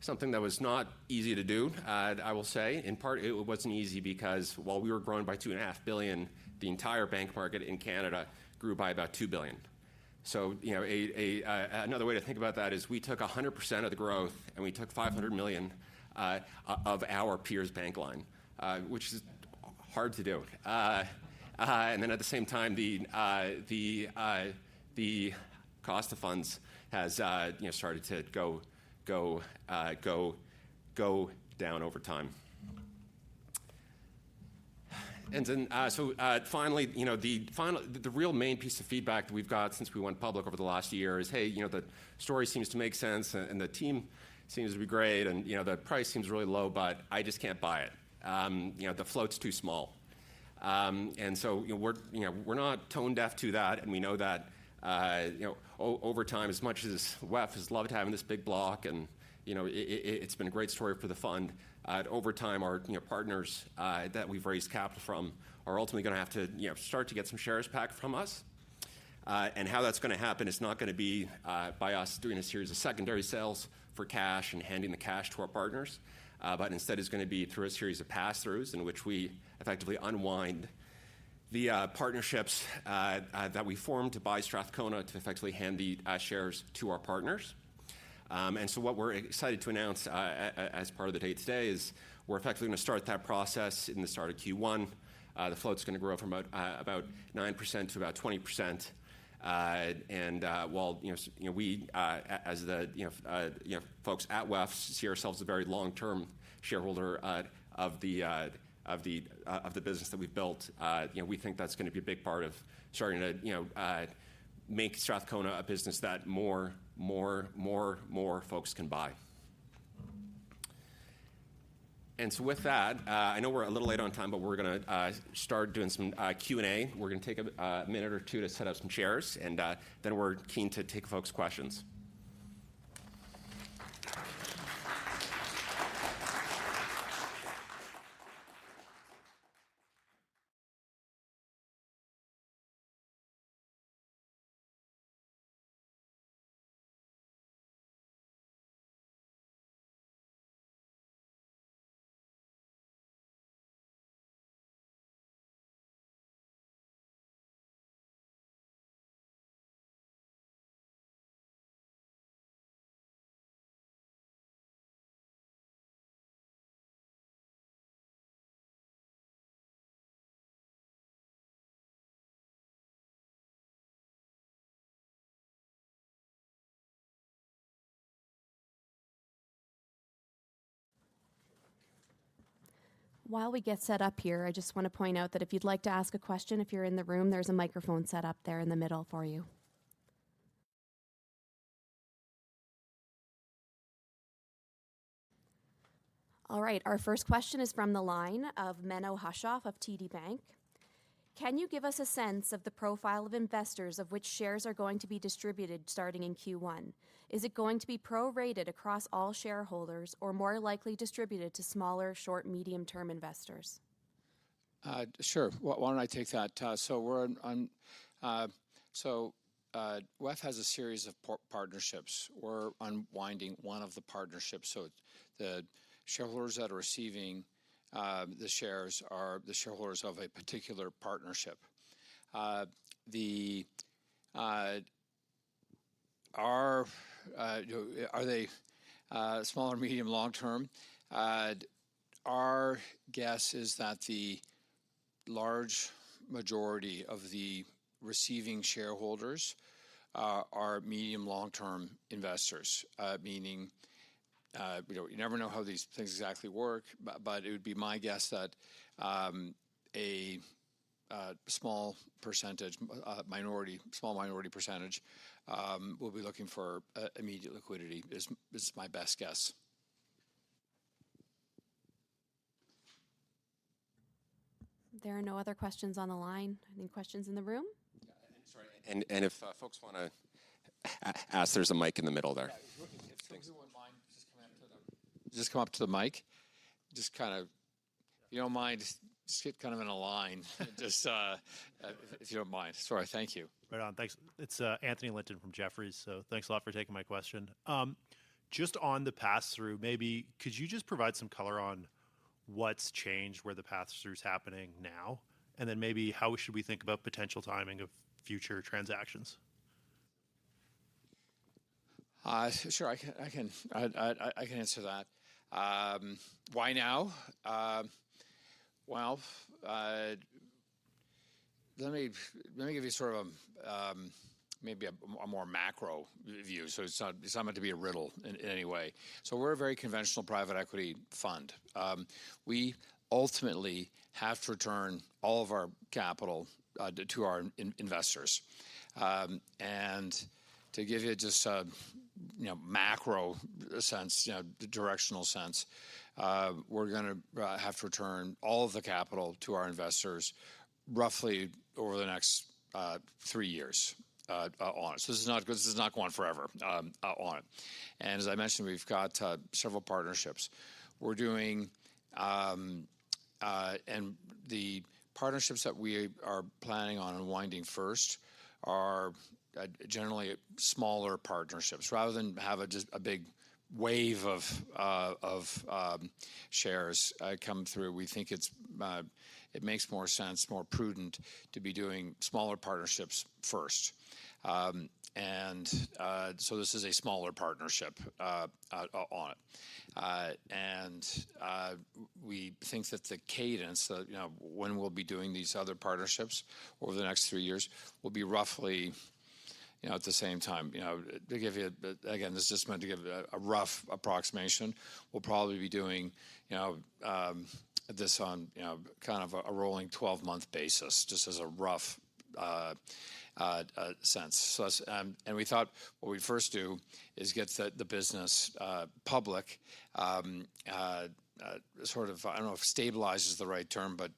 Something that was not easy to do, I will say. In part, it wasn't easy because while we were grown by 2.5 billion, the entire bank market in Canada grew by about 2 billion. So another way to think about that is we took 100% of the growth and we took 500 million of our peers' bank line, which is hard to do. And then at the same time, the cost of funds has started to go down over time. And so finally, the real main piece of feedback that we've got since we went public over the last year is, hey, the story seems to make sense and the team seems to be great and the price seems really low, but I just can't buy it. The float's too small. And so we're not tone-deaf to that. We know that over time, as much as WEF has loved having this big block and it's been a great story for the fund, over time, our partners that we've raised capital from are ultimately going to have to start to get some shares back from us. How that's going to happen is not going to be by us doing a series of secondary sales for cash and handing the cash to our partners, but instead is going to be through a series of pass-throughs in which we effectively unwind the partnerships that we formed to buy Strathcona to effectively hand the shares to our partners. What we're excited to announce as part of the date today is we're effectively going to start that process in the start of Q1. The float's going to grow from about 9% to about 20%. And while we, as the folks at WEF, see ourselves as a very long-term shareholder of the business that we've built, we think that's going to be a big part of starting to make Strathcona a business that more folks can buy. And so with that, I know we're a little late on time, but we're going to start doing some Q&A. We're going to take a minute or two to set up some chairs. And then we're keen to take folks' questions. While we get set up here, I just want to point out that if you'd like to ask a question, if you're in the room, there's a microphone set up there in the middle for you. All right, our first question is from the line of Menno Hulshof of TD Bank. Can you give us a sense of the profile of investors of which shares are going to be distributed starting in Q1? Is it going to be prorated across all shareholders or more likely distributed to smaller, short, medium-term investors? Sure. Why don't I take that? So WEF has a series of partnerships. We're unwinding one of the partnerships. So the shareholders that are receiving the shares are the shareholders of a particular partnership. Are they smaller, medium, long-term? Our guess is that the large majority of the receiving shareholders are medium, long-term investors, meaning you never know how these things exactly work. But it would be my guess that a small minority percentage will be looking for immediate liquidity, is my best guess. There are no other questions on the line. Any questions in the room? And if folks want to ask, there's a mic in the middle there. If folks don't mind, just come up to the mic. Just kind of, if you don't mind, just get kind of in a line. Just if you don't mind. Sorry. Thank you. Right on. Thanks. It's Anthony Linton from Jefferies. So thanks a lot for taking my question. Just on the pass-through, maybe could you just provide some color on what's changed, where the pass-through is happening now, and then maybe how should we think about potential timing of future transactions? Sure. I can answer that. Why now? Well, let me give you sort of maybe a more macro view. So it's not meant to be a riddle in any way. So we're a very conventional private equity fund. We ultimately have to return all of our capital to our investors. And to give you just a macro sense, directional sense, we're going to have to return all of the capital to our investors roughly over the next three years on it. So this is not going forever on it. And as I mentioned, we've got several partnerships. And the partnerships that we are planning on unwinding first are generally smaller partnerships. Rather than have a big wave of shares come through, we think it makes more sense, more prudent to be doing smaller partnerships first. And so this is a smaller partnership on it. And we think that the cadence, when we'll be doing these other partnerships over the next three years, will be roughly at the same time. To give you, again, this is just meant to give a rough approximation. We'll probably be doing this on kind of a rolling 12-month basis, just as a rough sense. And we thought what we'd first do is get the business public, sort of. I don't know if stabilize is the right term, but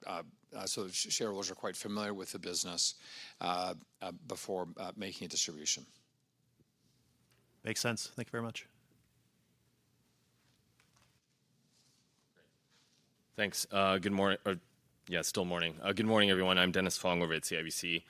so shareholders are quite familiar with the business before making a distribution. Makes sense. Thank you very much. Thanks. Good morning. Yeah, still morning. Good morning, everyone. I'm Dennis Fong over at CIBC.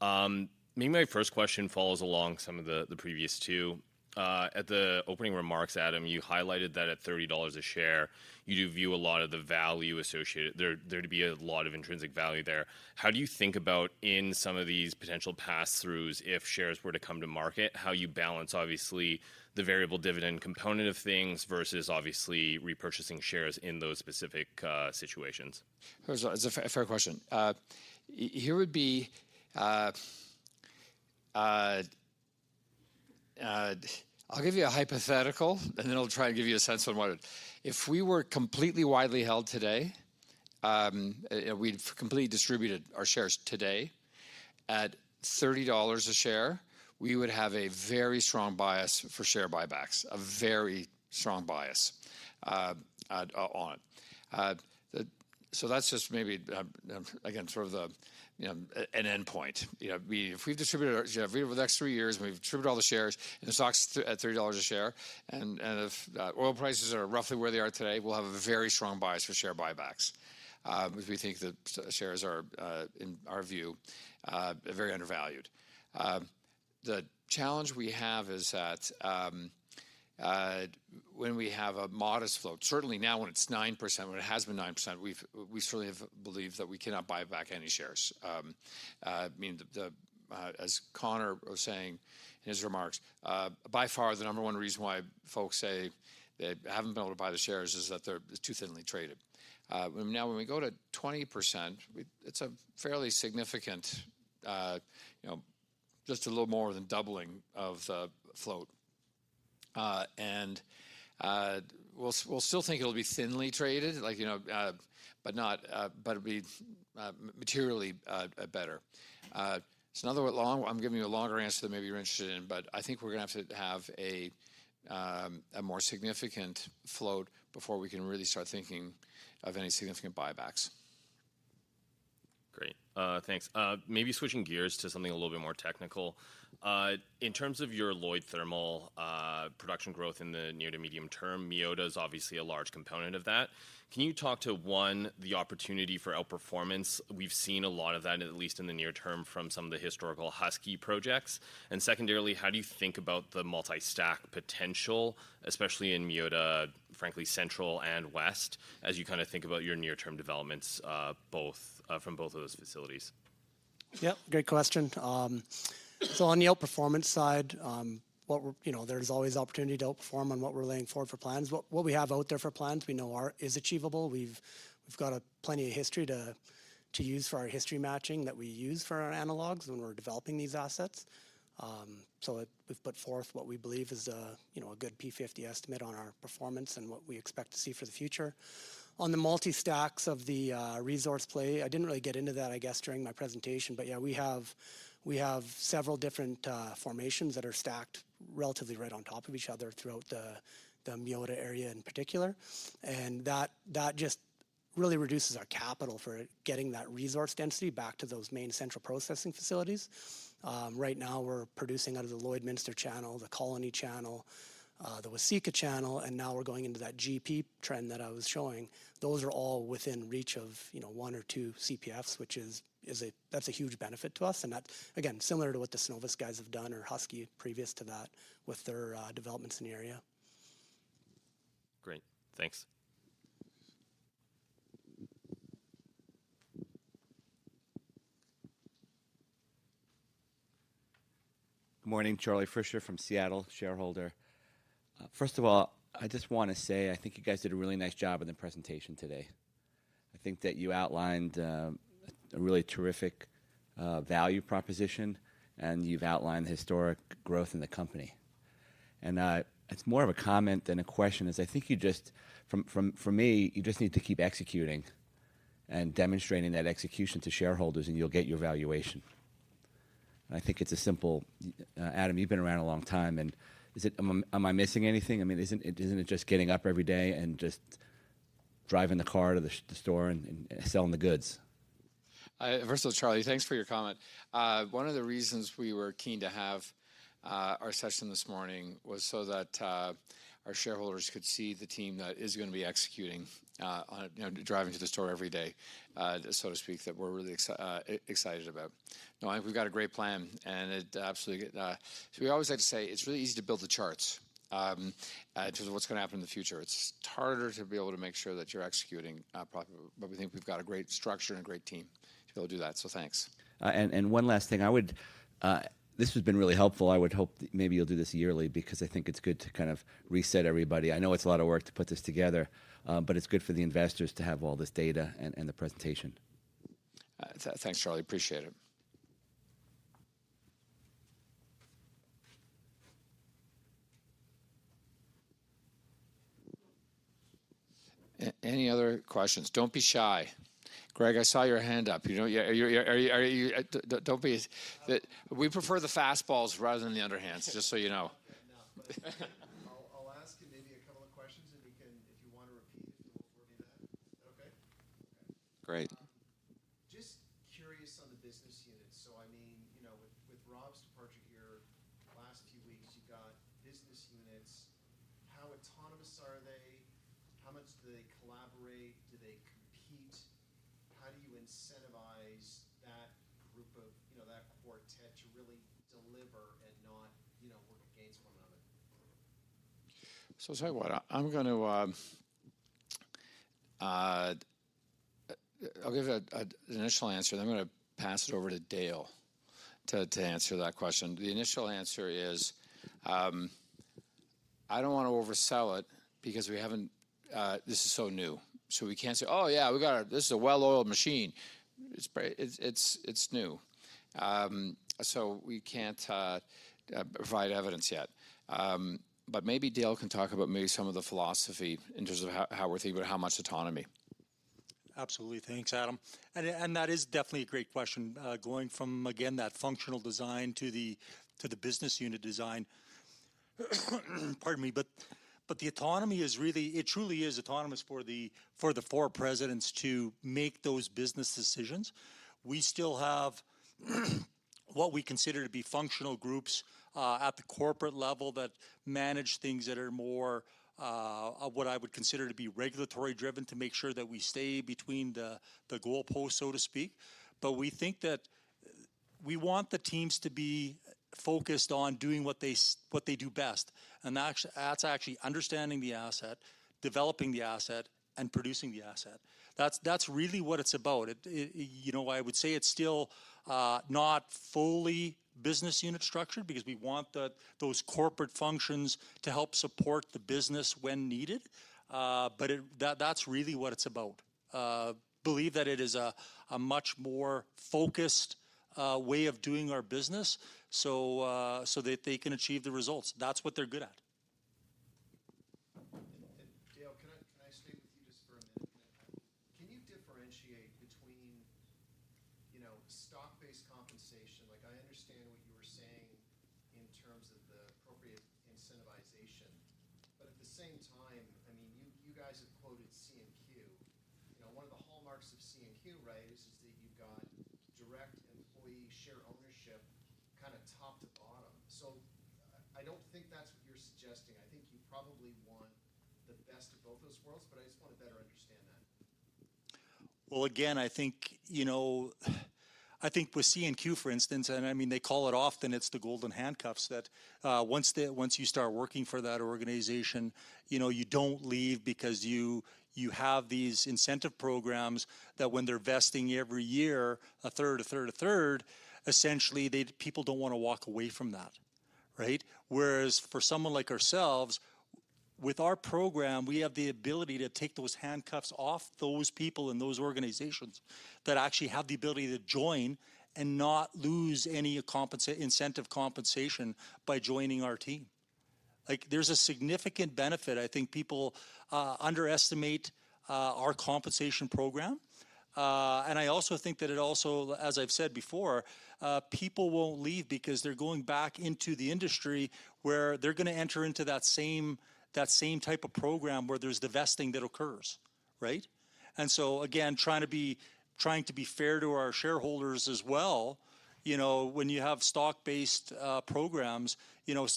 Maybe my first question follows along some of the previous two. At the opening remarks, Adam, you highlighted that at $30 a share, you do view a lot of the value associated. There'd be a lot of intrinsic value there. How do you think about in some of these potential pass-throughs, if shares were to come to market, how you balance, obviously, the variable dividend component of things versus, obviously, repurchasing shares in those specific situations? That's a fair question. Here would be I'll give you a hypothetical, and then I'll try and give you a sense on what it is. If we were completely widely held today, we'd completely distributed our shares today at $30 a share, we would have a very strong bias for share buybacks, a very strong bias on it. So that's just maybe, again, sort of an endpoint. If we've distributed our shares over the next three years, and we've distributed all the shares and the stock's at $30 a share, and if oil prices are roughly where they are today, we'll have a very strong bias for share buybacks, which we think the shares are, in our view, very undervalued. The challenge we have is that when we have a modest float, certainly now when it's 9%, when it has been 9%, we certainly believe that we cannot buy back any shares. I mean, as Connor was saying in his remarks, by far the number one reason why folks say they haven't been able to buy the shares is that they're too thinly traded. Now, when we go to 20%, it's a fairly significant, just a little more than doubling of the float. And we'll still think it'll be thinly traded, but it'll be materially better. It's another long I'm giving you a longer answer than maybe you're interested in, but I think we're going to have to have a more significant float before we can really start thinking of any significant buybacks. Great. Thanks. Maybe switching gears to something a little bit more technical. In terms of your Lloyd Thermal production growth in the near to medium term, Meota is obviously a large component of that. Can you talk to, one, the opportunity for outperformance? We've seen a lot of that, at least in the near term, from some of the historical Husky projects. And secondarily, how do you think about the multi-stack potential, especially in Meota, frankly, Central and West, as you kind of think about your near-term developments from both of those facilities? Yep. Great question. So on the outperformance side, there's always opportunity to outperform on what we're laying forward for plans. What we have out there for plans we know is achievable. We've got plenty of history to use for our history matching that we use for our analogs when we're developing these assets. So we've put forth what we believe is a good P50 estimate on our performance and what we expect to see for the future. On the multi-stacks of the resource play, I didn't really get into that, I guess, during my presentation, but yeah, we have several different formations that are stacked relatively right on top of each other throughout the Meota area in particular. And that just really reduces our capital for getting that resource density back to those main central processing facilities. Right now, we're producing out of the Lloydminster channel, the Colony channel, the Waseca channel, and now we're going into that GP trend that I was showing. Those are all within reach of one or two CPFs, which is a huge benefit to us. And that, again, similar to what the Cenovus guys have done or Husky previous to that with their development scenario. Great. Thanks. Good morning. Charlie Fischer from Seacliff, shareholder. First of all, I just want to say I think you guys did a really nice job in the presentation today. I think that you outlined a really terrific value proposition, and you've outlined historic growth in the company, and it's more of a comment than a question as I think you just, for me, you just need to keep executing and demonstrating that execution to shareholders, and you'll get your valuation. I think it's as simple, Adam. You've been around a long time. Am I missing anything? I mean, isn't it just getting up every day and just driving the car to the store and selling the goods? Thank you, Charlie. Thanks for your comment. One of the reasons we were keen to have our session this morning was so that our shareholders could see the team that is going to be executing, driving to the store every day, so to speak, that we're really excited about. No, I think we've got a great plan. And we always like to say it's really easy to build the charts in terms of what's going to happen in the future. It's harder to be able to make sure that you're executing. But we think we've got a great structure and a great team to be able to do that. So thanks. And one last thing. This has been really helpful. I would hope maybe you'll do this yearly because I think it's good to kind of reset everybody. I know it's a lot of work to put this together, but it's good for the investors to have all this data and the presentation. Thanks, Charlie. Appreciate it. Any other questions? Don't be shy. Greg, I saw your hand up. We prefer the fastballs rather than the underhands, just so you know. I'll ask you maybe a couple of questions, and if you want to repeat, we'll be done. Is that okay? Great. Just curious on the business unit. So I mean, with Rob's departure here last few weeks, you've got business units. How autonomous are they? How much do they collaborate? Do they compete? How do you incentivize that group of that quartet to really deliver and not work against one another? So I'll tell you what. I'll give you an initial answer, and I'm going to pass it over to Dale to answer that question. The initial answer is I don't want to oversell it because this is so new. So we can't say, "Oh, yeah, this is a well-oiled machine." It's new. So we can't provide evidence yet. But maybe Dale can talk about maybe some of the philosophy in terms of how we're thinking about how much autonomy. Absolutely. Thanks, Adam. And that is definitely a great question. Going from, again, that functional design to the business unit design, pardon me, but the autonomy is really it truly is autonomous for the four presidents to make those business decisions. We still have what we consider to be functional groups at the corporate level that manage things that are more of what I would consider to be regulatory-driven to make sure that we stay between the goalposts, so to speak. But we think that we want the teams to be focused on doing what they do best. And that's actually understanding the asset, developing the asset, and producing the asset. That's really what it's about. I would say it's still not fully business unit structured because we want those corporate functions to help support the business when needed. But that's really what it's about. Believe that it is a much more focused way of doing our business so that they can achieve the results. That's what they're good at. Dale, can I stay with you just for a minute? Can you differentiate between stock-based compensation? I understand what you were saying in terms of the appropriate incentivization. But at the same time, I mean, you guys have quoted CNQ. One of the hallmarks of CNQ, right, is that you've got direct employee share ownership kind of top to bottom. I don't think that's what you're suggesting. I think you probably want the best of both those worlds, but I just want to better understand that. Again, I think with CNQ, for instance, and I mean, they often call it the golden handcuffs that once you start working for that organization, you don't leave because you have these incentive programs that when they're vesting every year, a third, a third, a third, essentially, people don't want to walk away from that, right? Whereas for someone like ourselves, with our program, we have the ability to take those handcuffs off those people in those organizations that actually have the ability to join and not lose any incentive compensation by joining our team. There's a significant benefit. I think people underestimate our compensation program. I also think that it also, as I've said before, people won't leave because they're going back into the industry where they're going to enter into that same type of program where there's the vesting that occurs, right? And so, again, trying to be fair to our shareholders as well, when you have stock-based programs,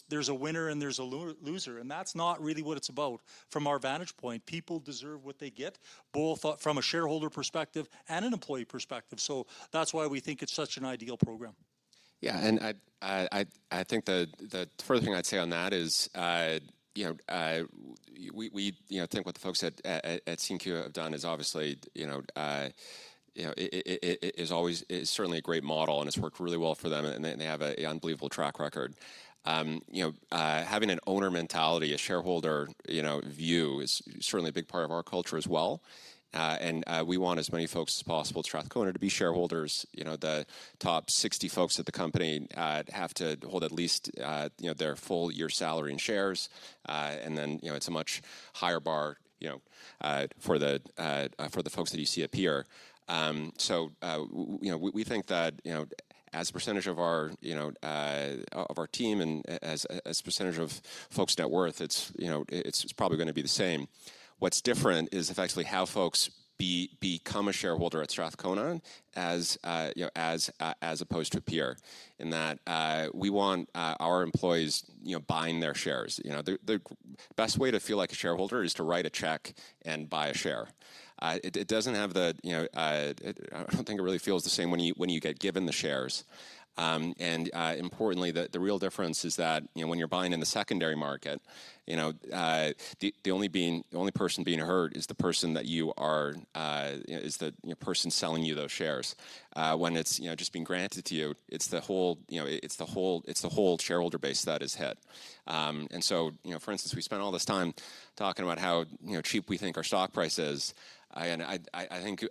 there's a winner and there's a loser. And that's not really what it's about. From our vantage point, people deserve what they get, both from a shareholder perspective and an employee perspective. So that's why we think it's such an ideal program. Yeah. And I think the further thing I'd say on that is we think what the folks at CNQ have done is obviously certainly a great model, and it's worked really well for them, and they have an unbelievable track record. Having an owner mentality, a shareholder view is certainly a big part of our culture as well. And we want as many folks as possible to try to be shareholders. The top 60 folks at the company have to hold at least their full year's salary in shares. And then it's a much higher bar for the folks that you see up here. So we think that as a percentage of our team and as a percentage of folks' net worth, it's probably going to be the same. What's different is effectively how folks become a shareholder at Strathcona as opposed to peer, in that we want our employees buying their shares. The best way to feel like a shareholder is to write a check and buy a share. It doesn't have the. I don't think it really feels the same when you get given the shares. Importantly, the real difference is that when you're buying in the secondary market, the only person being hurt is the person selling you those shares. When it's just being granted to you, it's the whole shareholder base that is hit. For instance, we spent all this time talking about how cheap we think our stock price is. I think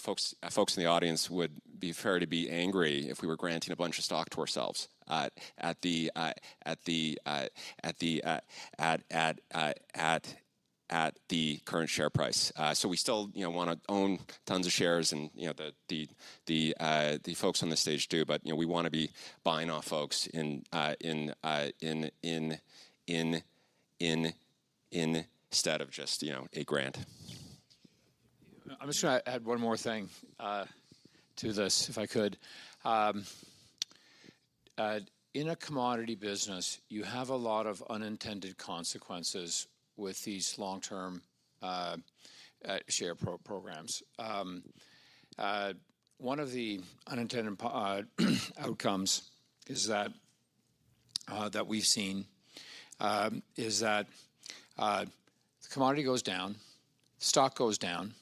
folks in the audience would be fair to be angry if we were granting a bunch of stock to ourselves at the current share price. We still want to own tons of shares, and the folks on this stage do. We want to be buying from folks instead of just a grant. I'm just going to add one more thing to this, if I could. In a commodity business, you have a lot of unintended consequences with these long-term share programs. One of the unintended outcomes that we've seen is that the commodity goes down, stock goes down,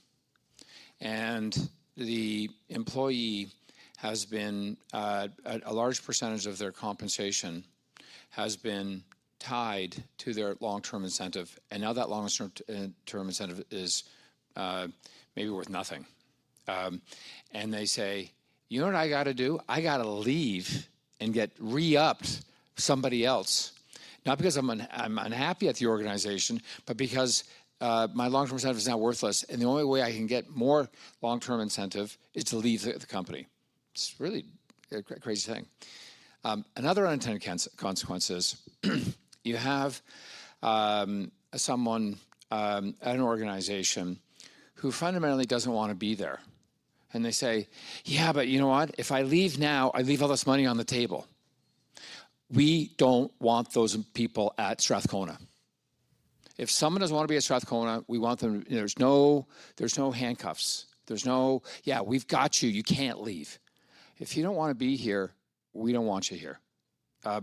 and a large percentage of the employee's compensation has been tied to their long-term incentive. Now that long-term incentive is maybe worth nothing. They say, "You know what I got to do? I got to leave and get re-upped somewhere else. Not because I'm unhappy at the organization, but because my long-term incentive is now worthless. And the only way I can get more long-term incentive is to leave the company." It's a really crazy thing. Another unintended consequence is you have someone at an organization who fundamentally doesn't want to be there. They say, "Yeah, but you know what? If I leave now, I leave all this money on the table. We don't want those people at Strathcona. If someone doesn't want to be at Strathcona, we want them. There's no handcuffs. There's no, 'Yeah, we've got you. You can't leave. If you don't want to be here, we don't want you here.'" I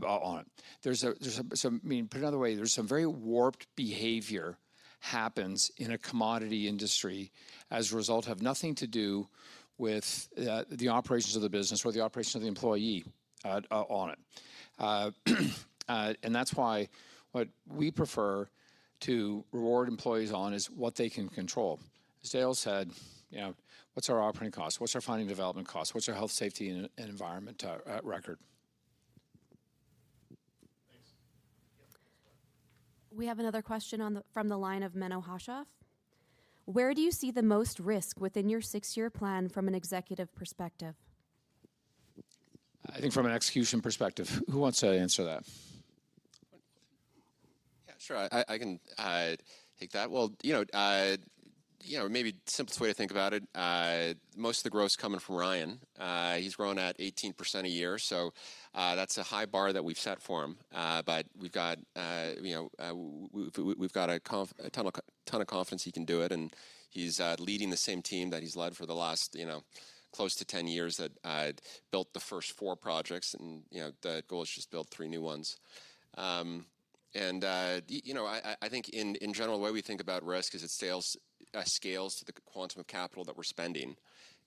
mean, put it another way, there's some very warped behavior that happens in a commodity industry as a result of nothing to do with the operations of the business or the operations of the employee on it. And that's why what we prefer to reward employees on is what they can control. As Dale said, "What's our operating costs? What's our finding and development costs? What's our health, safety, and environment record?" Thanks. We have another question from the line of Menno Hulshof. Where do you see the most risk within your six-year plan from an executive perspective?" I think from an execution perspective. Who wants to answer that? Yeah, sure. I can take that. Well, maybe the simplest way to think about it, most of the growth is coming from Ryan. He's grown at 18% a year. So that's a high bar that we've set for him. But we've got a ton of confidence he can do it. And he's leading the same team that he's led for the last close to 10 years that built the first four projects. And the goal is just to build three new ones. And I think in general, the way we think about risk is it scales to the quantum of capital that we're spending.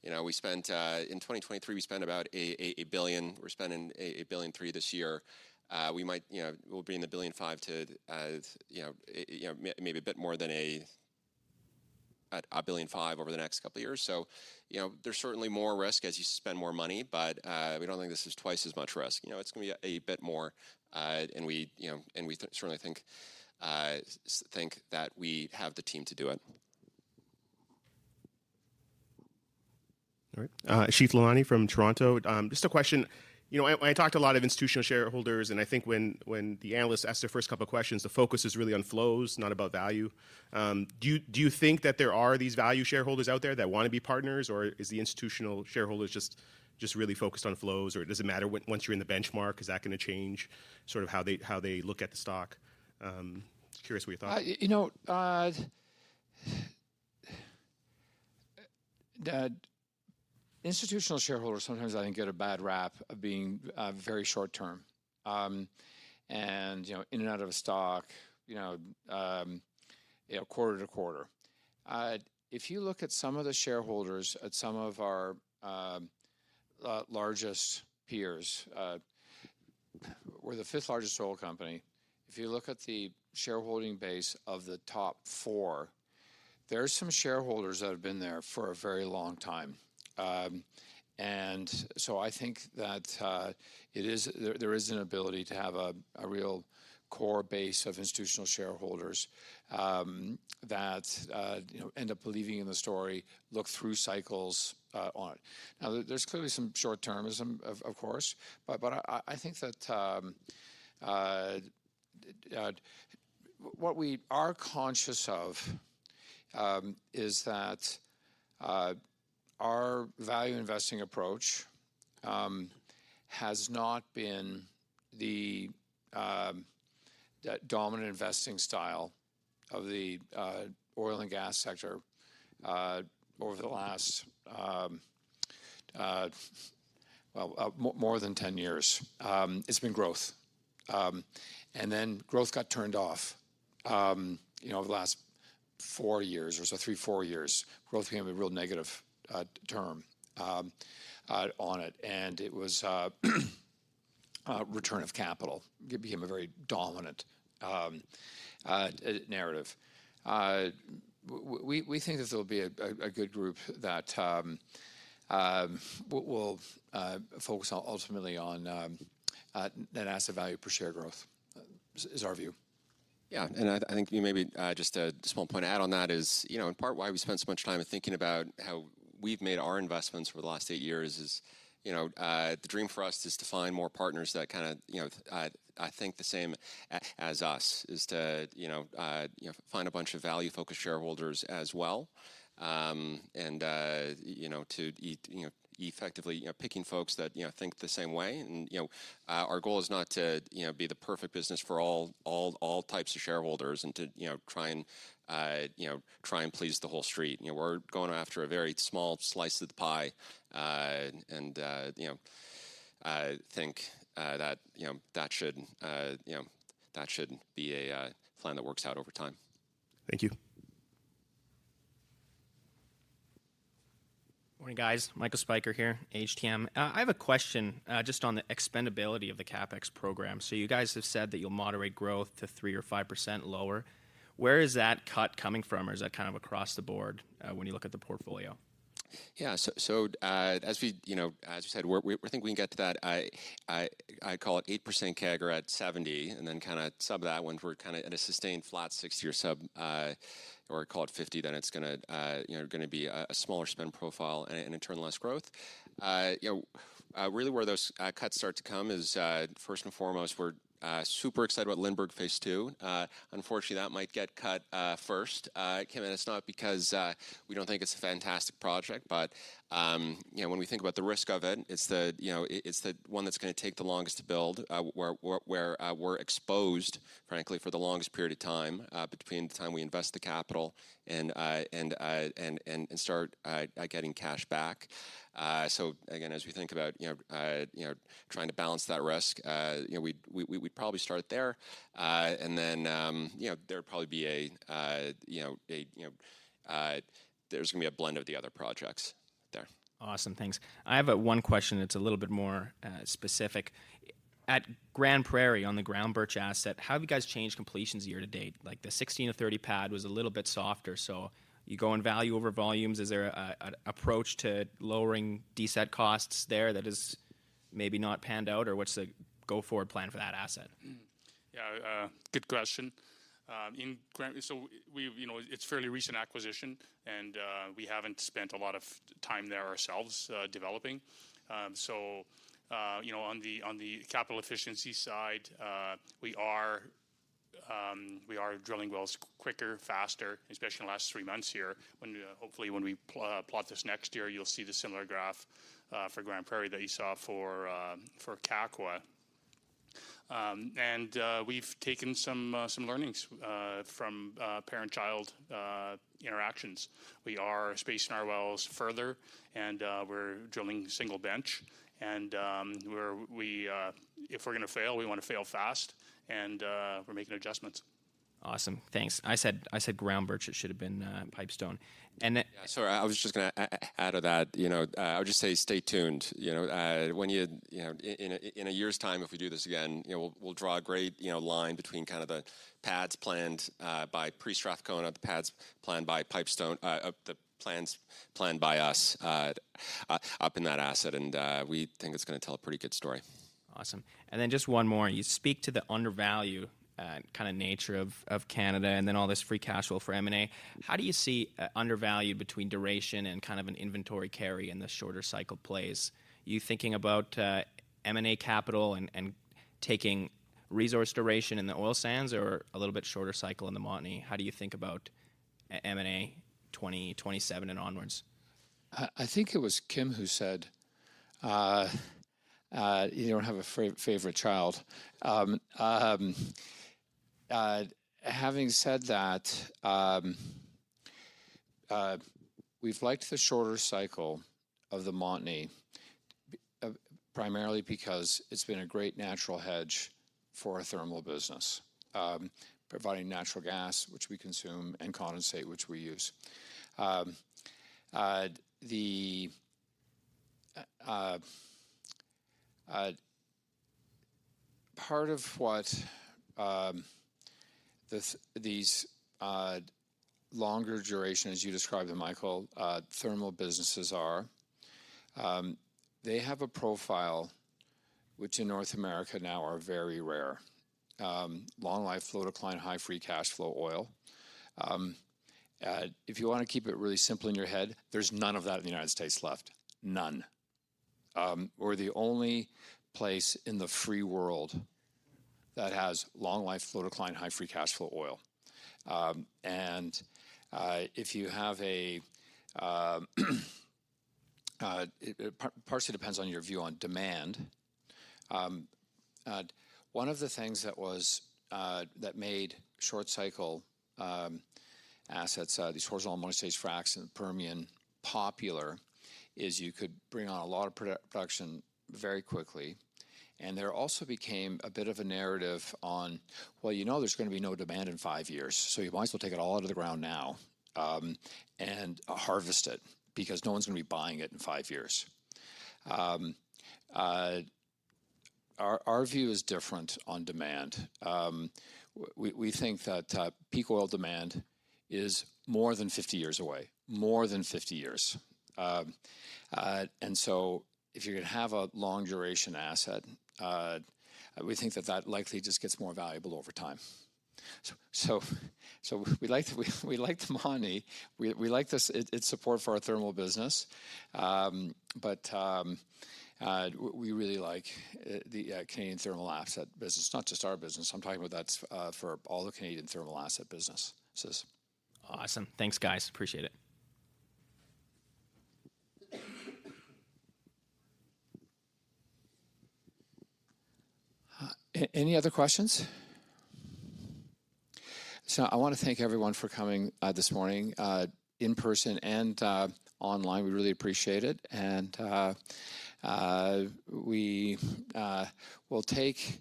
In 2023, we spent about $1 billion. We're spending $1.3 billion this year. We'll be in the $1.5 billion to maybe a bit more than $1.5 billion over the next couple of years. So there's certainly more risk as you spend more money, but we don't think this is twice as much risk. It's going to be a bit more. And we certainly think that we have the team to do it. All right. Arif Lalani from Toronto. Just a question. I talked to a lot of institutional shareholders, and I think when the analysts asked their first couple of questions, the focus is really on flows, not about value. Do you think that there are these value shareholders out there that want to be partners, or is the institutional shareholders just really focused on flows, or does it matter once you're in the benchmark? Is that going to change sort of how they look at the stock? Curious what your thought is. Institutional shareholders sometimes, I think, get a bad rap of being very short-term and in and out of a stock quarter-to-quarter. If you look at some of the shareholders at some of our largest peers, we're the fifth largest oil company. If you look at the shareholding base of the top four, there are some shareholders that have been there for a very long time. And so I think that there is an ability to have a real core base of institutional shareholders that end up believing in the story, look through cycles on it. Now, there's clearly some short-termism, of course. But I think that what we are conscious of is that our value investing approach has not been the dominant investing style of the oil and gas sector over the last, well, more than 10 years. It's been growth. And then growth got turned off over the last four years or so three, four years. Growth became a real negative term on it. And it was return of capital. It became a very dominant narrative. We think that there'll be a good group that will focus ultimately on net asset value per share growth, is our view. Yeah. And I think maybe just a small point to add on that is in part why we spend so much time thinking about how we've made our investments over the last eight years is the dream for us is to find more partners that kind of think the same as us, is to find a bunch of value-focused shareholders as well and to effectively picking folks that think the same way. Our goal is not to be the perfect business for all types of shareholders and to try and please the whole street. We're going after a very small slice of the pie and think that that should be a plan that works out over time. Thank you. Morning, guys. Michael Spicer here, Stifel. I have a question just on the expandability of the CapEx program. So you guys have said that you'll moderate growth to 3% or 5% lower. Where is that cut coming from, or is that kind of across the board when you look at the portfolio? Yeah. So as we said, we're thinking we can get to that. I call it 8% CAGR at 70, and then kind of sub that one, we're kind of in a sustained flat 60 or sub, or call it 50, then it's going to be a smaller spend profile and in turn less growth. Really, where those cuts start to come is first and foremost, we're super excited about Lindbergh Phase Two. Unfortunately, that might get cut first. It came in. It's not because we don't think it's a fantastic project, but when we think about the risk of it, it's the one that's going to take the longest to build, where we're exposed, frankly, for the longest period of time between the time we invest the capital and start getting cash back. So again, as we think about trying to balance that risk, we'd probably start there. Then there'd probably be a blend of the other projects there. Awesome. Thanks. I have one question. It's a little bit more specific. At Grande Prairie on the Groundbirch asset, how have you guys changed completions year to date? The 16-30 pad was a little bit softer. So you go in value over volumes. Is there an approach to lowering DD&A costs there that has maybe not panned out, or what's the go-forward plan for that asset? Yeah. Good question. So it's a fairly recent acquisition, and we haven't spent a lot of time there ourselves developing. So on the capital efficiency side, we are drilling wells quicker, faster, especially in the last three months here. Hopefully, when we plot this next year, you'll see the similar graph for Grande Prairie that you saw for Kakwa. And we've taken some learnings from parent-child interactions. We are spacing our wells further, and we're drilling single bench. And if we're going to fail, we want to fail fast, and we're making adjustments. Awesome. Thanks. I said Groundbirch. It should have been Pipestone. And. Yeah. Sorry. I was just going to add to that. I would just say stay tuned. In a year's time, if we do this again, we'll draw a great line between kind of the pads planned by pre-Strathcona, the pads planned by Pipestone, the pads planned by us up in that asset. And we think it's going to tell a pretty good story. Awesome. And then just one more. You speak to the undervalued kind of nature of Canada and then all this free cash flow for M&A. How do you see undervaluation between duration and kind of an inventory carry in the shorter cycle plays? Are you thinking about M&A capital and taking resource duration in the oil sands or a little bit shorter cycle in the Montney? How do you think about M&A 2027 and onwards? I think it was Kim who said, "You don't have a favorite child." Having said that, we've liked the shorter cycle of the Montney primarily because it's been a great natural hedge for a thermal business, providing natural gas, which we consume, and condensate, which we use. Part of what these longer durations, as you describe them, Michael, thermal businesses are, they have a profile which in North America now are very rare: long-life, low-decline, high free cash flow oil. If you want to keep it really simple in your head, there's none of that in the United States left. None. We're the only place in the free world that has long-life low-decline, high free cash flow oil. And it partially depends on your view on demand. One of the things that made short-cycle assets, these horizontal Montney stocks and Permian popular, is you could bring on a lot of production very quickly. And there also became a bit of a narrative on, "Well, you know there's going to be no demand in five years, so you might as well take it all out of the ground now and harvest it because no one's going to be buying it in five years." Our view is different on demand. We think that peak oil demand is more than 50 years away, more than 50 years. And so if you're going to have a long-duration asset, we think that that likely just gets more valuable over time. So we like the money. We like its support for our thermal business. But we really like the Canadian thermal asset business, not just our business. I'm talking about that for all the Canadian thermal asset businesses. Awesome. Thanks, guys. Appreciate it. Any other questions? So I want to thank everyone for coming this morning in person and online. We really appreciate it. And we will take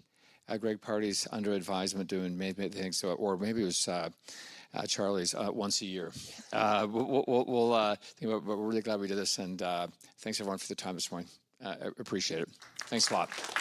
Greg Pardy's under advisement doing maybe things or maybe it was Charlie's once a year. We're really glad we did this. And thanks, everyone, for the time this morning. Appreciate it. Thanks a lot.